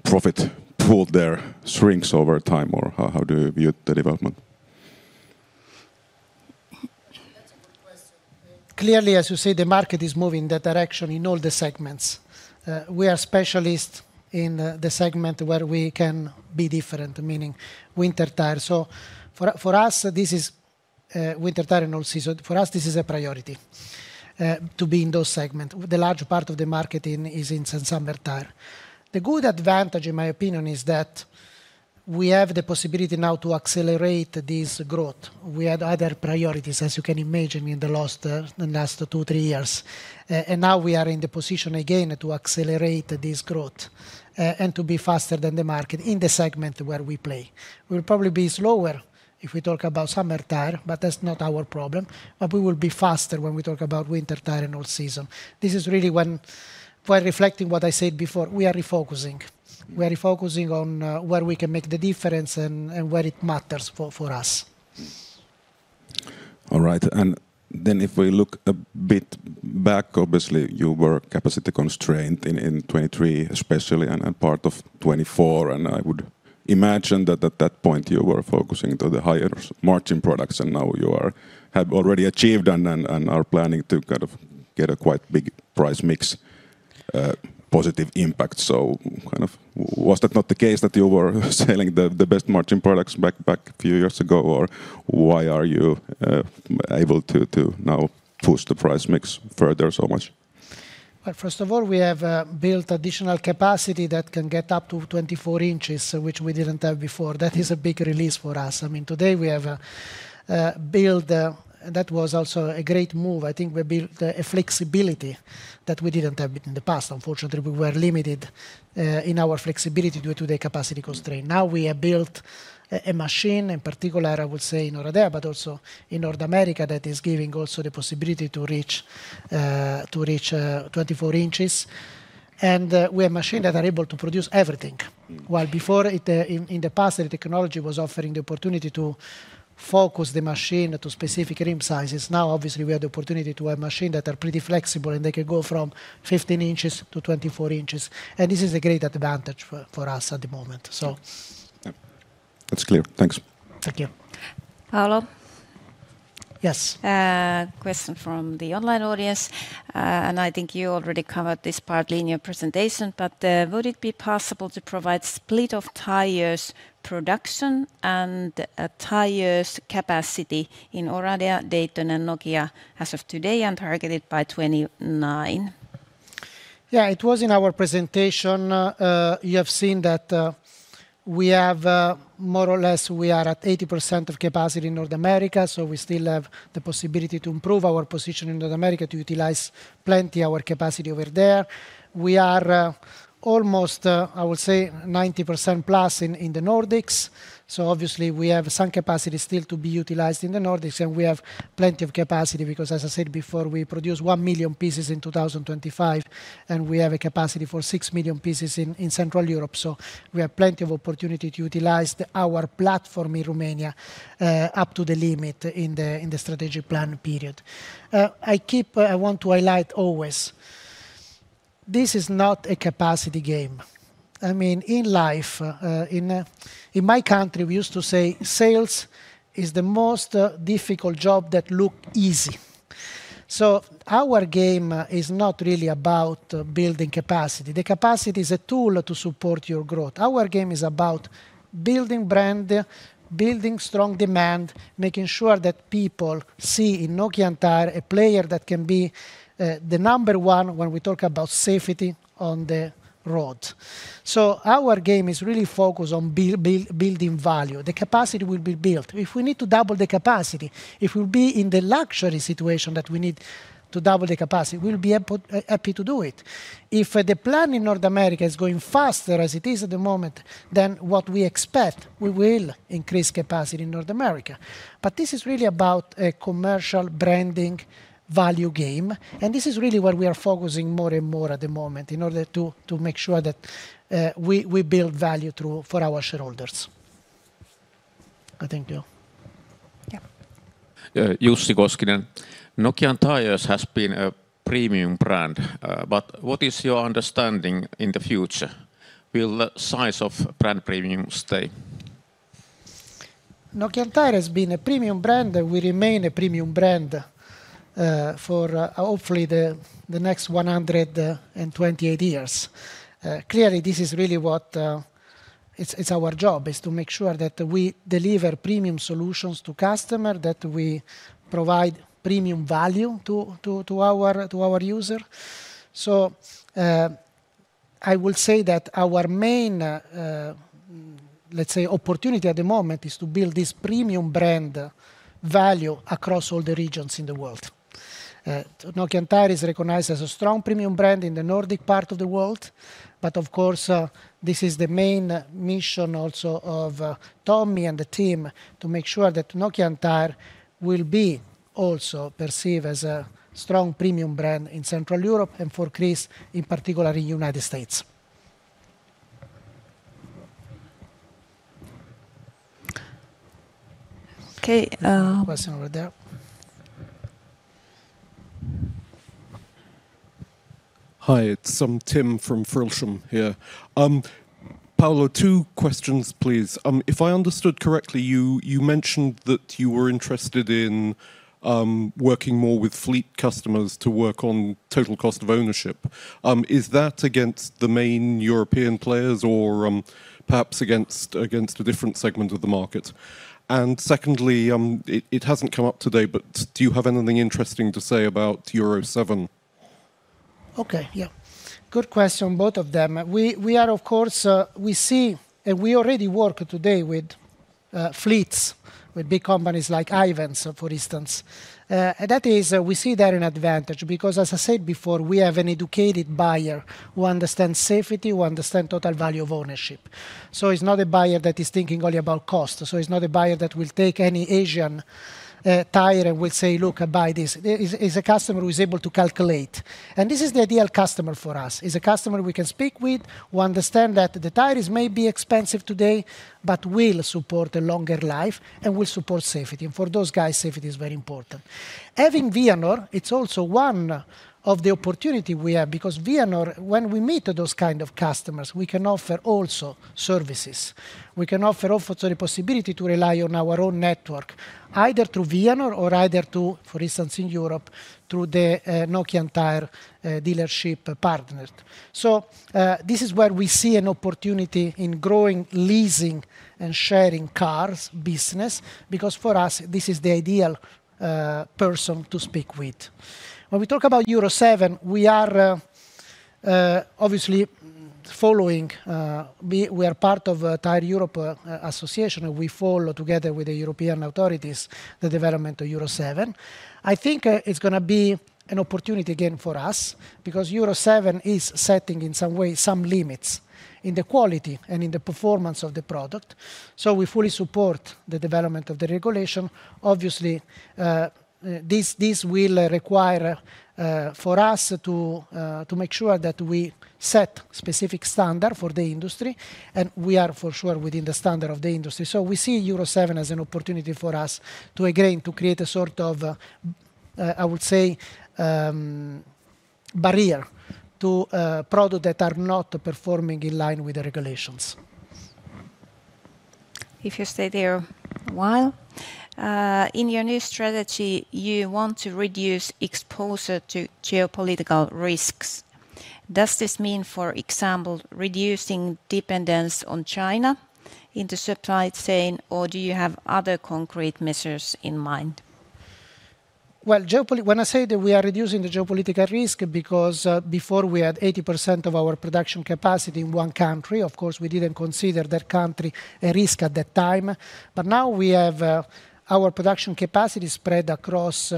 profit pool there shrinks over time? Or how do you view the development? Clearly, as you say, the market is moving in that direction in all the segments. We are specialists in the segment where we can be different, meaning winter tires. So for us, this is winter tire in all season. For us, this is a priority to be in those segments. The large part of the market is in non-summer tire. The good advantage, in my opinion, is that we have the possibility now to accelerate this growth. We had other priorities, as you can imagine, in the last two, three years. And now we are in the position again to accelerate this growth and to be faster than the market in the segment where we play. We will probably be slower if we talk about summer tire. But that's not our problem. But we will be faster when we talk about winter tire in all season. This is really, when reflecting what I said before, we are refocusing. We are refocusing on where we can make the difference and where it matters for us. All right. Then if we look a bit back, obviously, you were capacity constrained in 2023 especially and part of 2024. And I would imagine that at that point, you were focusing on the higher margin products. And now you have already achieved and are planning to kind of get a quite big price mix positive impact. So kind of was that not the case that you were selling the best margin products back a few years ago? Or why are you able to now push the price mix further so much? Well, first of all, we have built additional capacity that can get up to 24 inches, which we didn't have before. That is a big release for us. I mean, today we have built that. That was also a great move. I think we built a flexibility that we didn't have in the past. Unfortunately, we were limited in our flexibility due to the capacity constraint. Now we have built a machine, in particular, I would say, in Oradea but also in North America, that is giving also the possibility to reach 24 inches. And we have machines that are able to produce everything. While before, in the past, the technology was offering the opportunity to focus the machine to specific rim sizes. Now, obviously, we have the opportunity to have machines that are pretty flexible. And they can go from 15 inches to 24 inches. This is a great advantage for us at the moment. That's clear. Thanks. Thank you. Paolo? Yes. Question from the online audience. I think you already covered this partly in your presentation. Would it be possible to provide a split of tires production and tires capacity in Oradea, Dayton, and Nokia as of today and targeted by 2029? Yeah. It was in our presentation. You have seen that we have more or less, we are at 80% of capacity in North America. So we still have the possibility to improve our position in North America, to utilize plenty of our capacity over there. We are almost, I would say, 90%+ in the Nordics. So, obviously, we have some capacity still to be utilized in the Nordics. And we have plenty of capacity because, as I said before, we produce 1 million pieces in 2025. And we have a capacity for 6 million pieces in Central Europe. So we have plenty of opportunity to utilize our platform in Romania up to the limit in the strategic plan period. I keep I want to highlight always, this is not a capacity game. I mean, in life, in my country, we used to say, sales is the most difficult job that looks easy. So our game is not really about building capacity. The capacity is a tool to support your growth. Our game is about building brand, building strong demand, making sure that people see in Nokian Tyres a player that can be the number one when we talk about safety on the road. So our game is really focused on building value. The capacity will be built. If we need to double the capacity, if we'll be in the luxury situation that we need to double the capacity, we'll be happy to do it. If the plan in North America is going faster as it is at the moment than what we expect, we will increase capacity in North America. But this is really about a commercial branding value game. This is really what we are focusing more and more at the moment in order to make sure that we build value for our shareholders. I thank you. Yeah. Jussi Koskinen. Nokian Tyres has been a premium brand. But what is your understanding in the future? Will the size of brand premium stay? Nokian Tyres has been a premium brand. We remain a premium brand for hopefully the next 128 years. Clearly, this is really what it's our job, is to make sure that we deliver premium solutions to customers, that we provide premium value to our users. So I would say that our main, let's say, opportunity at the moment is to build this premium brand value across all the regions in the world. Nokian Tyres is recognized as a strong premium brand in the Nordic part of the world. Of course, this is the main mission also of Tommi and the team to make sure that Nokian Tyres will be also perceived as a strong premium brand in Central Europe and for Chris, in particular, in the United States. OK. Question over there. Hi. It's Tim from Folksam here. Paolo, two questions, please. If I understood correctly, you mentioned that you were interested in working more with fleet customers to work on total cost of ownership. Is that against the main European players or perhaps against a different segment of the market? And secondly, it hasn't come up today. But do you have anything interesting to say about Euro 7? Okay. Yeah. Good question, both of them. We are, of course we see and we already work today with fleets, with big companies like Ayvens, for instance. And that is we see that an advantage because, as I said before, we have an educated buyer who understands safety, who understands total value of ownership. So it's not a buyer that is thinking only about cost. So it's not a buyer that will take any Asian tire and will say, look, buy this. It's a customer who is able to calculate. And this is the ideal customer for us. It's a customer we can speak with, who understands that the tire may be expensive today but will support a longer life and will support safety. And for those guys, safety is very important. Having Vianor, it's also one of the opportunities we have because Vianor, when we meet those kinds of customers, we can offer also services. We can offer also the possibility to rely on our own network either through Vianor or either through, for instance, in Europe, through the Nokian Tyres dealership partner. So this is where we see an opportunity in growing leasing and sharing cars business because, for us, this is the ideal person to speak with. When we talk about Euro 7, we are obviously following. We are part of Tire Europe Association. We follow, together with the European authorities, the development of Euro 7. I think it's going to be an opportunity again for us because Euro 7 is setting, in some way, some limits in the quality and in the performance of the product. So we fully support the development of the regulation. Obviously, this will require for us to make sure that we set specific standards for the industry. We are, for sure, within the standard of the industry. We see Euro 7 as an opportunity for us to, again, create a sort of, I would say, barrier to products that are not performing in line with the regulations. If you stay there a while. In your new strategy, you want to reduce exposure to geopolitical risks. Does this mean, for example, reducing dependence on China in the supply chain? Or do you have other concrete measures in mind? Well, when I say that we are reducing the geopolitical risk because before, we had 80% of our production capacity in one country. Of course, we didn't consider that country a risk at that time. But now, we have our production capacity spread across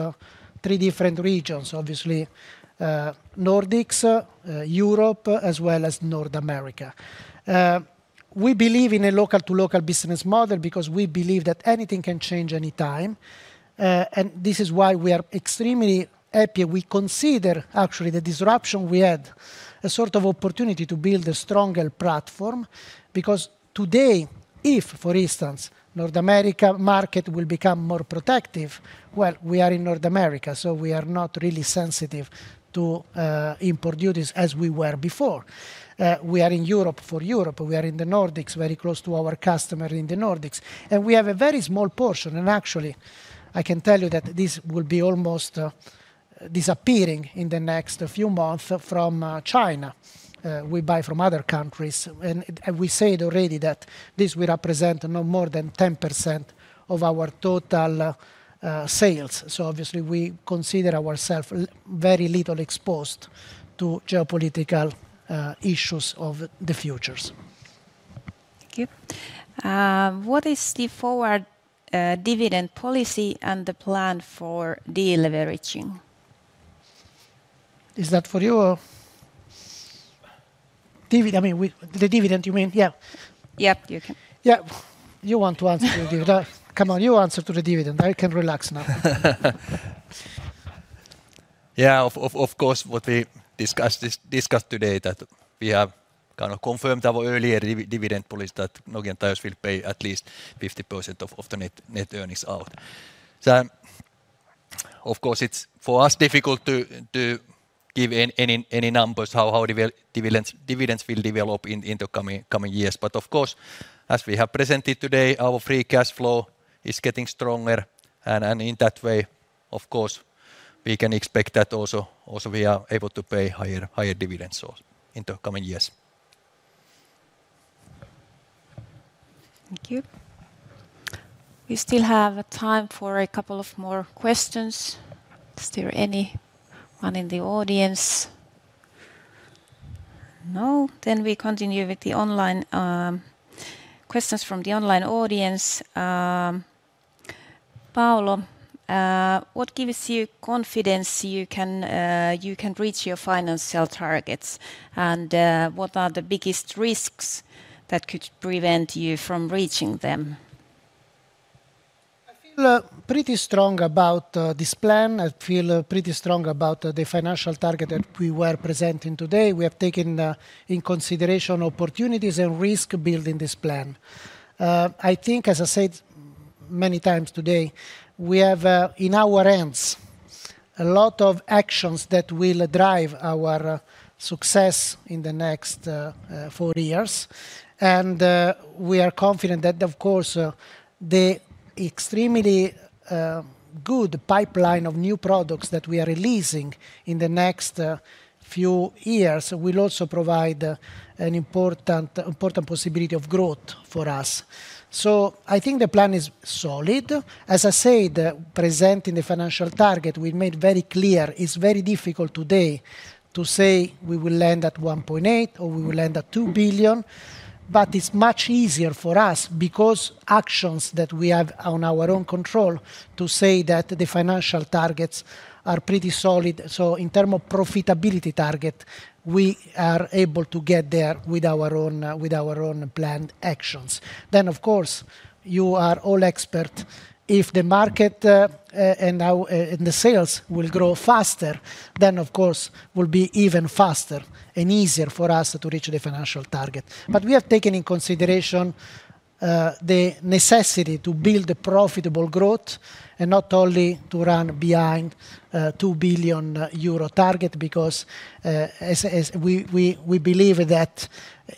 three different regions, obviously, Nordics, Europe, as well as North America. We believe in a local-to-local business model because we believe that anything can change anytime. And this is why we are extremely happy. We consider, actually, the disruption we had a sort of opportunity to build a stronger platform because today, if, for instance, the North America market will become more protective, well, we are in North America. So we are not really sensitive to import duties as we were before. We are in Europe for Europe. We are in the Nordics, very close to our customers in the Nordics. We have a very small portion. Actually, I can tell you that this will be almost disappearing in the next few months from China. We buy from other countries. We said already that this will represent no more than 10% of our total sales. Obviously, we consider ourselves very little exposed to geopolitical issues of the futures. Thank you. What is the forward dividend policy and the plan for deleveraging? Is that for you? I mean, the dividend, you mean? Yeah. Yeah. You can. Yeah. You want to answer the dividend. Come on. You answer to the dividend. I can relax now. Yeah. Of course, what we discussed today, that we have kind of confirmed our earlier dividend policy, that Nokian Tyres will pay at least 50% of the net earnings out. Of course, it's for us difficult to give any numbers, how the dividends will develop in the coming years. But, of course, as we have presented today, our free cash flow is getting stronger. And in that way, of course, we can expect that also we are able to pay higher dividends in the coming years. Thank you. We still have time for a couple of more questions. Is there anyone in the audience? No? Then we continue with the online questions from the online audience. Paolo, what gives you confidence you can reach your financial targets? And what are the biggest risks that could prevent you from reaching them? I feel pretty strong about this plan. I feel pretty strong about the financial target that we were presenting today. We have taken into consideration opportunities and risk building this plan. I think, as I said many times today, we have in our hands a lot of actions that will drive our success in the next four years. We are confident that, of course, the extremely good pipeline of new products that we are releasing in the next few years will also provide an important possibility of growth for us. I think the plan is solid. As I said, presenting the financial target, we made very clear, it's very difficult today to say we will land at 1.8 billion or we will land at 2 billion. But it's much easier for us because actions that we have on our own control to say that the financial targets are pretty solid. So in terms of profitability target, we are able to get there with our own planned actions. Then, of course, you are all experts. If the market and the sales will grow faster, then, of course, it will be even faster and easier for us to reach the financial target. But we have taken into consideration the necessity to build profitable growth and not only to run behind the 2 billion euro target because we believe that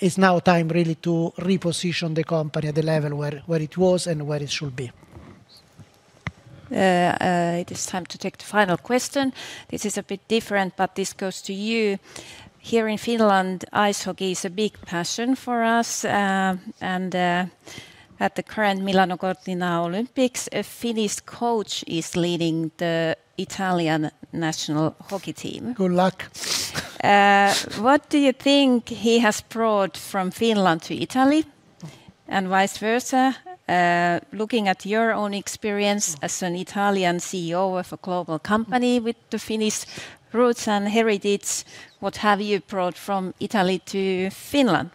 it's now time, really, to reposition the company at the level where it was and where it should be. It is time to take the final question. This is a bit different. But this goes to you. Here in Finland, ice hockey is a big passion for us. And at the current Milano Cortina Olympics, a Finnish coach is leading the Italian national hockey team. Good luck. What do you think he has brought from Finland to Italy and vice versa? Looking at your own experience as an Italian CEO of a global company with the Finnish roots and heritage, what have you brought from Italy to Finland?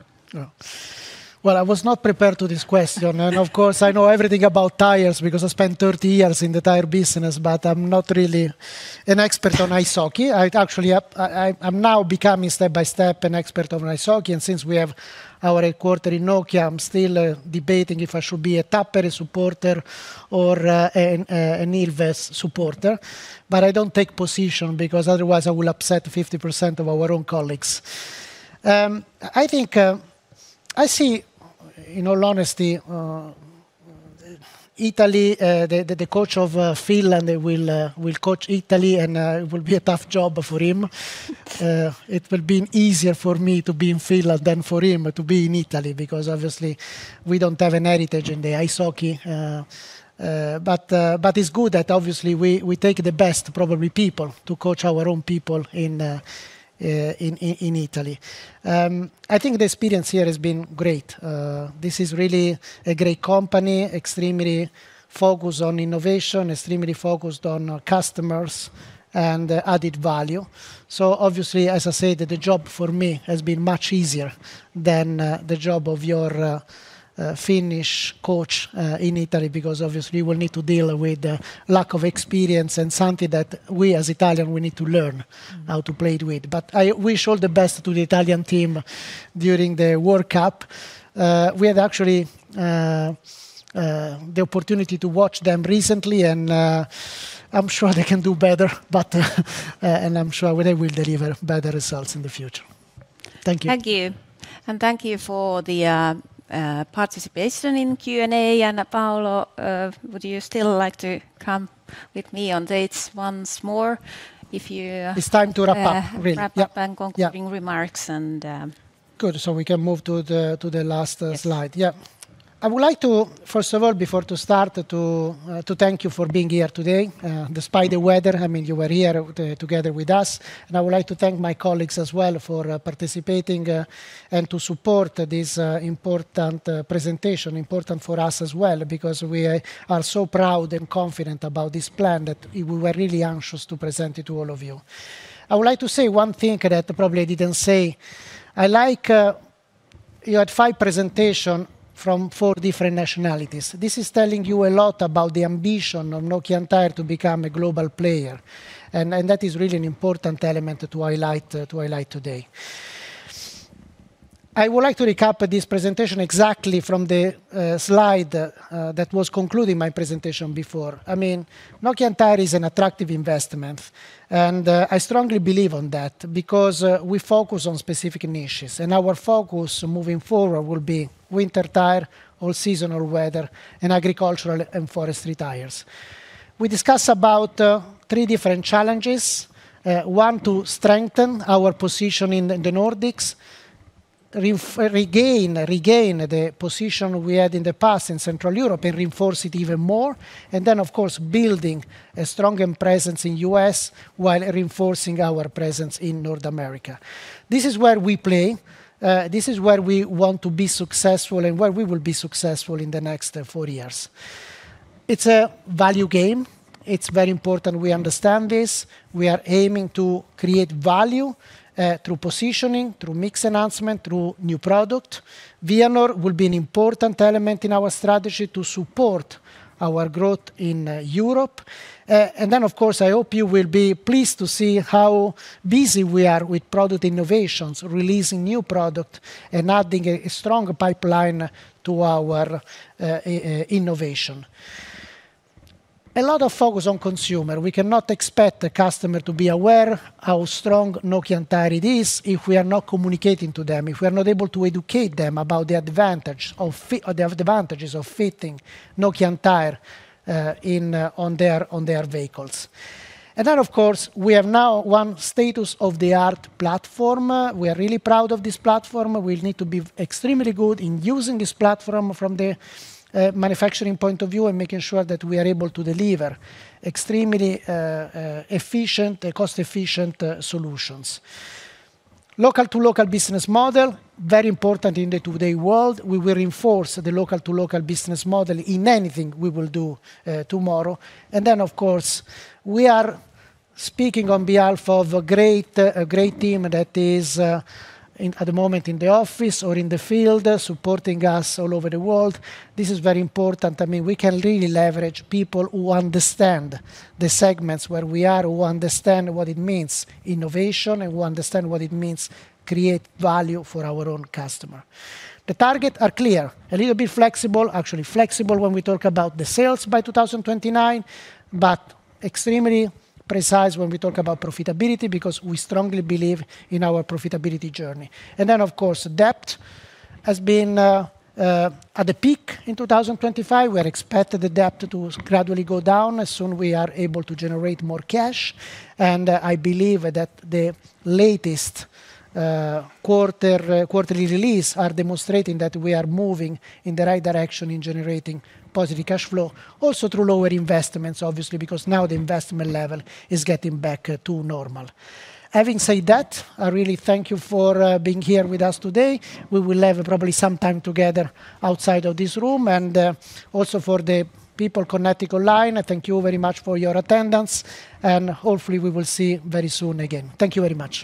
Well, I was not prepared for this question. Of course, I know everything about tires because I spent 30 years in the tire business. But I'm not really an expert on ice hockey. Actually, I'm now becoming, step by step, an expert on ice hockey. Since we have our headquarters in Nokia, I'm still debating if I should be a Tappara supporter or an Ilves supporter. But I don't take position because, otherwise, I will upset 50% of our own colleagues. I think I see, in all honesty, Italy the coach of Finland will coach Italy. It will be a tough job for him. It will be easier for me to be in Finland than for him to be in Italy because, obviously, we don't have a heritage in the ice hockey. It's good that, obviously, we take the best, probably, people to coach our own people in Italy. I think the experience here has been great. This is really a great company, extremely focused on innovation, extremely focused on customers, and added value. So, obviously, as I said, the job for me has been much easier than the job of your Finnish coach in Italy because, obviously, you will need to deal with the lack of experience and something that we, as Italians, need to learn how to play with. But I wish all the best to the Italian team during the World Cup. We had, actually, the opportunity to watch them recently. And I'm sure they can do better. And I'm sure they will deliver better results in the future. Thank you. Thank you. Thank you for the participation in Q&A. Paolo, would you still like to come with me on dates once more if you? It's time to wrap up, really. Wrap up and concluding remarks. Good. So we can move to the last slide. Yeah. I would like to, first of all, before to start, to thank you for being here today, despite the weather. I mean, you were here together with us. And I would like to thank my colleagues as well for participating and to support this important presentation, important for us as well because we are so proud and confident about this plan that we were really anxious to present it to all of you. I would like to say one thing that probably I didn't say. I like you had five presentations from four different nationalities. This is telling you a lot about the ambition of Nokian Tyres to become a global player. And that is really an important element to highlight today. I would like to recap this presentation exactly from the slide that was concluding my presentation before. I mean, Nokian Tyres is an attractive investment. I strongly believe in that because we focus on specific niches. Our focus moving forward will be winter tire, all-season, all-weather, and agricultural and forestry tires. We discussed about three different challenges: one, to strengthen our position in the Nordics, regain the position we had in the past in Central Europe, and reinforce it even more. And then, of course, building a stronger presence in the U.S. while reinforcing our presence in North America. This is where we play. This is where we want to be successful and where we will be successful in the next four years. It's a value game. It's very important we understand this. We are aiming to create value through positioning, through mix enhancement, through new product. Vianor will be an important element in our strategy to support our growth in Europe. And then, of course, I hope you will be pleased to see how busy we are with product innovations, releasing new products, and adding a strong pipeline to our innovation. A lot of focus on consumer. We cannot expect the customer to be aware of how strong Nokian Tyres it is if we are not communicating to them, if we are not able to educate them about the advantages of fitting Nokian Tyres on their vehicles. And then, of course, we have now one state-of-the-art platform. We are really proud of this platform. We need to be extremely good in using this platform from the manufacturing point of view and making sure that we are able to deliver extremely efficient, cost-efficient solutions. Local-to-local business model, very important in today's world. We will reinforce the local-to-local business model in anything we will do tomorrow. And then, of course, we are speaking on behalf of a great team that is at the moment in the office or in the field supporting us all over the world. This is very important. I mean, we can really leverage people who understand the segments where we are, who understand what it means innovation, and who understand what it means to create value for our own customer. The targets are clear, a little bit flexible, actually flexible when we talk about the sales by 2029, but extremely precise when we talk about profitability because we strongly believe in our profitability journey. And then, of course, debt has been at the peak in 2025. We expect the debt to gradually go down as soon as we are able to generate more cash. I believe that the latest quarterly release is demonstrating that we are moving in the right direction in generating positive cash flow, also through lower investments, obviously, because now the investment level is getting back to normal. Having said that, I really thank you for being here with us today. We will have probably some time together outside of this room. And also for the people connected online, I thank you very much for your attendance. And hopefully, we will see very soon again. Thank you very much.